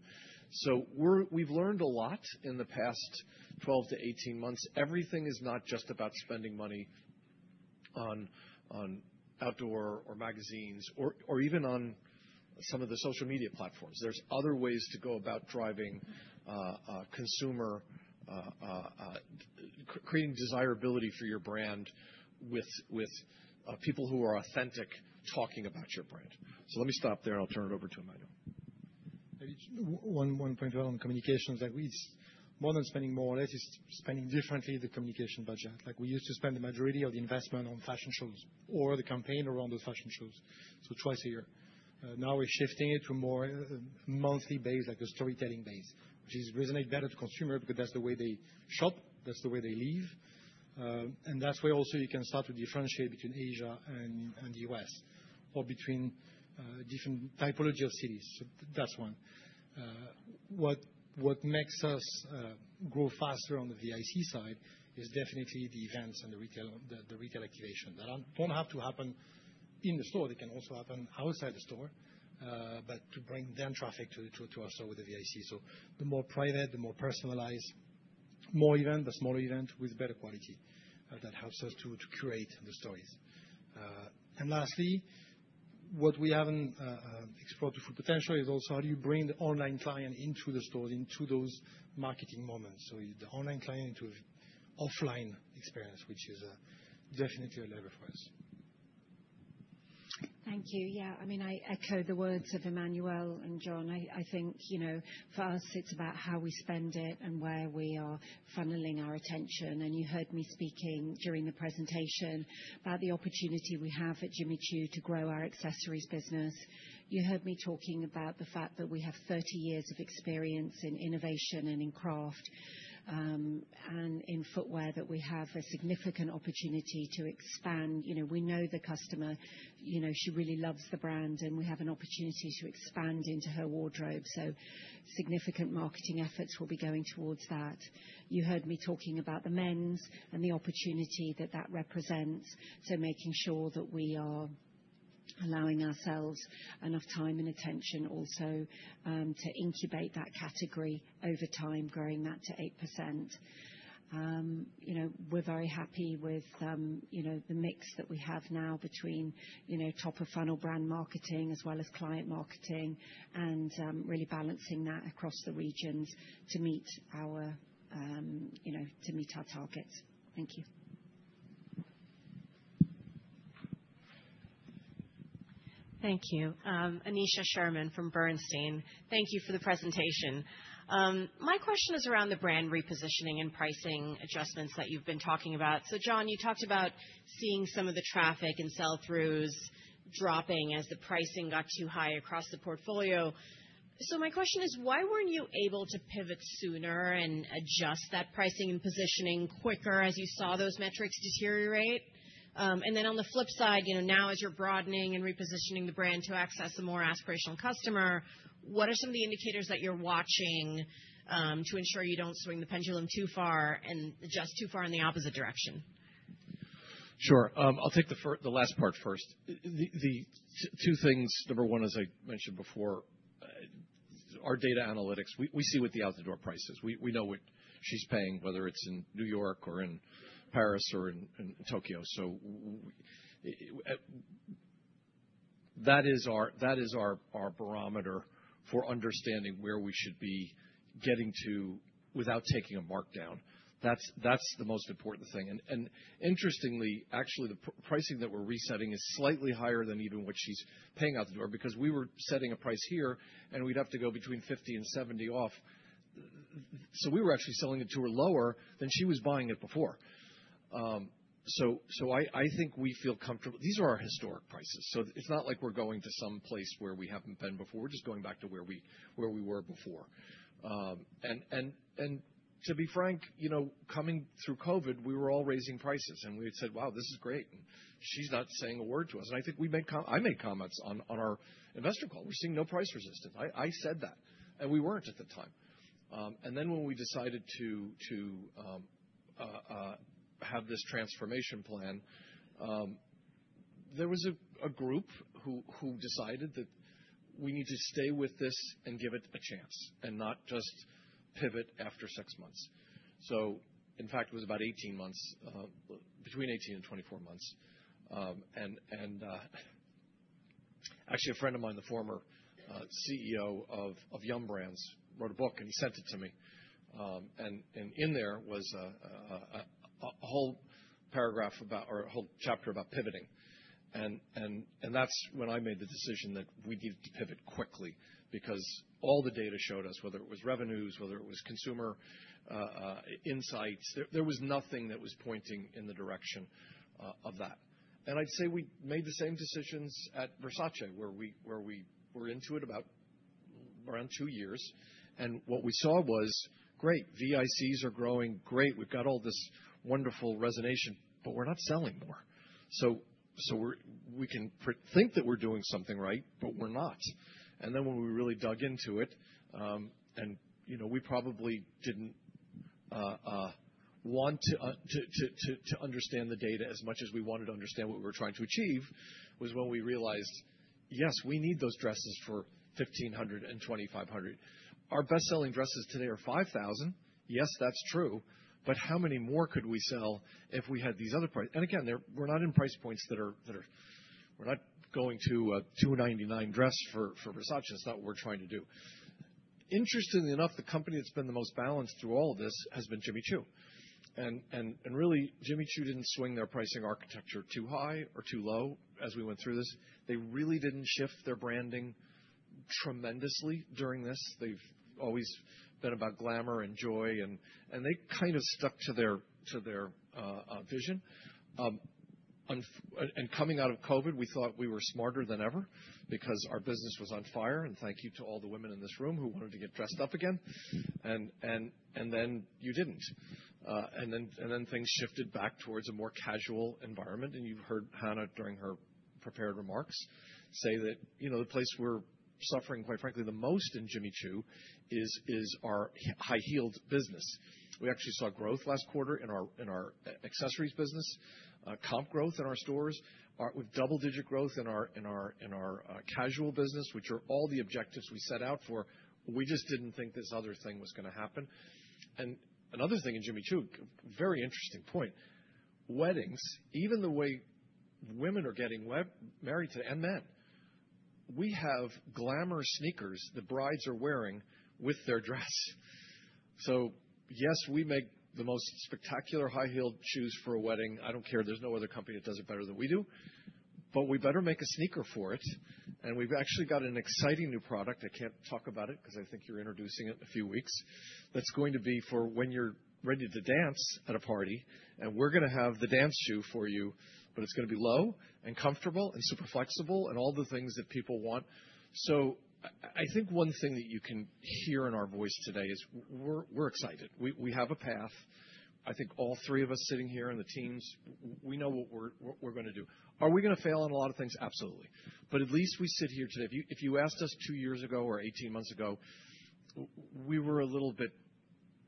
We've learned a lot in the past 12 to 18 months. Everything is not just about spending money on outdoor or magazines or even on some of the social media platforms. There's other ways to go about driving consumer, creating desirability for your brand with people who are authentic talking about your brand. Let me stop there, and I'll turn it over to Emmanuel.
Maybe one point on communications. More than spending more or less, it's spending differently the communication budget. We used to spend the majority of the investment on fashion shows or the campaign around those fashion shows, so twice a year. Now we're shifting it to more monthly basis, like a storytelling basis, which resonates better to consumers because that's the way they shop. That's the way they live. And that's why also you can start to differentiate between Asia and the US or between different typologies of cities. So that's one. What makes us grow faster on the VIC side is definitely the events and the retail activation. That don't have to happen in the store. They can also happen outside the store, but to bring them traffic to our store with the VIC. So the more private, the more personalized, more event, the smaller event with better quality. That helps us to curate the stories. And lastly, what we haven't explored to full potential is also how do you bring the online client into the stores, into those marketing moments. So the online clienteling into an offline experience, which is definitely a lever for us. Thank you.
Yeah. I mean, I echo the words of Emmanuel and John. I think for us, it's about how we spend it and where we are funneling our attention. You heard me speaking during the presentation about the opportunity we have at Jimmy Choo to grow our accessories business. You heard me talking about the fact that we have 30 years of experience in innovation and in craft and in footwear that we have a significant opportunity to expand. We know the customer. She really loves the brand, and we have an opportunity to expand into her wardrobe. Significant marketing efforts will be going towards that. You heard me talking about the men's and the opportunity that that represents. Making sure that we are allowing ourselves enough time and attention also to incubate that category over time, growing that to 8%. We're very happy with the mix that we have now between top-of-funnel brand marketing as well as client marketing and really balancing that across the regions to meet our targets. Thank you.
Thank you. Aneesha Sherman from Bernstein. Thank you for the presentation. My question is around the brand repositioning and pricing adjustments that you've been talking about. So John, you talked about seeing some of the traffic and sell-throughs dropping as the pricing got too high across the portfolio. So my question is, why weren't you able to pivot sooner and adjust that pricing and positioning quicker as you saw those metrics deteriorate? And then on the flip side, now as you're broadening and repositioning the brand to access a more aspirational customer, what are some of the indicators that you're watching to ensure you don't swing the pendulum too far and adjust too far in the opposite direction?
Sure. I'll take the last part first. The two things, number one is I mentioned before, our data analytics. We see what the out-of-the-door price is. We know what she's paying, whether it's in New York or in Paris or in Tokyo. So that is our barometer for understanding where we should be getting to without taking a markdown. That's the most important thing. And interestingly, actually, the pricing that we're resetting is slightly higher than even what she's paying out the door because we were setting a price here, and we'd have to go between 50%-70% off. We were actually selling it to her lower than she was buying it before. So I think we feel comfortable. These are our historic prices. So it's not like we're going to some place where we haven't been before. We're just going back to where we were before. And to be frank, coming through COVID, we were all raising prices. And we had said, "Wow, this is great." And she's not saying a word to us. And I think I made comments on our investor call. We're seeing no price resistance. I said that. And we weren't at the time. And then when we decided to have this transformation plan, there was a group who decided that we need to stay with this and give it a chance and not just pivot after six months. So in fact, it was about 18 months, between 18 and 24 months. Actually, a friend of mine, the former CEO of Yum! Brands, wrote a book, and he sent it to me. In there was a whole paragraph about or a whole chapter about pivoting. That's when I made the decision that we needed to pivot quickly because all the data showed us, whether it was revenues, whether it was consumer insights, there was nothing that was pointing in the direction of that. I'd say we made the same decisions at Versace, where we were into it about around two years. What we saw was, "Great. VICs are growing. Great. We've got all this wonderful resonance, but we're not selling more." We can think that we're doing something right, but we're not. And then when we really dug into it, and we probably didn't want to understand the data as much as we wanted to understand what we were trying to achieve, was when we realized, "Yes, we need those dresses for $1,500 and $2,500." Our best-selling dresses today are $5,000. Yes, that's true. But how many more could we sell if we had these other prices? And again, we're not in price points that are we're not going to a $299 dress for Versace. It's not what we're trying to do. Interestingly enough, the company that's been the most balanced through all of this has been Jimmy Choo. And really, Jimmy Choo didn't swing their pricing architecture too high or too low as we went through this. They really didn't shift their branding tremendously during this. They've always been about glamour and joy, and they kind of stuck to their vision. Coming out of COVID, we thought we were smarter than ever because our business was on fire. Thank you to all the women in this room who wanted to get dressed up again. Then you didn't. Then things shifted back towards a more casual environment. You've heard Hannah during her prepared remarks say that the place we're suffering, quite frankly, the most in Jimmy Choo is our high-heeled business. We actually saw growth last quarter in our accessories business, comp growth in our stores. We've double-digit growth in our casual business, which are all the objectives we set out for. We just didn't think this other thing was going to happen. Another thing in Jimmy Choo, very interesting point, weddings, even the way women are getting married to and men, we have glamour sneakers the brides are wearing with their dress. So yes, we make the most spectacular high-heeled shoes for a wedding. I don't care. There's no other company that does it better than we do. But we better make a sneaker for it. And we've actually got an exciting new product. I can't talk about it because I think you're introducing it in a few weeks. That's going to be for when you're ready to dance at a party. And we're going to have the dance shoe for you, but it's going to be low and comfortable and super flexible and all the things that people want. So I think one thing that you can hear in our voice today is we're excited. We have a path. I think all three of us sitting here in the teams, we know what we're going to do. Are we going to fail on a lot of things? Absolutely. But at least we sit here today. If you asked us two years ago or 18 months ago, we were a little bit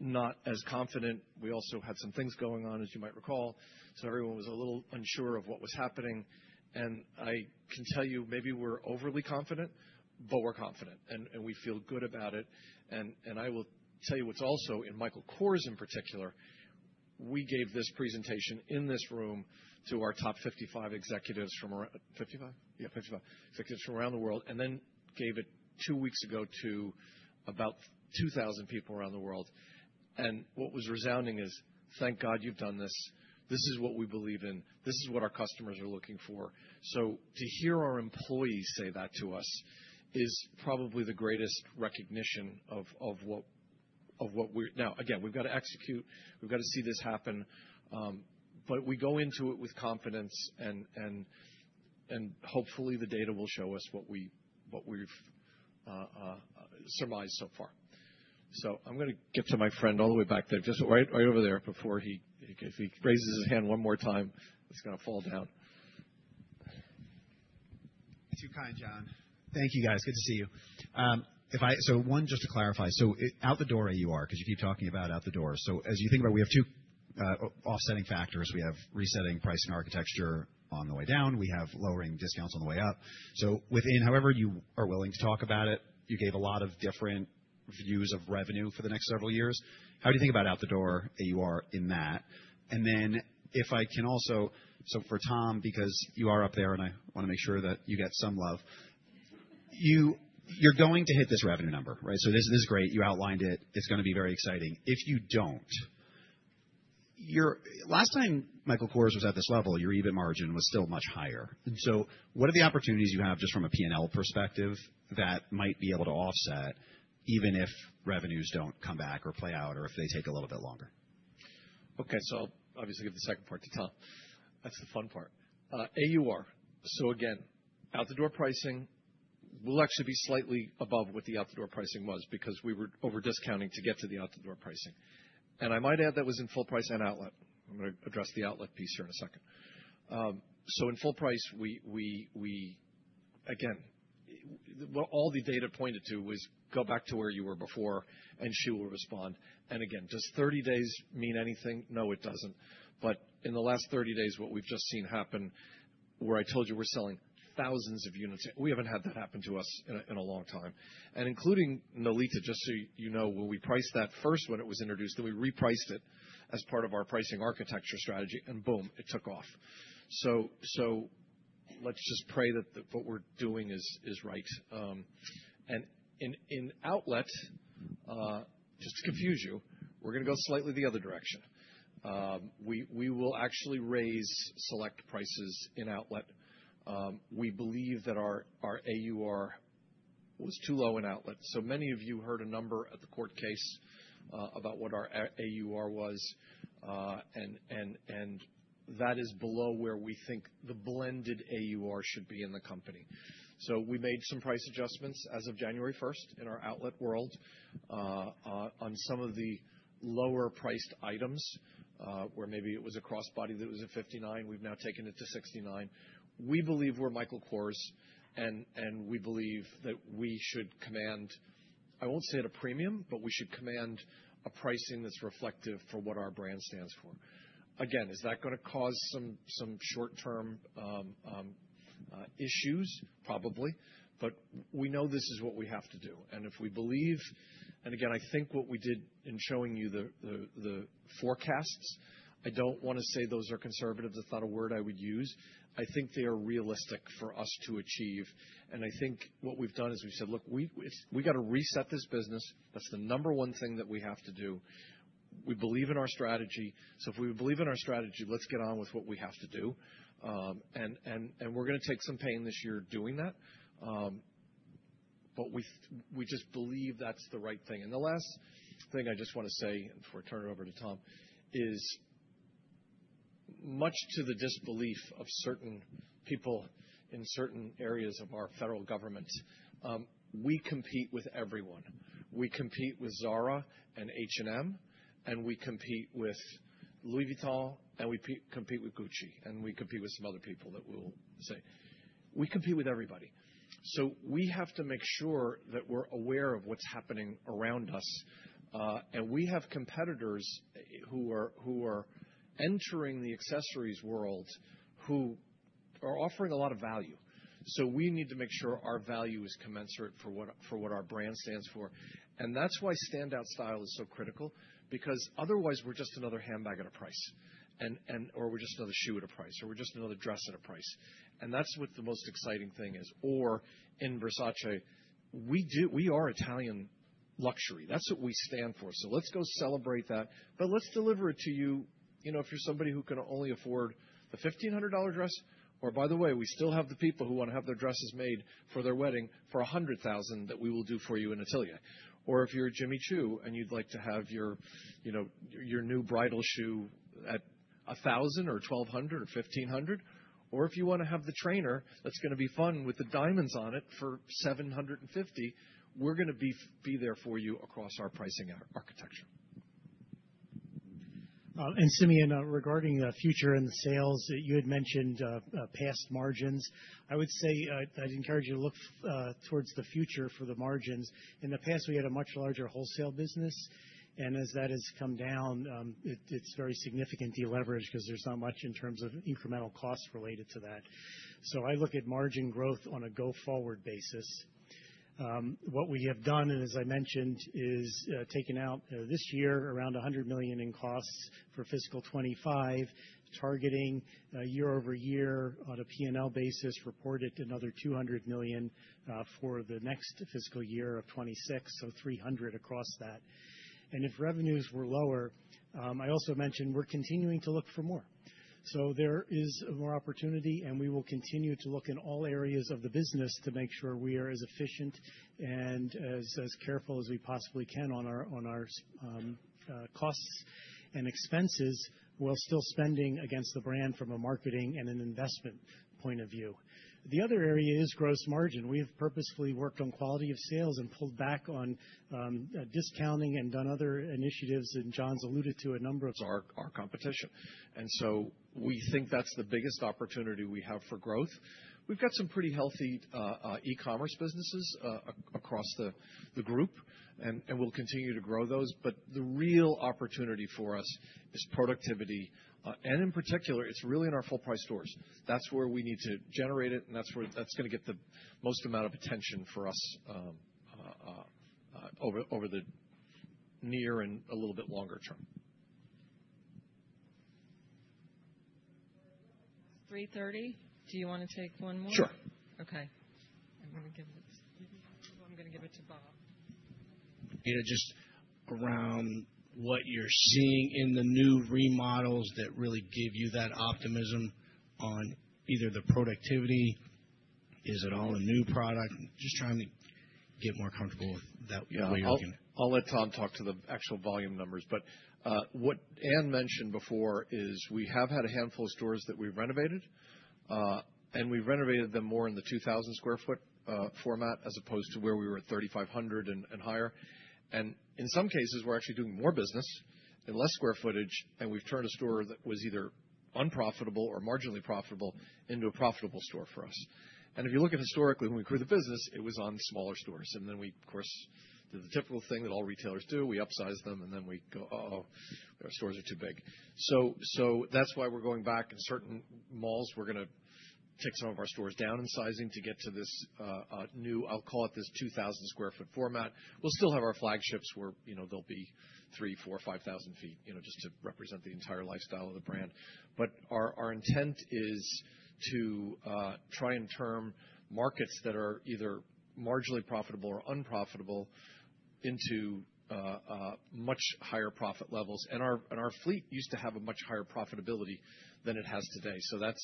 not as confident. We also had some things going on, as you might recall. So everyone was a little unsure of what was happening. And I can tell you, maybe we're overly confident, but we're confident. And we feel good about it. And I will tell you what's also in Michael Kors in particular. We gave this presentation in this room to our top 55 executives from around 55? Yeah, 55 executives from around the world. And then gave it two weeks ago to about 2,000 people around the world. And what was resounding is, "Thank God you've done this. This is what we believe in. This is what our customers are looking for." So to hear our employees say that to us is probably the greatest recognition of what we're now. Again, we've got to execute. We've got to see this happen. But we go into it with confidence. And hopefully, the data will show us what we've surmised so far. So I'm going to get to my friend all the way back there, just right over there before he raises his hand one more time. It's going to fall down. Too kind, John. Thank you, guys. Good to see you. So one, just to clarify, so out the door you are because you keep talking about out the door. So as you think about it, we have two offsetting factors. We have resetting pricing architecture on the way down. We have lowering discounts on the way up. So, within however you are willing to talk about it, you gave a lot of different views of revenue for the next several years. How do you think about out the door that you are in that? And then if I can also, so for Tom, because you are up there and I want to make sure that you get some love, you're going to hit this revenue number, right? So this is great. You outlined it. It's going to be very exciting. If you don't, last time Michael Kors was at this level, your EBIT margin was still much higher. And so what are the opportunities you have just from a P&L perspective that might be able to offset even if revenues don't come back or play out or if they take a little bit longer? Okay. So I'll obviously give the second part to Tom. That's the fun part. AUR. So again, out-the-door pricing will actually be slightly above what the out-the-door pricing was because we were over-discounting to get to the out-the-door pricing. And I might add that was in full price and outlet. I'm going to address the outlet piece here in a second. So in full price, again, all the data pointed to was go back to where you were before and she will respond. And again, does 30 days mean anything? No, it doesn't. But in the last 30 days, what we've just seen happen where I told you we're selling thousands of units, we haven't had that happen to us in a long time. And including Nolita, just so you know, when we priced that first when it was introduced, then we repriced it as part of our pricing architecture strategy. And boom, it took off. So let's just pray that what we're doing is right. And in outlet, just to confuse you, we're going to go slightly the other direction. We will actually raise select prices in outlet. We believe that our AUR was too low in outlet. So many of you heard a number at the court case about what our AUR was. And that is below where we think the blended AUR should be in the company. So we made some price adjustments as of January 1st in our outlet world on some of the lower-priced items where maybe it was a crossbody that was at $59. We've now taken it to $69. We believe we're Michael Kors, and we believe that we should command, I won't say at a premium, but we should command a pricing that's reflective for what our brand stands for. Again, is that going to cause some short-term issues? Probably. But we know this is what we have to do. And if we believe, and again, I think what we did in showing you the forecasts, I don't want to say those are conservative. That's not a word I would use. I think they are realistic for us to achieve. And I think what we've done is we've said, "Look, we got to reset this business. That's the number one thing that we have to do. We believe in our strategy. So if we believe in our strategy, let's get on with what we have to do." And we're going to take some pain this year doing that. But we just believe that's the right thing. And the last thing I just want to say, and before I turn it over to Tom, is much to the disbelief of certain people in certain areas of our federal government, we compete with everyone. We compete with Zara and H&M, and we compete with Louis Vuitton, and we compete with Gucci, and we compete with some other people that we'll say. We compete with everybody. So we have to make sure that we're aware of what's happening around us. And we have competitors who are entering the accessories world who are offering a lot of value. So we need to make sure our value is commensurate for what our brand stands for. And that's why standout style is so critical because otherwise we're just another handbag at a price, or we're just another shoe at a price, or we're just another dress at a price. That's what the most exciting thing is. In Versace, we are Italian luxury. That's what we stand for. Let's go celebrate that. Let's deliver it to you if you're somebody who can only afford the $1,500 dress. By the way, we still have the people who want to have their dresses made for their wedding for $100,000 that we will do for you in Atelier. If you're Jimmy Choo and you'd like to have your new bridal shoe at $1,000 or $1,200 or $1,500, or if you want to have the trainer that's going to be fun with the diamonds on it for $750, we're going to be there for you across our pricing architecture.
Simeon, regarding the future and the sales, you had mentioned past margins. I would say I'd encourage you to look towards the future for the margins. In the past, we had a much larger wholesale business. And as that has come down, it's very significant deleverage because there's not much in terms of incremental costs related to that. So I look at margin growth on a go-forward basis. What we have done, and as I mentioned, is taken out this year around $100 million in costs for fiscal 2025, targeting year-over-year on a P&L basis reported another $200 million for the next fiscal year of 2026, so $300 million across that. And if revenues were lower, I also mentioned we're continuing to look for more. So there is more opportunity, and we will continue to look in all areas of the business to make sure we are as efficient and as careful as we possibly can on our costs and expenses while still spending against the brand from a marketing and an investment point of view. The other area is gross margin. We have purposefully worked on quality of sales and pulled back on discounting and done other initiatives. And John's alluded to a number. Our competition. And so we think that's the biggest opportunity we have for growth. We've got some pretty healthy e-commerce businesses across the group, and we'll continue to grow those. But the real opportunity for us is productivity. And in particular, it's really in our full-price stores. That's where we need to generate it, and that's where that's going to get the most amount of attention for us over the near and a little bit longer-term.
3:30? Do you want to take one more? Sure. Okay. I'm going to give it to Bob. Just around what you're seeing in the new remodels that really give you that optimism on either the productivity, is it all a new product? Just trying to get more comfortable with what you're looking at.
I'll let Tom talk to the actual volume numbers. But what Anne mentioned before is we have had a handful of stores that we've renovated. And we've renovated them more in the 2,000 sq ft format as opposed to where we were at 3,500 sq ft and higher. And in some cases, we're actually doing more business in less square feet, and we've turned a store that was either unprofitable or marginally profitable into a profitable store for us. And if you look at historically, when we grew the business, it was on smaller stores. And then we, of course, did the typical thing that all retailers do. We upsized them, and then we go, "Oh, our stores are too big." So that's why we're going back in certain malls. We're going to take some of our stores down in sizing to get to this new. I'll call it this 2,000 sq ft format. We'll still have our flagships where they'll be 3,000 sq ft, 4,000 sq ft, 5,000 sq ft just to represent the entire lifestyle of the brand, but our intent is to try and turn markets that are either marginally profitable or unprofitable into much higher profit levels, and our fleet used to have a much higher profitability than it has today, so that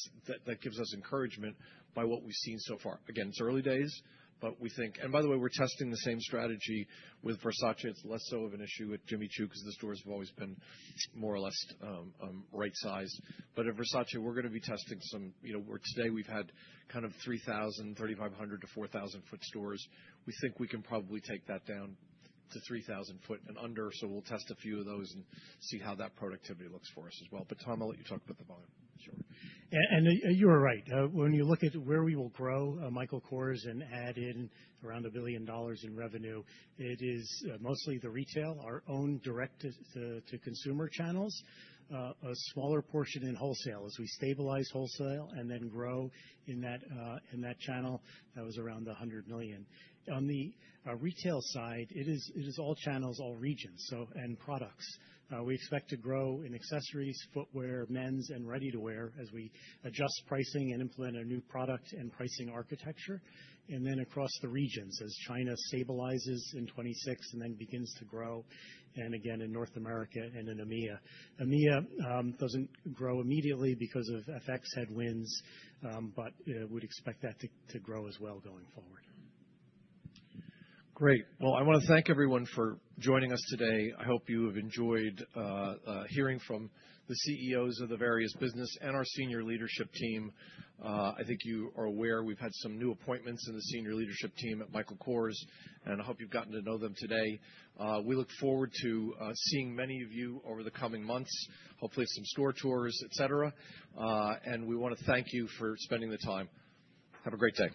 gives us encouragement by what we've seen so far. Again, it's early days, but we think, and by the way, we're testing the same strategy with Versace. It's less so of an issue with Jimmy Choo because the stores have always been more or less right-sized, but at Versace, we're going to be testing somewhere today we've had kind of 3,000 sq ft, 3,500 sq ft to 4,000 sq ft stores. We think we can probably take that down to 3,000 sq ft and under. So we'll test a few of those and see how that productivity looks for us as well. But Tom, I'll let you talk about the volume. Sure.
And you were right. When you look at where we will grow, Michael Kors and add in around $1 billion in revenue, it is mostly the retail, our own direct-to-consumer channels, a smaller portion in wholesale as we stabilize wholesale and then grow in that channel that was around the $100 million. On the retail side, it is all channels, all regions, and products. We expect to grow in accessories, footwear, men's, and ready-to-wear as we adjust pricing and implement a new product and pricing architecture. And then across the regions as China stabilizes in 2026 and then begins to grow, and again in North America and in EMEA. EMEA doesn't grow immediately because of FX headwinds, but we'd expect that to grow as well going forward.
Great. Well, I want to thank everyone for joining us today. I hope you have enjoyed hearing from the CEOs of the various business and our senior leadership team. I think you are aware. We've had some new appointments in the senior leadership team at Michael Kors, and I hope you've gotten to know them today. We look forward to seeing many of you over the coming months, hopefully some store tours, etc., and we want to thank you for spending the time. Have a great day.